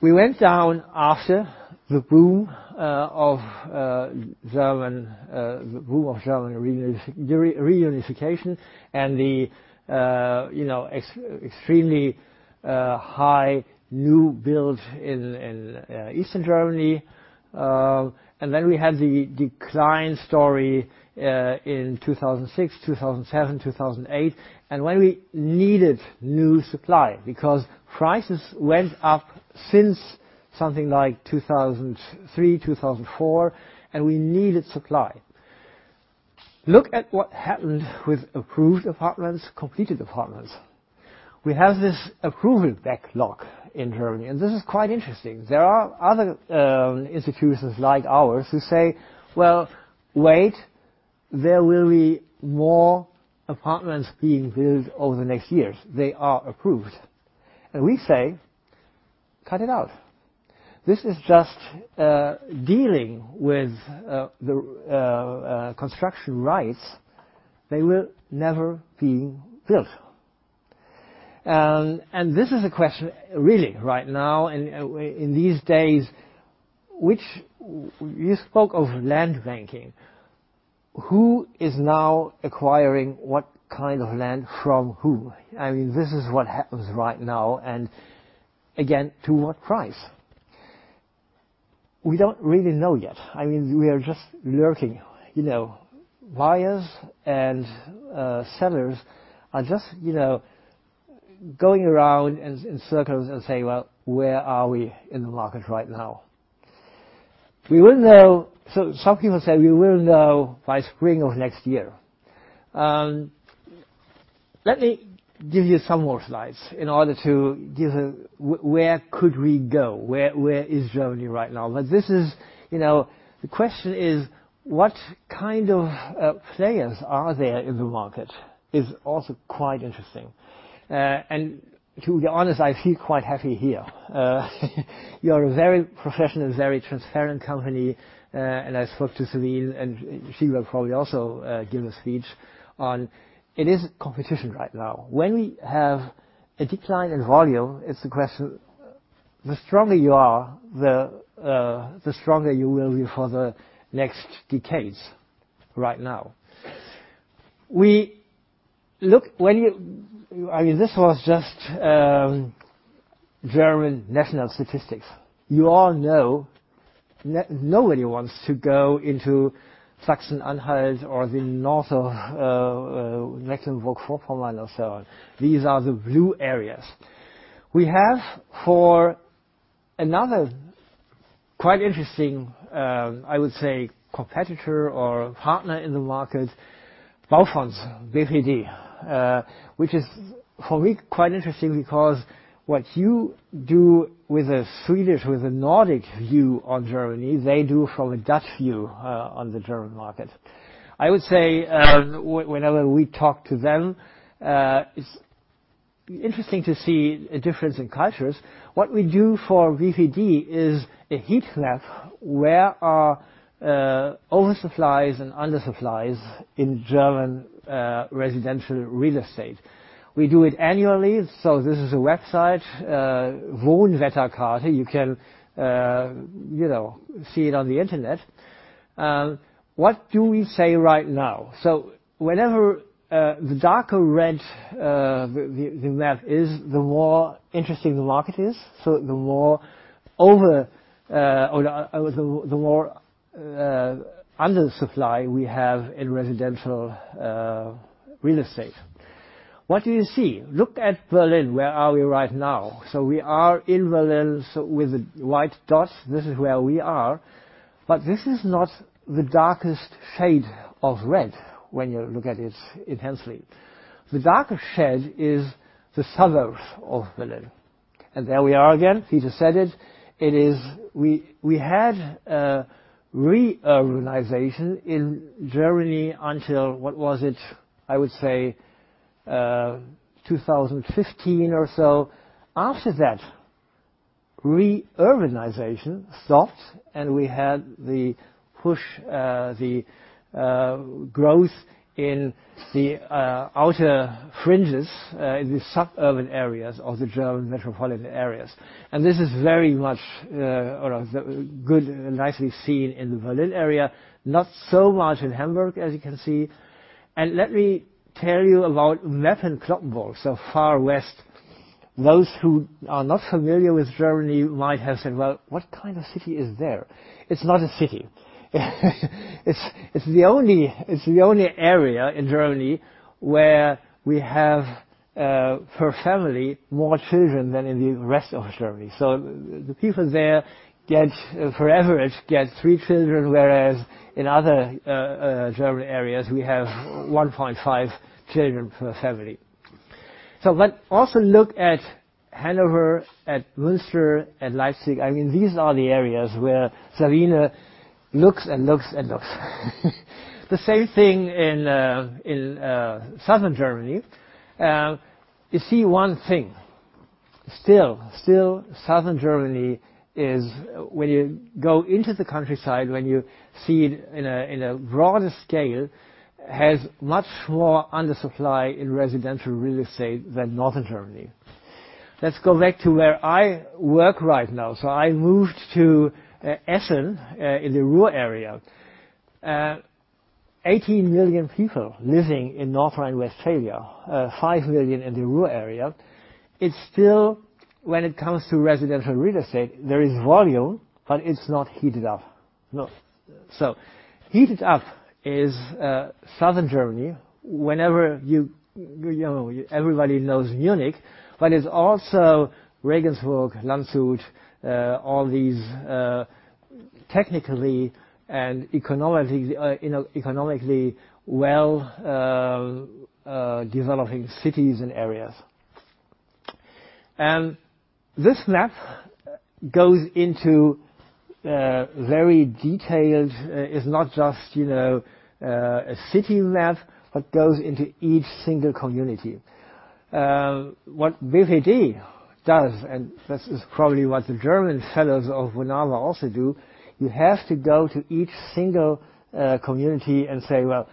We went down after the boom of German reunification and the, you know, extremely high new build in Eastern Germany. We had the decline story in 2006, 2007, 2008, and when we needed new supply because prices went up since something like 2003, 2004, and we needed supply. Look at what happened with approved apartments, completed apartments. We have this approval backlog in Germany, and this is quite interesting. There are other institutions like ours who say, "Well, wait, there will be more apartments being built over the next years. They are approved." We say, "Cut it out." This is just dealing with the construction rights. They will never being built. This is a question really right now in these days, which we spoke of land banking. Who is now acquiring what kind of land from who? I mean, this is what happens right now and again, to what price? We don't really know yet. I mean, we are just lurking. You know, buyers and sellers are just you know, going around in circles and say, "Well, where are we in the market right now?" We will know. Some people say we will know by spring of next year. Let me give you some more slides in order to give a where could we go, where is Germany right now? This is. The question is what kind of players are there in the market is also quite interesting. To be honest, I feel quite happy here. You're a very professional, very transparent company. I spoke to Sabine, and she will probably also give a speech on it is competition right now. When we have a decline in volume, it's a question, the stronger you are, the stronger you will be for the next decades right now. I mean, this was just German national statistics. You all know nobody wants to go into Sachsen-Anhalt or the north of Mecklenburg-Vorpommern or so on. These are the blue areas. We have another quite interesting, I would say competitor or partner in the market, BPD Bouwfonds, which is for me quite interesting because what you do with a Swedish, with a Nordic view on Germany, they do from a Dutch view on the German market. I would say, whenever we talk to them, it's interesting to see a difference in cultures. What we do for BPD is a heat map where are oversupplies and undersupplies in German residential real estate. We do it annually. This is a website, Wohnwetterkarte. You can, you know, see it on the internet. What do we say right now? Whenever the darker red the map is, the more interesting the market is. The more undersupply we have in residential real estate. What do you see? Look at Berlin. Where are we right now? We are in Berlin. With the white dots, this is where we are. This is not the darkest shade of red when you look at it intensely. The darkest shade is the suburbs of Berlin. There we are again. Peter said it. It is. We had reurbanization in Germany until, what was it? I would say 2015 or so. After that, reurbanization stopped, and we had the push, the growth in the outer fringes in the suburban areas of the German metropolitan areas. This is very much or a good, nicely seen in the Berlin area, not so much in Hamburg, as you can see. Let me tell you about Neukölln-Cloppenburg, so far west. Those who are not familiar with Germany might have said, "Well, what kind of city is there?" It's not a city. It's the only area in Germany where we have per family, more children than in the rest of Germany. The people there get, on average, three children, whereas in other German areas, we have 1.5 children per family. But also look at Hanover, at Münster, at Leipzig. I mean, these are the areas where Sabine looks and looks and looks. The same thing in southern Germany. You see one thing. Still southern Germany is when you go into the countryside, when you see it in a broader scale, has much more undersupply in residential real estate than northern Germany. Let's go back to where I work right now. I moved to Essen in the rural area. 18 million people living in North Rhine-Westphalia, five million in the rural area. It's still when it comes to residential real estate, there is volume, but it's not heated up. No. Heated up is southern Germany. Whenever you know, everybody knows Munich, but it's also Regensburg, Landshut, all these, technically and economically well developing cities and areas. This map goes into very detailed. It's not just, you know, a city map, but goes into each single community. What BPD does, and this is probably what the German fellows of Vonovia also do, you have to go to each single community and say, "Well,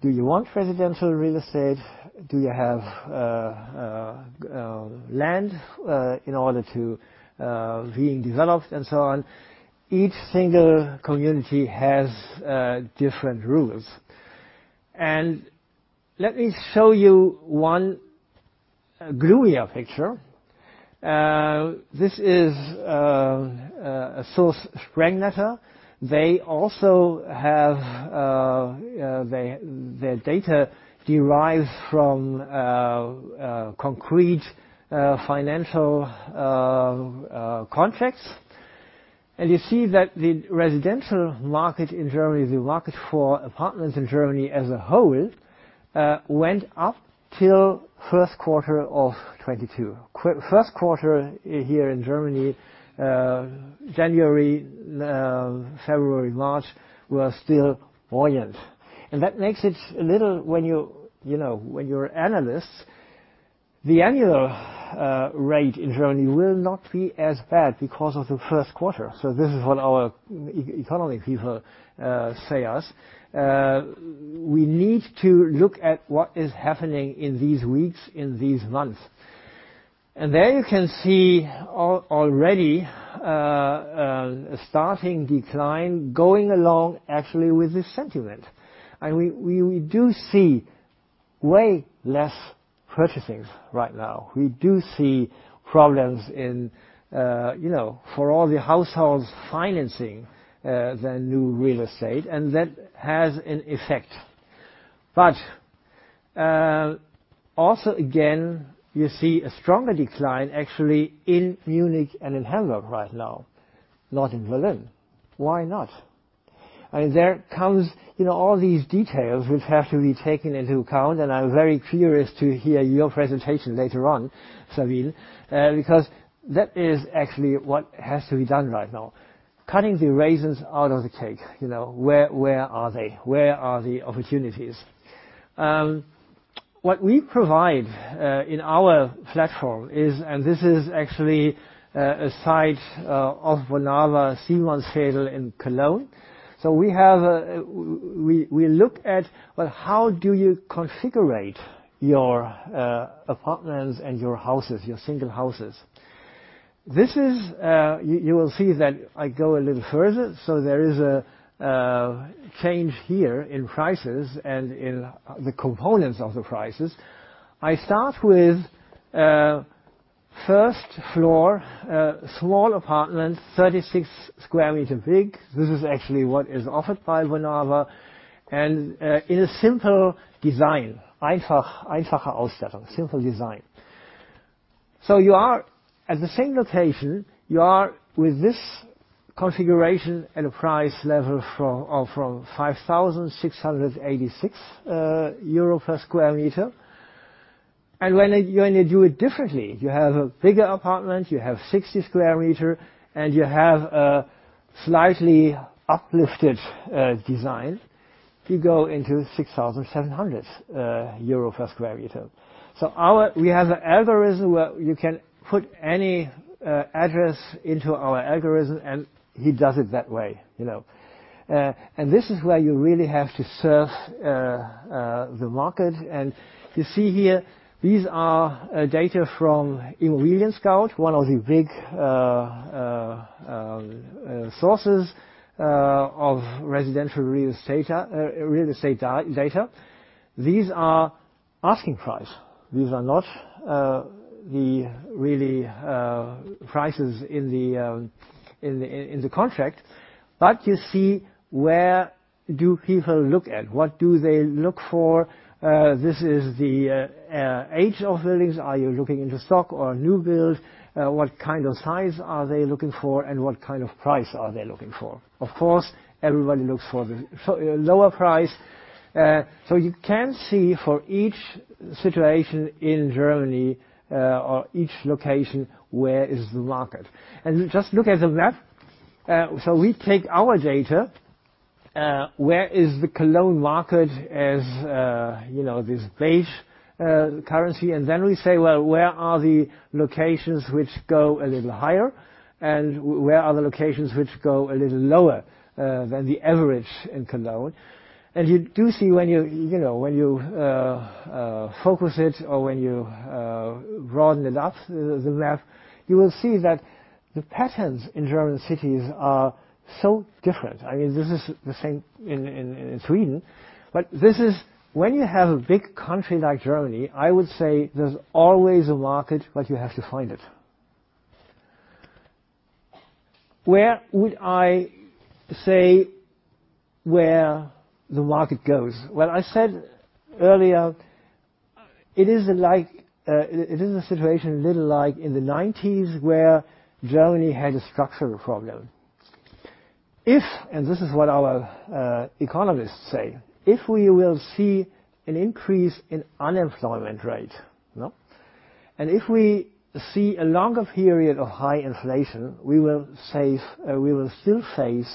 do you want residential real estate? Do you have land in order to being developed?" So on. Each single community has different rules. Let me show you one gloomier picture. This is a source, Sprengnetter. They also have their data derives from concrete financial contracts. You see that the residential market in Germany, the market for apartments in Germany as a whole, went up till first quarter of 2022. First quarter here in Germany, January, February, March, were still buoyant. That makes it a little. When you know, when you're analysts, the annual rate in Germany will not be as bad because of the first quarter. This is what our economy people say to us. We need to look at what is happening in these weeks, in these months. There you can see already a starting decline going along actually with the sentiment. We do see way less purchases right now. We do see problems in, you know, for all the households financing their new real estate, and that has an effect. Also again, you see a stronger decline actually in Munich and in Hamburg right now, not in Berlin. Why not? There comes, you know, all these details which have to be taken into account, and I'm very curious to hear your presentation later on, Sabine, because that is actually what has to be done right now, cutting the raisins out of the cake. You know, where are they? Where are the opportunities? What we provide in our platform is a site of Bonava, SimonsHof in Cologne. We look at, well, how do you configure your apartments and your houses, your single houses? You will see that I go a little further, so there is a change here in prices and in the components of the prices. I start with a first-floor small apartment, 36 square meter big. This is actually what is offered by Bonava in a simple design. Simple design. You are, as a single station, with this configuration at a price level from 5,686 euro per square meter. When you do it differently, you have a bigger apartment, you have 60 square meter, and you have a slightly uplifted design, you go into 6,700 euro per square meter. We have an algorithm where you can put any address into our algorithm, and he does it that way, you know. This is where you really have to surf the market. You see here, these are data from ImmobilienScout24, one of the big sources of residential real estate data. These are asking price. These are not the real prices in the contract, but you see where do people look at. What do they look for? This is the age of buildings. Are you looking into stock or new build? What kind of size are they looking for and what kind of price are they looking for? Of course, everybody looks for a lower price. You can see for each situation in Germany or each location, where is the market. Just look at the map. We take our data, where is the Cologne market as you know this base currency. Then we say, "Well, where are the locations which go a little higher, and where are the locations which go a little lower than the average in Cologne?" You do see when you know, focus it or when you broaden it up the map, you will see that the patterns in German cities are so different. I mean, this is the same in Sweden. When you have a big country like Germany, I would say there's always a market, but you have to find it. Where would I say where the market goes? Well, I said earlier, it is like, it is a situation a little like in the nineties where Germany had a structural problem. If, and this is what our economists say, if we will see an increase in unemployment rate, no? If we see a longer period of high inflation, we will face, we will still face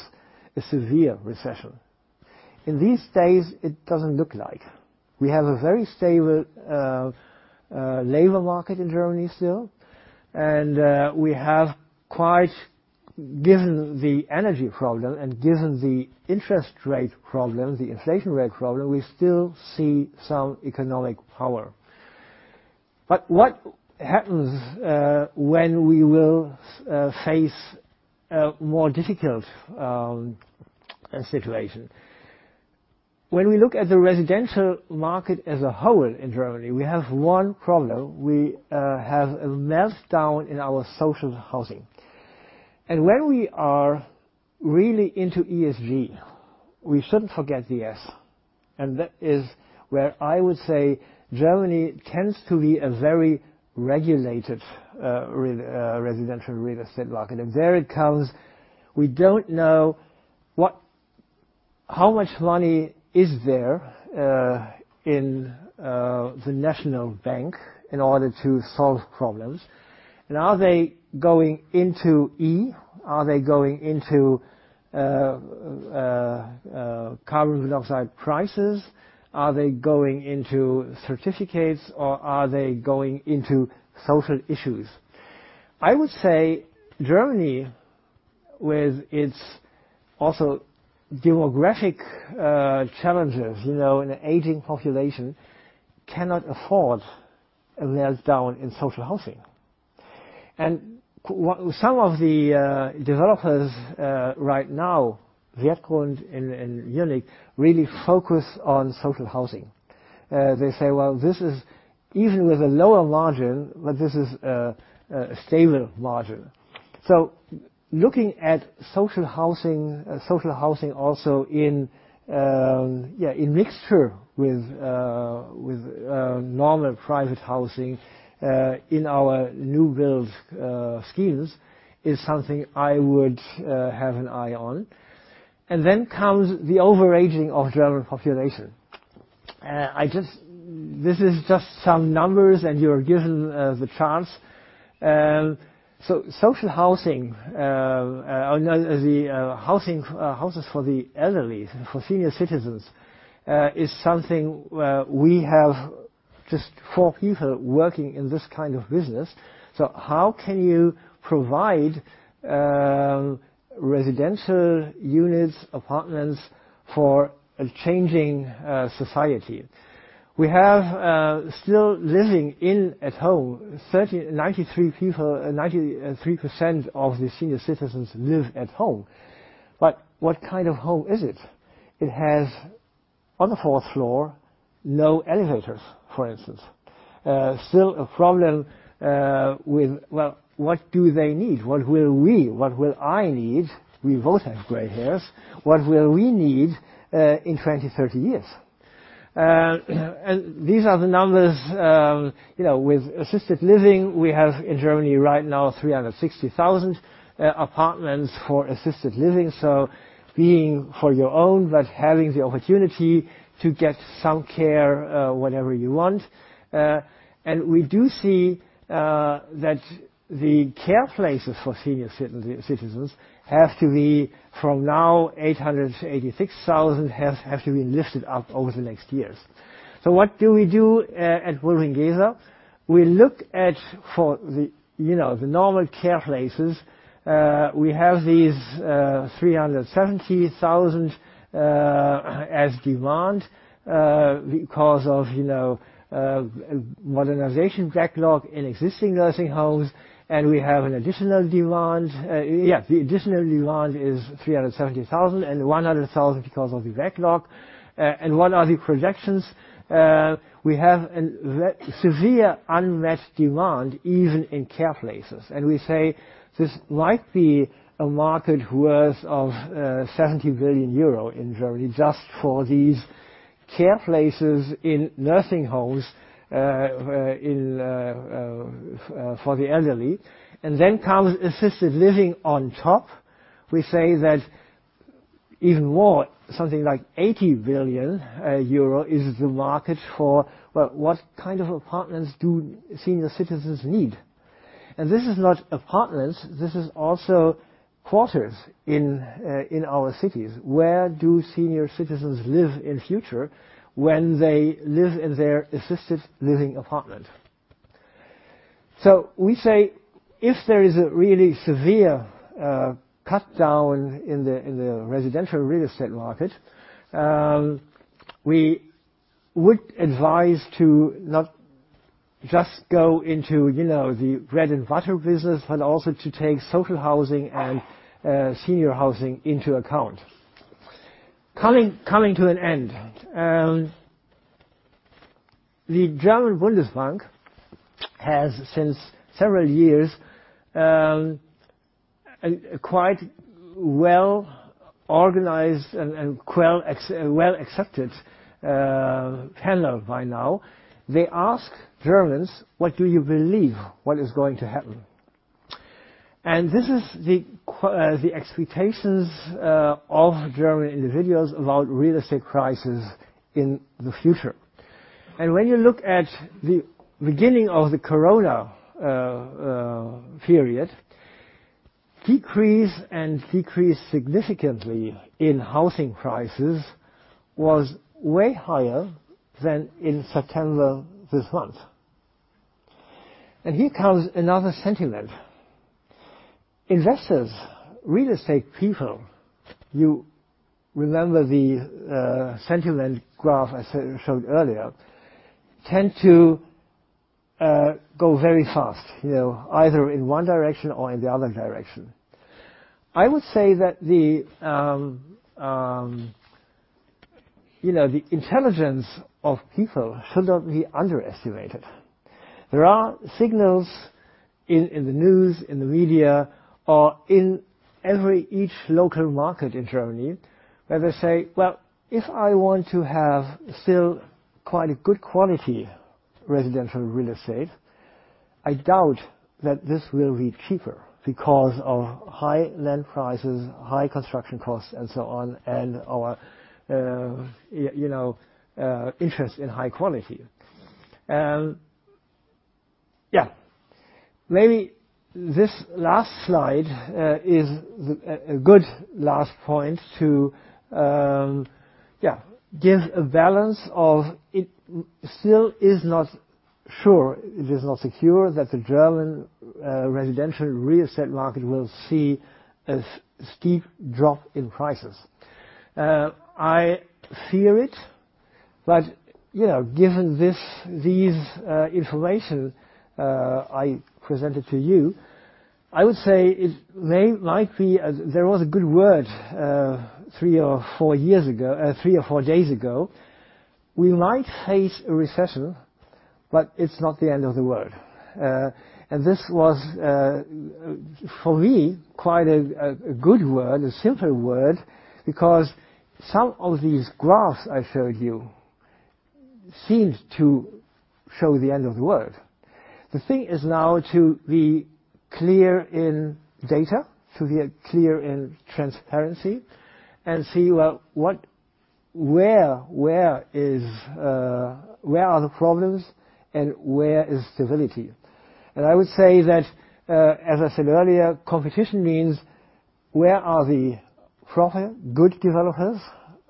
a severe recession. In these days, it doesn't look like. We have a very stable labor market in Germany still, and we have quite, given the energy problem and given the interest rate problem, the inflation rate problem, we still see some economic power. What happens when we will face a more difficult situation? When we look at the residential market as a whole in Germany, we have one problem. We have a meltdown in our social housing. When we are really into ESG, we shouldn't forget the S. That is where I would say Germany tends to be a very regulated residential real estate market. There it comes, we don't know what. How much money is there in the Bundesbank in order to solve problems. Are they going into ESG? Are they going into carbon dioxide prices? Are they going into certificates or are they going into social issues? I would say Germany, with its also demographic challenges, you know, an aging population, cannot afford a meltdown in social housing. Some of the developers right now, really focus on social housing. They say, "Well, this is easily the lower margin, but this is a stable margin." Looking at social housing also in mixture with normal private housing in our new build schemes is something I would have an eye on. Then comes the over-aging of German population. This is just some numbers, and you're given the chance. Social housing, the housing houses for the elderly, for senior citizens is something we have just four people working in this kind of business. How can you provide residential units, apartments for a changing society? We have 93% of the senior citizens still living at home. What kind of home is it? It has, on the fourth floor, no elevators, for instance. Still a problem, with, well, what do they need? What will we, what will I need? We both have gray hairs. What will we need, in 20, 30 years? These are the numbers, you know, with assisted living. We have in Germany right now 360,000 apartments for assisted living, so being for your own but having the opportunity to get some care, whenever you want. We do see, that the care places for senior citizens have to be from now 886,000 have to be lifted up over the next years. What do we do at Vonovia? We look at for the, you know, the normal care places. We have these 370,000 as demand because of, you know, modernization backlog in existing nursing homes, and we have an additional demand. The additional demand is 370,000 and 100,000 because of the backlog. What are the projections? We have a severe unmet demand even in care places. We say this might be a market worth of 70 billion euro in Germany just for these care places in nursing homes, for the elderly. Then comes assisted living on top. We say that even more, something like 80 billion euro is the market for, well, what kind of apartments do senior citizens need? This is not apartments, this is also quarters in our cities. Where do senior citizens live in future when they live in their assisted living apartment? We say if there is a really severe cutdown in the residential real estate market, we would advise to not just go into, you know, the bread and butter business, but also to take social housing and senior housing into account. Coming to an end. The Deutsche Bundesbank has since several years a quite well-organized and well accepted panel by now. They ask Germans: What do you believe what is going to happen? This is the expectations of German individuals about real estate crisis in the future. When you look at the beginning of the Corona period, decrease significantly in housing prices was way higher than in September this month. Here comes another sentiment. Investors, real estate people, you remember the sentiment graph I showed earlier, tend to go very fast, you know, either in one direction or in the other direction. I would say that the, you know, the intelligence of people should not be underestimated. There are signals in the news, in the media, or in every local market in Germany where they say, "Well, if I want to have still quite a good quality residential real estate, I doubt that this will be cheaper because of high land prices, high construction costs, and so on, and our, you know, interest in high quality. Maybe this last slide is a good last point to give a balance of it. It still is not sure, it is not secure that the German residential real estate market will see a steep drop in prices. I fear it, but you know, given these information I presented to you, I would say it might be. There was a good word three or four years ago, three or four days ago. We might face a recession, but it's not the end of the world. This was for me quite a good word, a simple word, because some of these graphs I showed you seemed to show the end of the world. The thing is now to be clear in data, to be clear in transparency and see where are the problems and where is stability? I would say that, as I said earlier, competition means where are the proper good developers,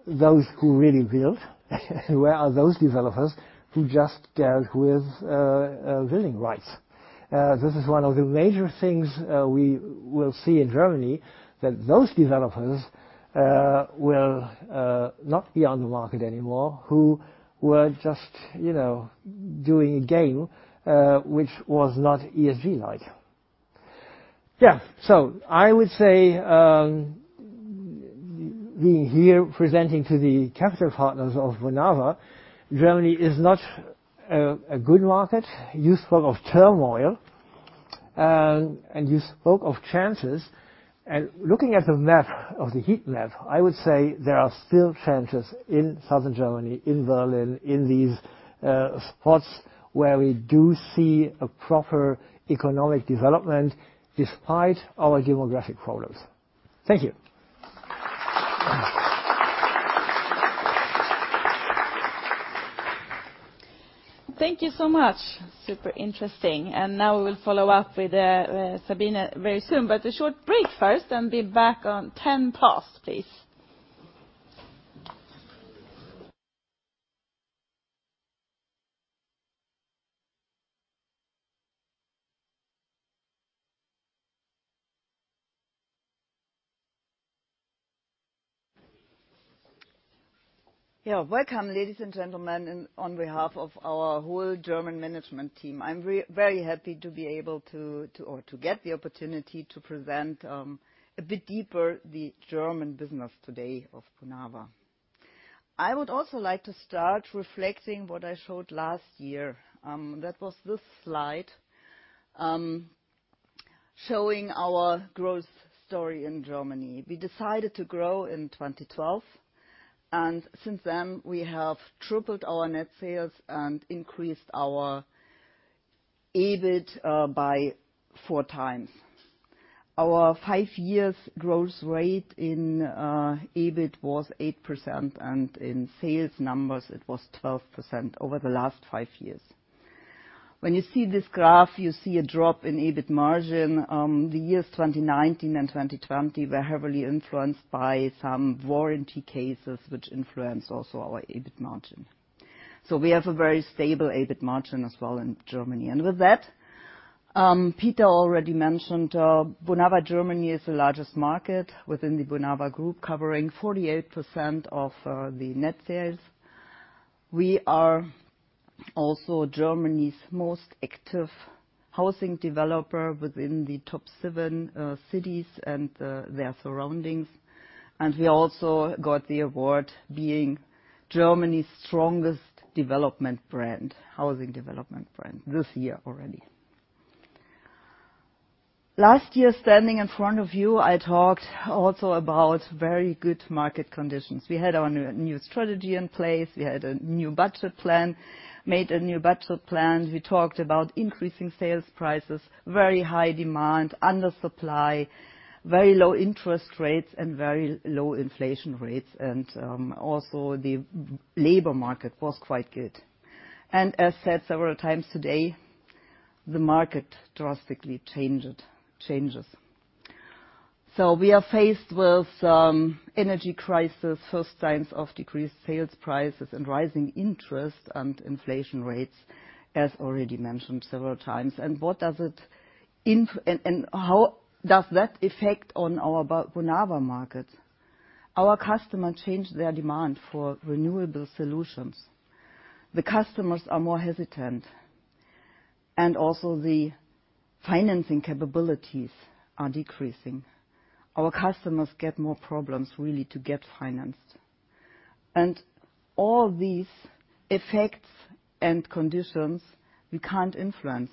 those who really build? Where are those developers who just dealt with building rights? This is one of the major things we will see in Germany, that those developers will not be on the market anymore who were just, you know, doing a game, which was not ESG like. Yeah. I would say, being here presenting to the capital partners of Vonovia, Germany is not a good market. You spoke of turmoil and you spoke of chances. Looking at the map of the heat map, I would say there are still chances in Southern Germany, in Berlin, in these spots where we do see a proper economic development despite our demographic problems. Thank you. Thank you so much. Super interesting. Now we will follow up with Sabine very soon. A short break first and be back on ten past, please. Yeah. Welcome, ladies and gentlemen on behalf of our whole German management team. I'm very happy to be able to get the opportunity to present a bit deeper the German business today of Bonava. I would also like to start reflecting what I showed last year. That was this slide. Showing our growth story in Germany. We decided to grow in 2012, and since then we have tripled our net sales and increased our EBIT by four times. Our five years growth rate in EBIT was 8%, and in sales numbers it was 12% over the last five years. When you see this graph, you see a drop in EBIT margin. The years 2019 and 2020 were heavily influenced by some warranty cases, which influence also our EBIT margin. We have a very stable EBIT margin as well in Germany. With that, Peter already mentioned, Bonava Germany is the largest market within the Bonava Group, covering 48% of the net sales. We are also Germany's most active housing developer within the top seven cities and their surroundings. We also got the award being Germany's strongest development brand, housing development brand, this year already. Last year, standing in front of you, I talked also about very good market conditions. We had our new strategy in place. We had a new budget plan. Made a new budget plan. We talked about increasing sales prices, very high demand, undersupply, very low interest rates and very low inflation rates, and also the labor market was quite good. As said several times today, the market drastically changes. We are faced with energy crisis, first signs of decreased sales prices and rising interest and inflation rates, as already mentioned several times. How does that affect on our Vonovia market? Our customer change their demand for renewable solutions. The customers are more hesitant, and also the financing capabilities are decreasing. Our customers get more problems really to get financed. All these effects and conditions we can't influence.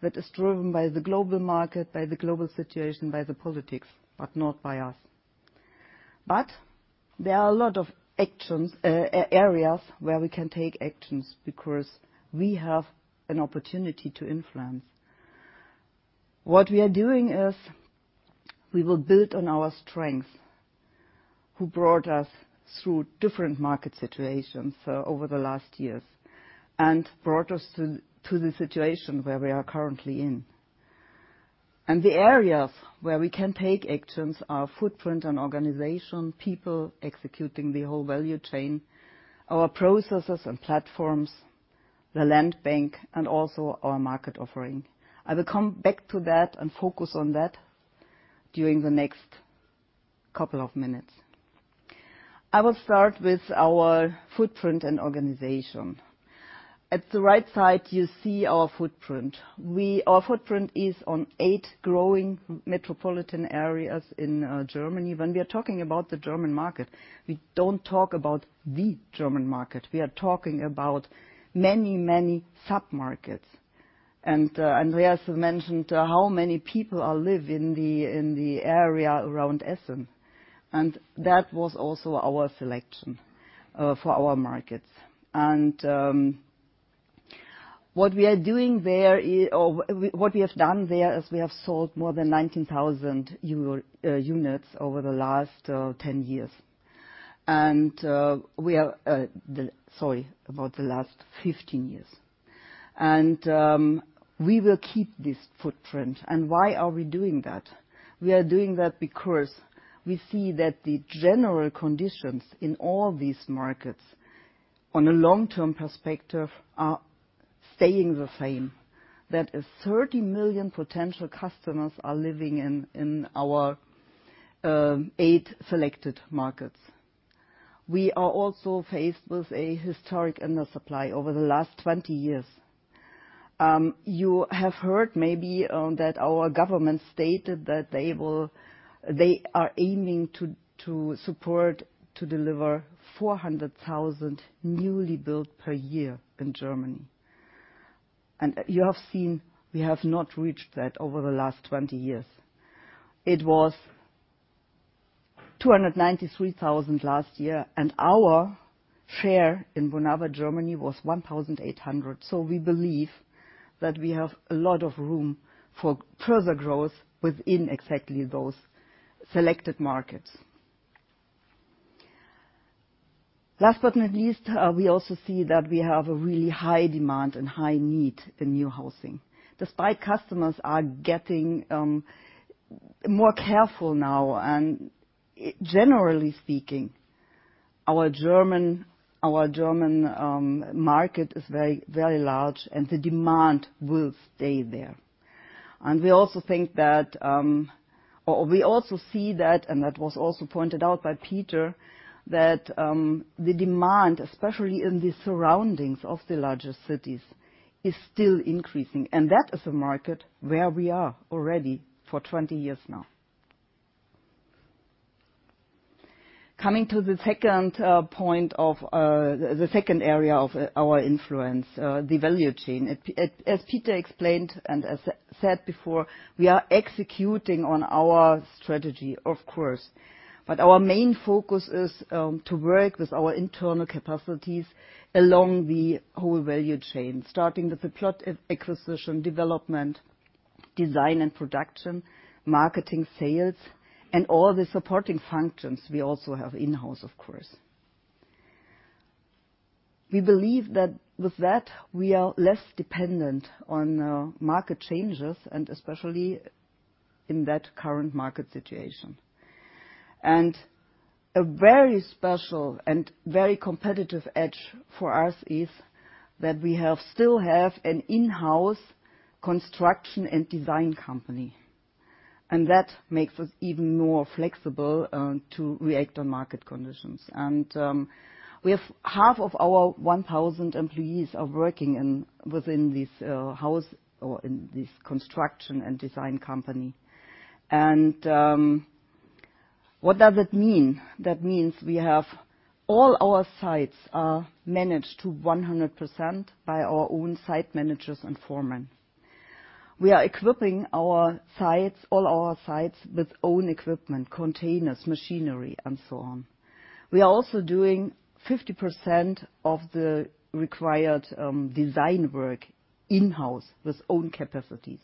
That is driven by the global market, by the global situation, by the politics, but not by us. There are a lot of actions, areas where we can take actions because we have an opportunity to influence. What we are doing is we will build on our strength, who brought us through different market situations over the last years and brought us to the situation where we are currently in. The areas where we can take actions are footprint and organization, people executing the whole value chain, our processes and platforms, the land bank and also our market offering. I will come back to that and focus on that during the next couple of minutes. I will start with our footprint and organization. At the right side, you see our footprint. Our footprint is on eight growing metropolitan areas in Germany. When we are talking about the German market, we don't talk about the German market. We are talking about many, many submarkets. Andreas mentioned how many people are living in the area around Essen, and that was also our selection for our markets. What we have done there is we have sold more than 19,000 units over the last 15 years. We will keep this footprint. Why are we doing that? We are doing that because we see that the general conditions in all these markets on a long-term perspective are staying the same. 30 million potential customers are living in our 8 selected markets. We are also faced with a historic undersupply over the last 20 years. You have heard maybe that our government stated that they are aiming to support to deliver 400,000 newly built per year in Germany. You have seen we have not reached that over the last 20 years. It was 293,000 last year, and our share in Bonava Germany was 1,800. We believe that we have a lot of room for further growth within exactly those selected markets. Last but not least, we also see that we have a really high demand and high need in new housing. Despite customers are getting more careful now and generally speaking, our German market is very, very large and the demand will stay there. We also see that, and that was also pointed out by Peter, that the demand, especially in the surroundings of the larger cities, is still increasing. That is a market where we are already for 20 years now. Coming to the second point of the second area of our influence, the value chain. It, as Peter explained, and as said before, we are executing on our strategy, of course. But our main focus is to work with our internal capacities along the whole value chain, starting with the plot acquisition, development, design and production, marketing, sales, and all the supporting functions we also have in-house, of course. We believe that with that we are less dependent on market changes and especially in that current market situation. A very special and very competitive edge for us is that we still have an in-house construction and design company, and that makes us even more flexible to react on market conditions. We have half of our 1,000 employees working within this house or in this construction and design company. What does it mean? That means all our sites are managed 100% by our own site managers and foremen. We are equipping our sites, all our sites with own equipment, containers, machinery and so on. We are also doing 50% of the required design work in-house with own capacities.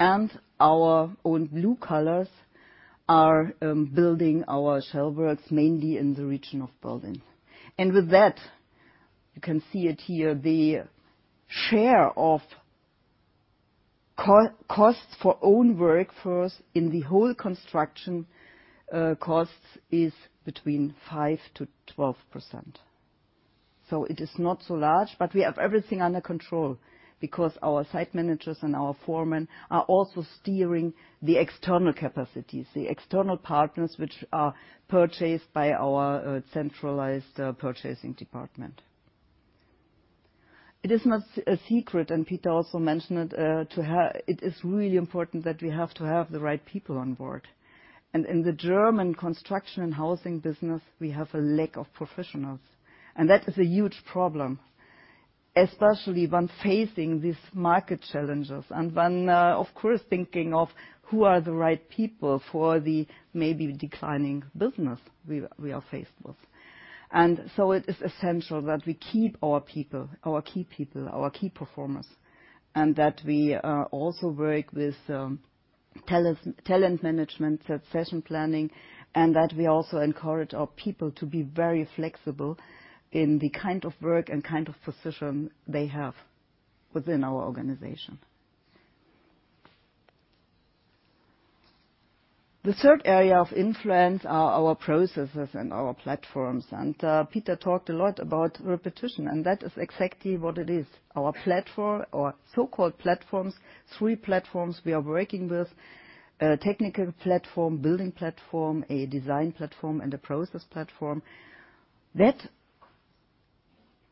Our own blue collars are building our shell works mainly in the region of Berlin. With that, you can see it here, the share of co-costs for own workforce in the whole construction costs is between 5%-12%. It is not so large, but we have everything under control because our site managers and our foremen are also steering the external capacities, the external partners which are purchased by our centralized purchasing department. It is not a secret, and Peter also mentioned it. It is really important that we have to have the right people on board. In the German construction and housing business, we have a lack of professionals, and that is a huge problem, especially when facing these market challenges and when, of course, thinking of who are the right people for the maybe declining business we are faced with. It is essential that we keep our people, our key people, our key performers, and that we also work with talent management, succession planning, and that we also encourage our people to be very flexible in the kind of work and kind of position they have within our organization. The third area of influence are our processes and our platforms. Peter talked a lot about repetition, and that is exactly what it is. Our platform or so-called platforms. Three platforms we are working with, a technical platform, building platform, a design platform, and a process platform. That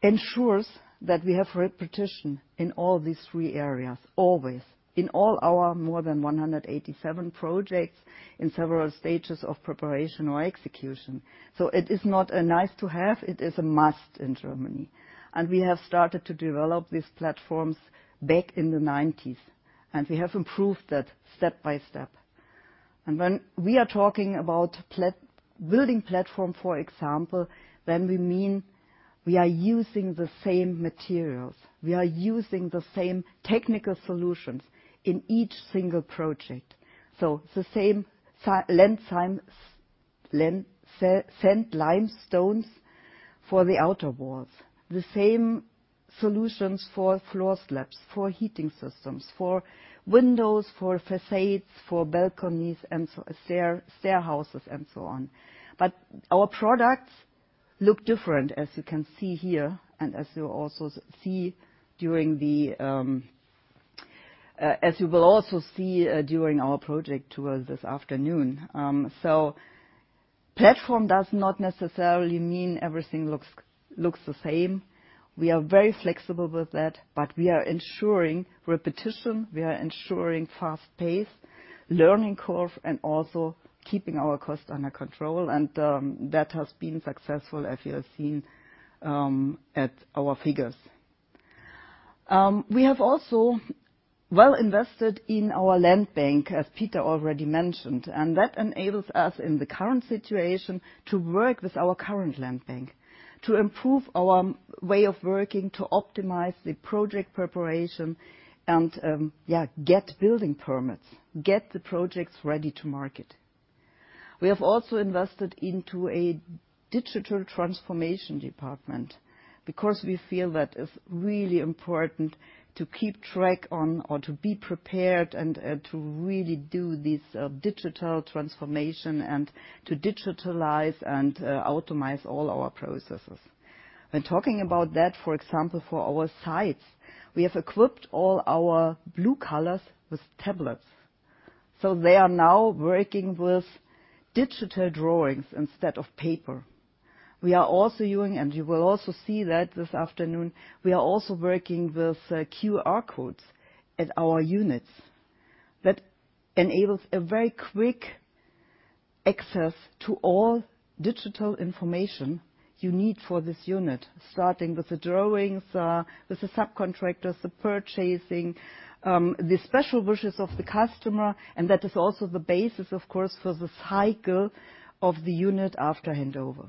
ensures that we have repetition in all these three areas, always. In all our more than 187 projects in several stages of preparation or execution. It is not a nice to have, it is a must in Germany. We have started to develop these platforms back in the 1990s, and we have improved that step by step. When we are talking about building platform, for example, then we mean we are using the same materials, we are using the same technical solutions in each single project. It's the same sand-lime stones for the outer walls. The same solutions for floor slabs, for heating systems, for windows, for facades, for balconies and stairhouses and so on. But our products look different, as you can see here, and as you will also see during our project tour this afternoon. Platform does not necessarily mean everything looks the same. We are very flexible with that, but we are ensuring repetition, we are ensuring fast pace, learning curve, and also keeping our costs under control, and that has been successful, as you have seen, at our figures. We have also well invested in our land bank, as Peter already mentioned, and that enables us, in the current situation, to work with our current land bank to improve our way of working, to optimize the project preparation and, yeah, get building permits, get the projects ready to market. We have also invested into a digital transformation department because we feel that is really important to keep track on or to be prepared and to really do this, digital transformation and to digitalize and, automate all our processes. When talking about that, for example, for our sites, we have equipped all our blue collars with tablets. They are now working with digital drawings instead of paper. We are also using, and you will also see that this afternoon, we are also working with QR codes at our units. That enables a very quick access to all digital information you need for this unit, starting with the drawings, with the subcontractors, the purchasing, the special wishes of the customer, and that is also the basis, of course, for the cycle of the unit after handover.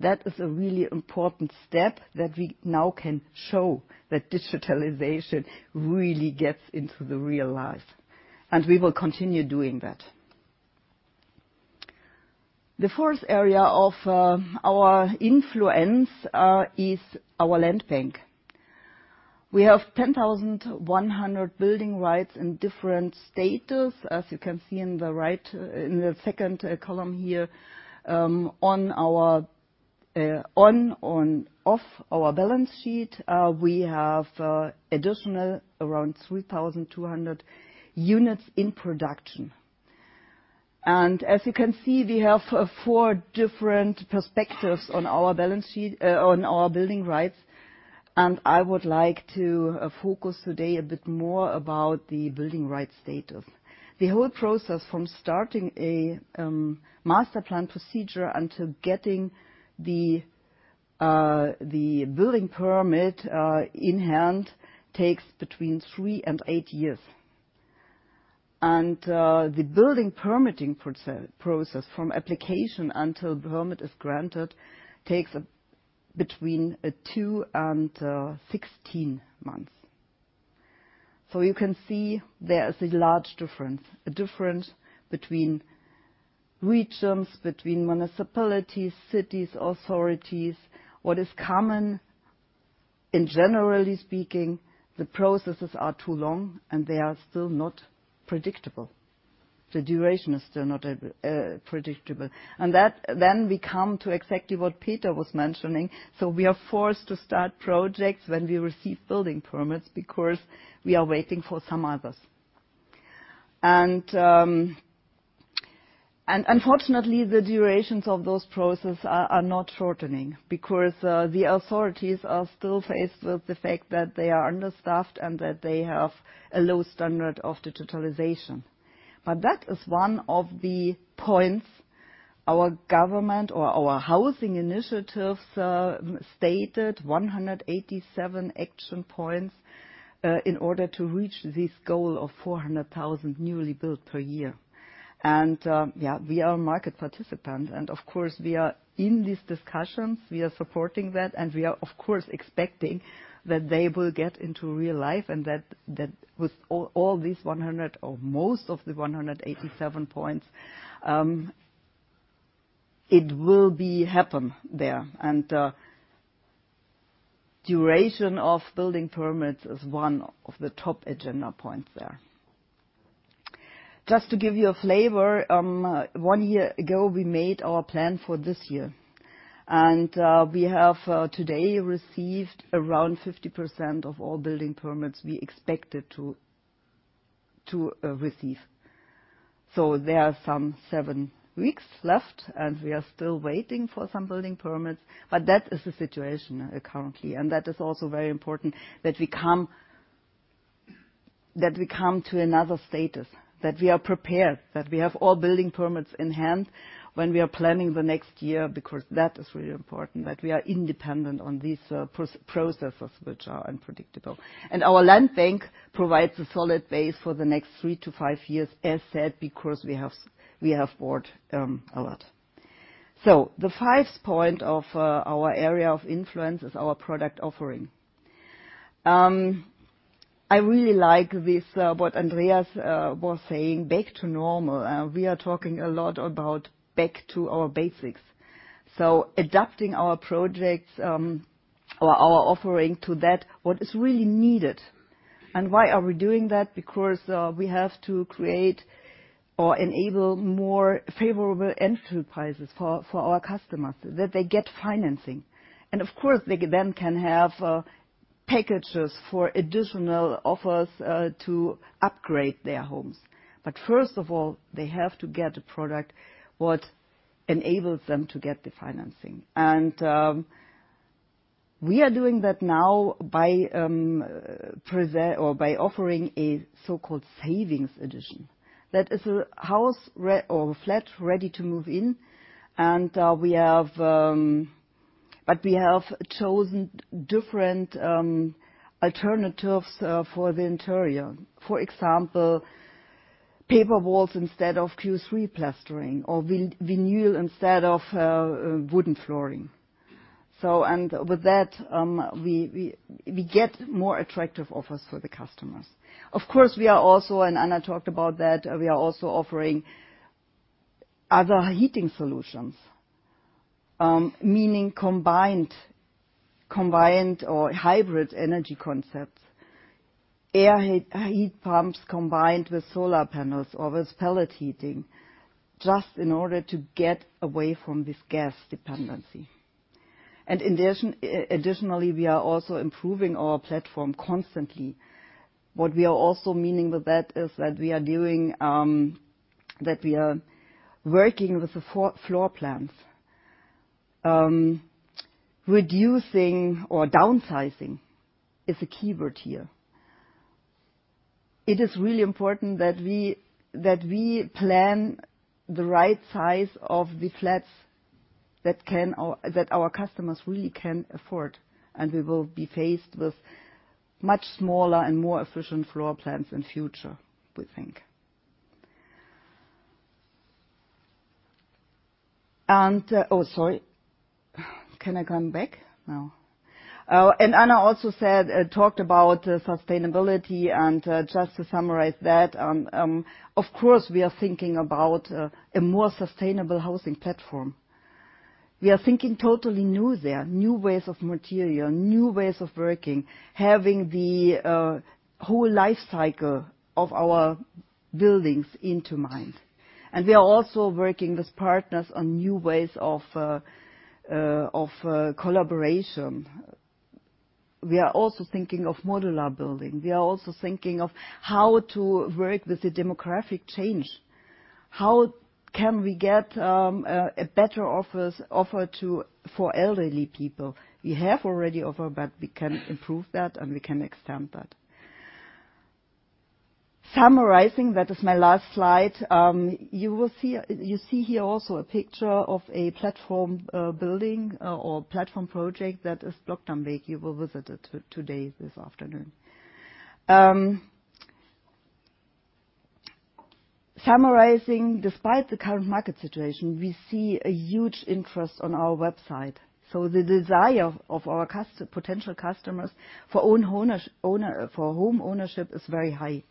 That is a really important step that we now can show that digitalization really gets into the real life, and we will continue doing that. The fourth area of our influence is our land bank. We have 10,100 building rights in different status. As you can see in the right, in the second, column here, on and off our balance sheet, we have additional around 3,200 units in production. As you can see, we have four different perspectives on our balance sheet, on our building rights. I would like to focus today a bit more about the building rights status. The whole process from starting a master plan procedure until getting the building permit in hand takes between three-eight years. The building permitting process from application until the permit is granted takes between 2-16 months. You can see there is a large difference between regions, between municipalities, cities, authorities. What is common, in general speaking, the processes are too long, and they are still not predictable. The duration is still not predictable. That then we come to exactly what Peter was mentioning. We are forced to start projects when we receive building permits because we are waiting for some others. Unfortunately, the durations of those processes are not shortening because the authorities are still faced with the fact that they are understaffed and that they have a low standard of digitalization. That is one of the points our government or our housing initiatives stated 187 action points in order to reach this goal of 400,000 newly built per year. We are market participants and of course, we are in these discussions. We are supporting that, and we are of course expecting that they will get into real life and that with all these 100 or most of the 187 points, it will be happen there. Duration of building permits is one of the top agenda points there. Just to give you a flavor, one year ago, we made our plan for this year, and we have today received around 50% of all building permits we expected to receive. There are some seven weeks left, and we are still waiting for some building permits, but that is the situation currently. That is also very important that we come to another status, that we are prepared, that we have all building permits in hand when we are planning the next year, because that is really important, that we are independent of these processes which are unpredictable. Our land bank provides a solid base for the next three to five years, as said, because we have bought a lot. The fifth point of our area of influence is our product offering. I really like this, what Andreas was saying, back to normal. We are talking a lot about back to our basics. Adapting our projects or our offering to that, what is really needed. Why are we doing that? Because we have to create or enable more favorable end prices for our customers, that they get financing. Of course, they can then have packages for additional offers to upgrade their homes. First of all, they have to get a product what enables them to get the financing. We are doing that now by offering a so-called savings edition. That is a flat ready to move in. We have but we have chosen different alternatives for the interior. For example, paper walls instead of gypsum plastering or vinyl instead of wooden flooring. And with that, we get more attractive offers for the customers. Of course, we are also, and Anna talked about that, we are also offering other heating solutions, meaning combined or hybrid energy concepts. Air heat pumps combined with solar panels or with pellet heating, just in order to get away from this gas dependency. Additionally, we are also improving our platform constantly. What we are also meaning with that is that we are doing that we are working with the floor plans. Reducing or downsizing is the key word here. It is really important that we plan the right size of the flats that our customers really can afford, and we will be faced with much smaller and more efficient floor plans in future, we think. Anna also talked about sustainability and just to summarize that, of course, we are thinking about a more sustainable housing platform. We are thinking totally new there, new ways of material, new ways of working, having the whole life cycle of our buildings in mind. We are also working with partners on new ways of collaboration. We are also thinking of modular building. We are also thinking of how to work with the demographic change. How can we get a better offer for elderly people? We have already offer, but we can improve that, and we can extend that. Summarizing, that is my last slide. You will see here also a picture of a platform building or platform project that is Blockdammweg. You will visit it today, this afternoon. Summarizing, despite the current market situation, we see a huge interest on our website. The desire of our potential customers for home ownership is very high.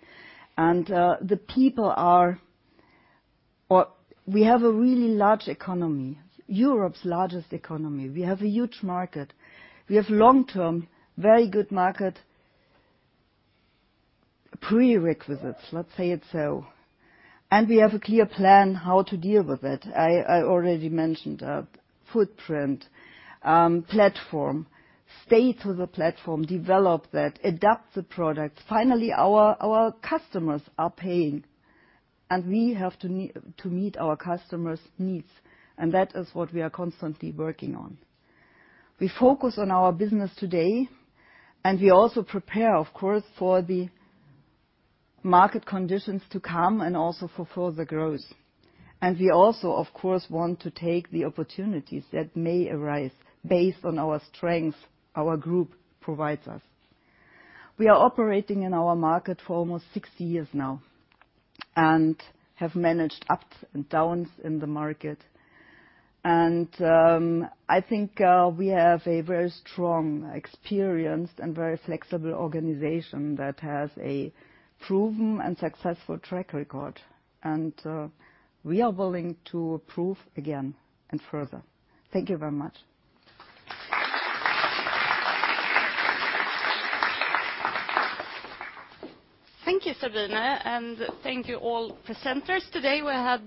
We have a really large economy, Europe's largest economy. We have a huge market. We have long-term, very good market prerequisites, let's say it so. We have a clear plan how to deal with it. I already mentioned that. Footprint, platform, stick to the platform, develop that, adapt the product. Finally, our customers are paying, and we have to meet our customers' needs, and that is what we are constantly working on. We focus on our business today, and we also prepare, of course, for the market conditions to come and also for further growth. We also, of course, want to take the opportunities that may arise based on our strengths our group provides us. We are operating in our market for almost 60 years now and have managed ups and downs in the market. I think we have a very strong experience and very flexible organization that has a proven and successful track record. We are willing to prove again and further. Thank you very much. Thank you, Sabine, and thank you all presenters. Today, we had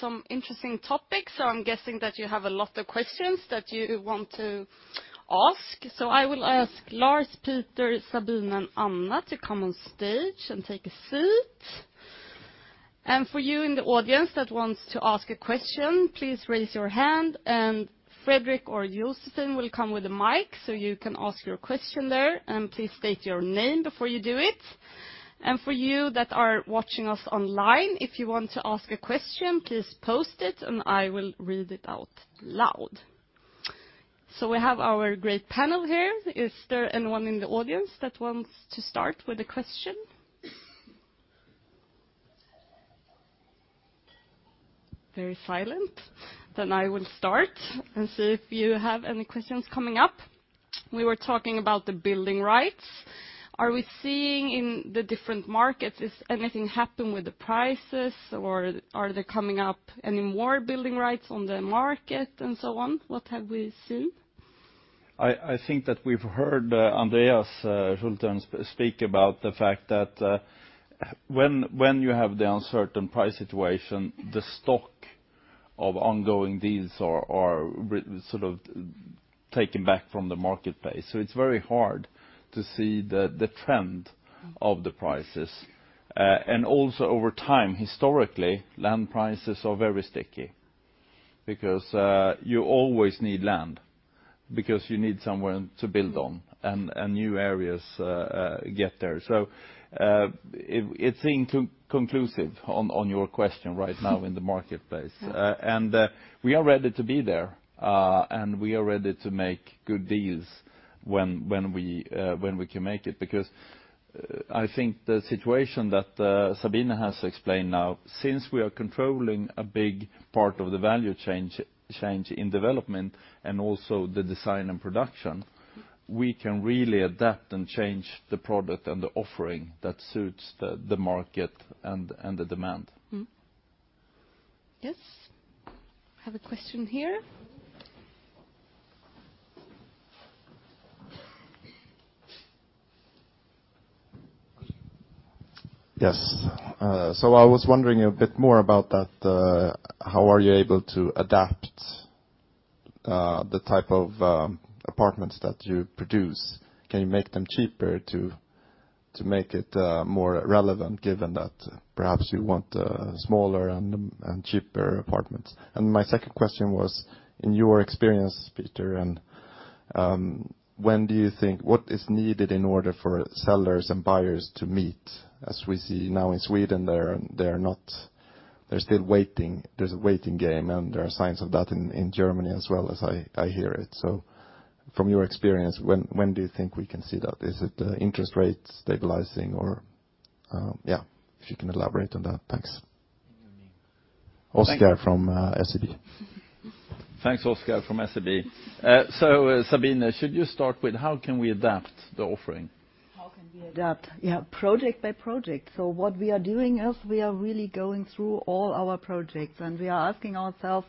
some interesting topics, so I'm guessing that you have a lot of questions that you want to ask. I will ask Lars, Peter, Sabine, and Anna to come on stage and take a seat. For you in the audience that wants to ask a question, please raise your hand, and Fredrik or Josephine will come with a mic so you can ask your question there. Please state your name before you do it. For you that are watching us online, if you want to ask a question, please post it, and I will read it out loud. We have our great panel here. Is there anyone in the audience that wants to start with a question? Very silent. I will start and see if you have any questions coming up. We were talking about the building rights. Are we seeing in the different markets, is anything happen with the prices, or are they coming up any more building rights on the market and so on? What have we seen? I think that we've heard Andreas Schulten speak about the fact that when you have the uncertain price situation, the stock of ongoing deals are sort of taken back from the marketplace. It's very hard to see the trend of the prices. Also over time, historically, land prices are very sticky because you always need land because you need somewhere to build on and new areas get there. It seems conclusive on your question right now in the marketplace. We are ready to be there, and we are ready to make good deals when we can make it because I think the situation that Sabine has explained now, since we are controlling a big part of the value chain in development and also the design and production- Mm-hmm. We can really adapt and change the product and the offering that suits the market and the demand. Yes. I have a question here. Yes. I was wondering a bit more about that, how are you able to adapt the type of apartments that you produce? Can you make them cheaper to make it more relevant given that perhaps you want a smaller and cheaper apartments? My second question was, in your experience, Peter, when do you think what is needed in order for sellers and buyers to meet? As we see now in Sweden, they're still waiting. There's a waiting game, and there are signs of that in Germany as well as I hear it. From your experience, when do you think we can see that? Is it the interest rate stabilizing or yeah, if you can elaborate on that. Thanks. Your name. Oskar from SEB. Thanks. Thanks, Oskar from SEB. Sabine, should you start with how can we adapt the offering? How can we adapt? Yeah. Project by project. What we are doing is we are really going through all our projects, and we are asking ourselves,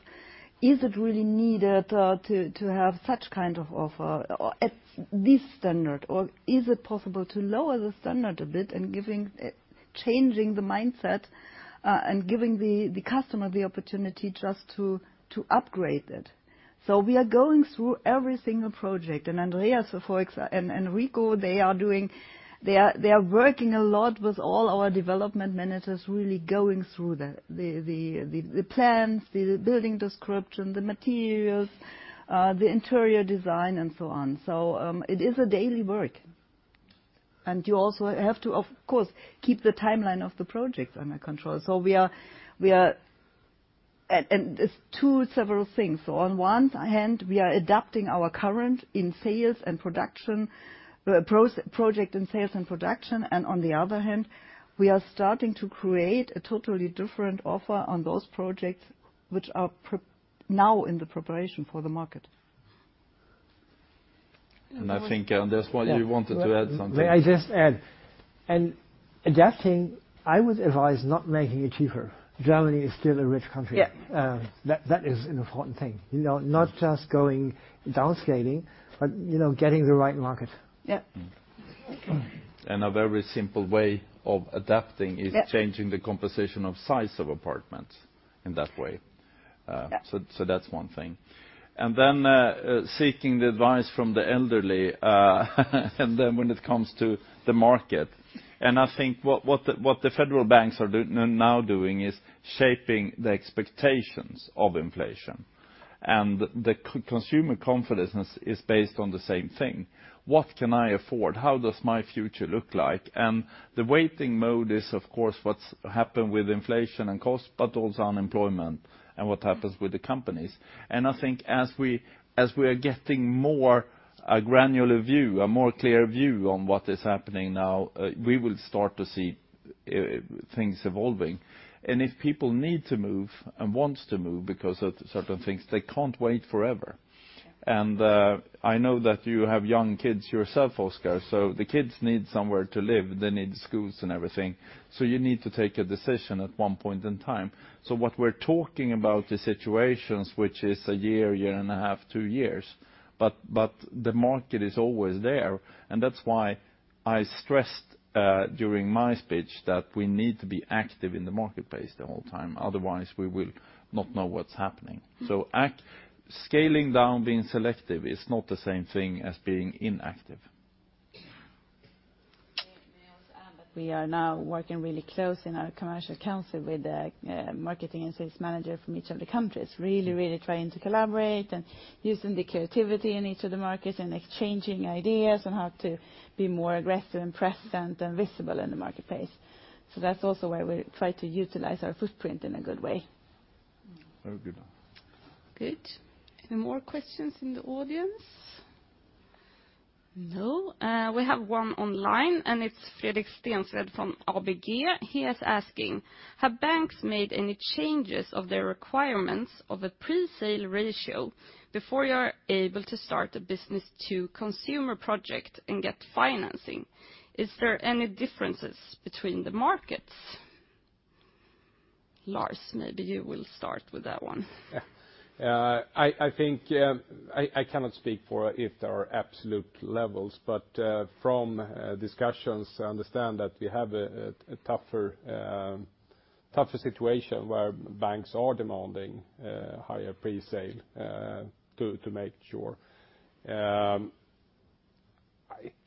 is it really needed to have such kind of offer at this standard? Or is it possible to lower the standard a bit, changing the mindset and giving the customer the opportunity just to upgrade it? We are going through every single project. Andreas and Enrico, they are working a lot with all our development managers really going through the plans, the building description, the materials, the interior design, and so on. It is a daily work. You also have to, of course, keep the timeline of the project under control. We are... It's two or several things. On one hand, we are adapting our current projects in sales and production. On the other hand, we are starting to create a totally different offer on those projects which are now in the preparation for the market. I think, Andreas, what you wanted to add something. May I just add. Adapting, I would advise not making it cheaper. Germany is still a rich country. Yeah. That is an important thing. You know, not just going downscaling, but, you know, getting the right market. Yeah. A very simple way of adapting. Yeah... is changing the composition of size of apartments in that way. That's one thing. Seeking the advice from the elderly and then when it comes to the market. I think what the federal banks are now doing is shaping the expectations of inflation. The consumer confidence is based on the same thing. What can I afford? How does my future look like? The waiting mode is, of course, what's happened with inflation and cost, but also unemployment and what happens with the companies. I think as we are getting more granular view, a more clear view on what is happening now, we will start to see things evolving. If people need to move and wants to move because of certain things, they can't wait forever. I know that you have young kids yourself, Oskar, so the kids need somewhere to live. They need schools and everything. You need to take a decision at one point in time. What we're talking about the situations, which is a year and a half, two years. But the market is always there. That's why I stressed during my speech that we need to be active in the marketplace the whole time. Otherwise, we will not know what's happening. Scaling down, being selective is not the same thing as being inactive. Yeah. May I also add that we are now working really close in our commercial council with the marketing and sales manager from each of the countries, really, really trying to collaborate and using the creativity in each of the markets and exchanging ideas on how to be more aggressive and present and visible in the marketplace. That's also where we try to utilize our footprint in a good way. Very good. Good. Any more questions in the audience? No. We have one online, and it's Fredrik Stensved from ABG. He is asking, have banks made any changes of their requirements of a presale ratio before you're able to start a business to consumer project and get financing? Is there any differences between the markets? Lars, maybe you will start with that one. Yeah. I think I cannot speak for if there are absolute levels, but from discussions, I understand that we have a tougher situation where banks are demanding higher presale to make sure.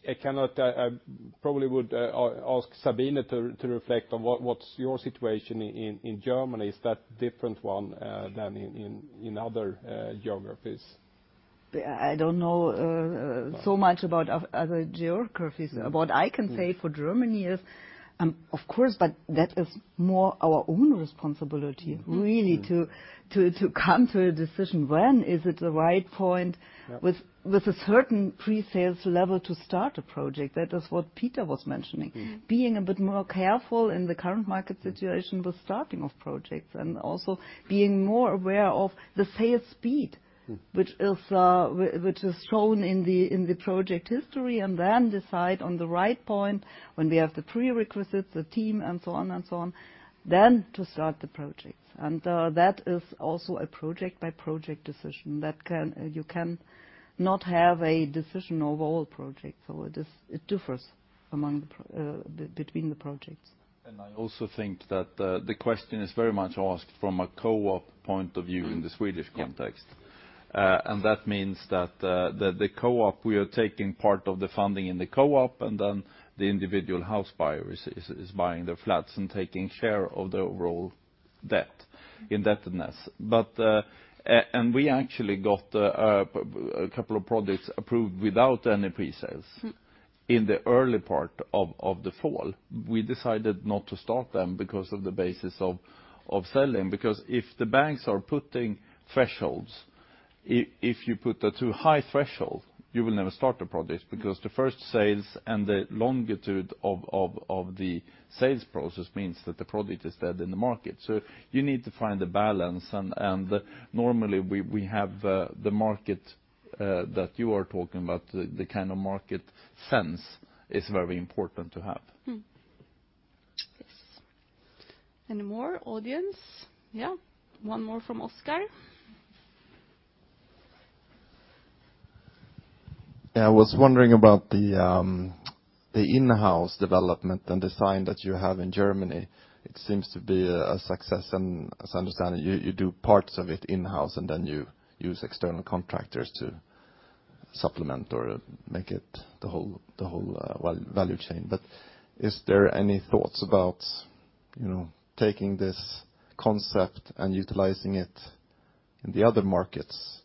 I probably would ask Sabine to reflect on what's your situation in Germany. Is that different than in other geographies? I don't know so much about other geographies. What I can say for Germany is, of course, but that is more our own responsibility, really, to come to a decision, when is it the right point with a certain presales level to start a project? That is what Peter was mentioning. Being a bit more careful in the current market situation with starting of projects and also being more aware of the sales speed, which is shown in the project history, and then decide on the right point when we have the prerequisites, the team, and so on, then to start the projects. That is also a project-by-project decision that you cannot have a decision overall project. It is, it differs between the projects. I also think that the question is very much asked from a co-op point of view in the Swedish context. Yeah. That means that the co-op, we are taking part of the funding in the co-op, and then the individual house buyer is buying the flats and taking share of the overall indebtedness. We actually got a couple of products approved without any presales. Mm. In the early part of the fall, we decided not to start them because of the basis of selling. Because if the banks are putting thresholds, if you put a too high threshold, you will never start the products. Because the first sales and the length of the sales process means that the product is dead in the market. You need to find a balance, and normally we have the market that you are talking about. The kind of market sense is very important to have. Yes. Any more audience? Yeah. One more from Oskar. Yeah, I was wondering about the in-house development and design that you have in Germany. It seems to be a success, and as I understand, you do parts of it in-house, and then you use external contractors to supplement or make it the whole value chain. Is there any thoughts about, you know, taking this concept and utilizing it in the other markets?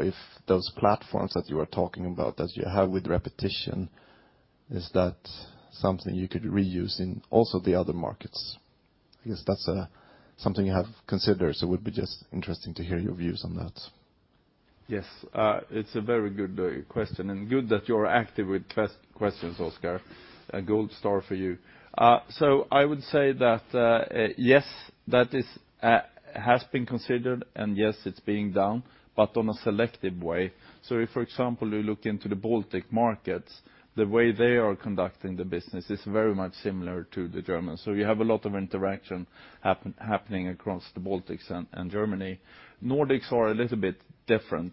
If those platforms that you are talking about as you have with repetition, is that something you could reuse in also the other markets? I guess that's something you have considered, so it would be just interesting to hear your views on that. Yes. It's a very good question, and good that you're active with questions, Oskar. A gold star for you. I would say that, yes, that has been considered, and yes, it's being done, but on a selective way. If, for example, you look into the Baltic markets, the way they are conducting the business is very much similar to the Germans. You have a lot of interaction happening across the Baltics and Germany. Nordics are a little bit different.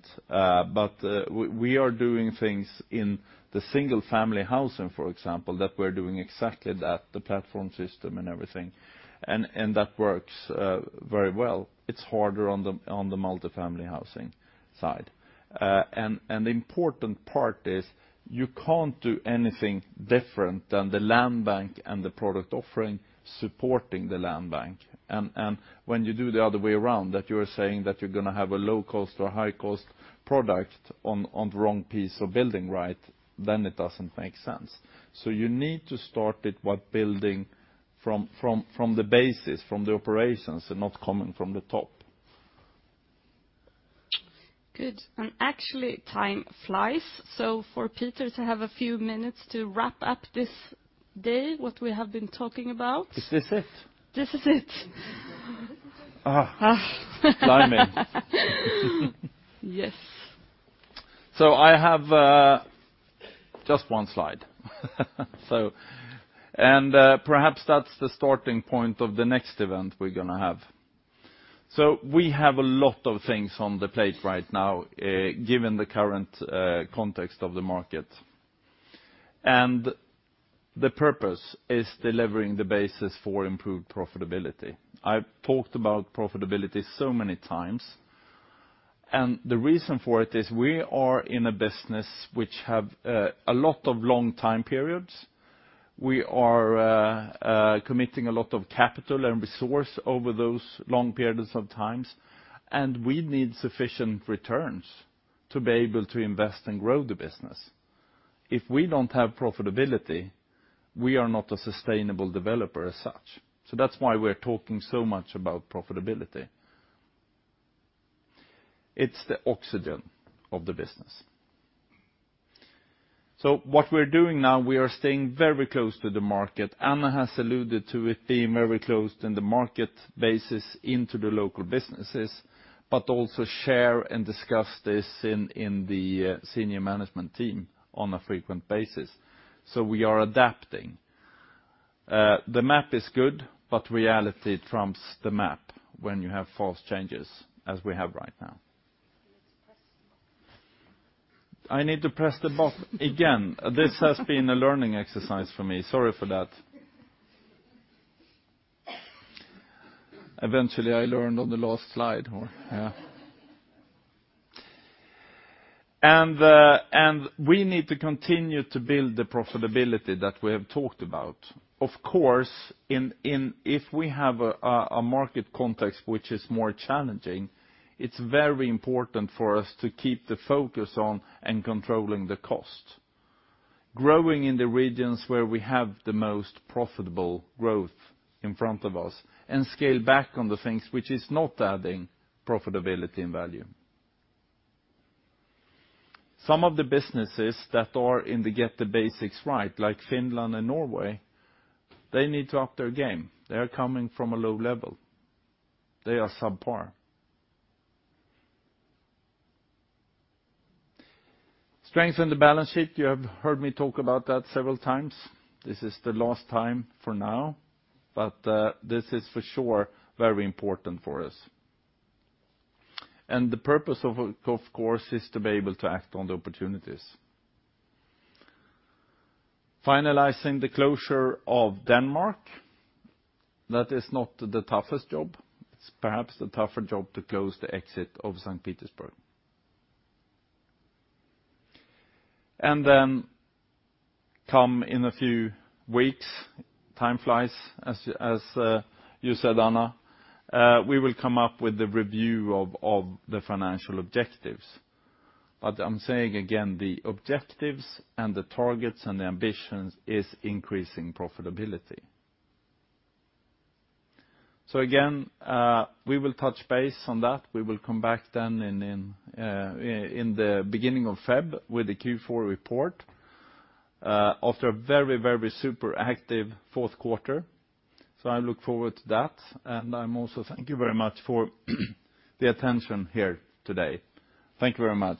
We are doing things in the single-family housing, for example, that we're doing exactly that, the platform system and everything. That works very well. It's harder on the multifamily housing side. The important part is you can't do anything different than the land bank and the product offering supporting the land bank. When you do the other way around, that you're gonna have a low cost or high cost product on the wrong piece of building, right? It doesn't make sense. You need to start it with building from the basis, from the operations, and not coming from the top. Good. Actually, time flies, so for Peter to have a few minutes to wrap up this day, what we have been talking about. Is this it? This is it. Ah. Ah. Blimey. Yes. I have just one slide. Perhaps that's the starting point of the next event we're gonna have. We have a lot of things on the plate right now, given the current context of the market. The purpose is delivering the basis for improved profitability. I've talked about profitability so many times, and the reason for it is we are in a business which have a lot of long time periods. We are committing a lot of capital and resource over those long periods of times, and we need sufficient returns to be able to invest and grow the business. If we don't have profitability, we are not a sustainable developer as such. That's why we're talking so much about profitability. It's the oxygen of the business. What we're doing now, we are staying very close to the market. Anna has alluded to it being very close in the market basis into the local businesses, but also share and discuss this in the senior management team on a frequent basis. We are adapting. The map is good, but reality trumps the map when you have fast changes as we have right now. You need to press the button. I need to press the button again. This has been a learning exercise for me. Sorry for that. Eventually, I learned on the last slide more. Yeah. We need to continue to build the profitability that we have talked about. Of course, if we have a market context which is more challenging, it's very important for us to keep the focus on and controlling the cost. Growing in the regions where we have the most profitable growth in front of us and scale back on the things which is not adding profitability and value. Some of the businesses that are in the get the basics right, like Finland and Norway, they need to up their game. They are coming from a low level. They are subpar. Strength in the balance sheet, you have heard me talk about that several times. This is the last time for now, but this is for sure very important for us. The purpose of course is to be able to act on the opportunities. Finalizing the closure of Denmark, that is not the toughest job. It's perhaps the tougher job to close the exit of St. Petersburg. Then come in a few weeks, time flies, as you said, Anna, we will come up with the review of the financial objectives. I'm saying again, the objectives and the targets and the ambitions is increasing profitability. Again, we will touch base on that. We will come back then in the beginning of Feb with the Q4 report, after a very super active fourth quarter. I look forward to that. I must also thank you very much for the attention here today. Thank you very much.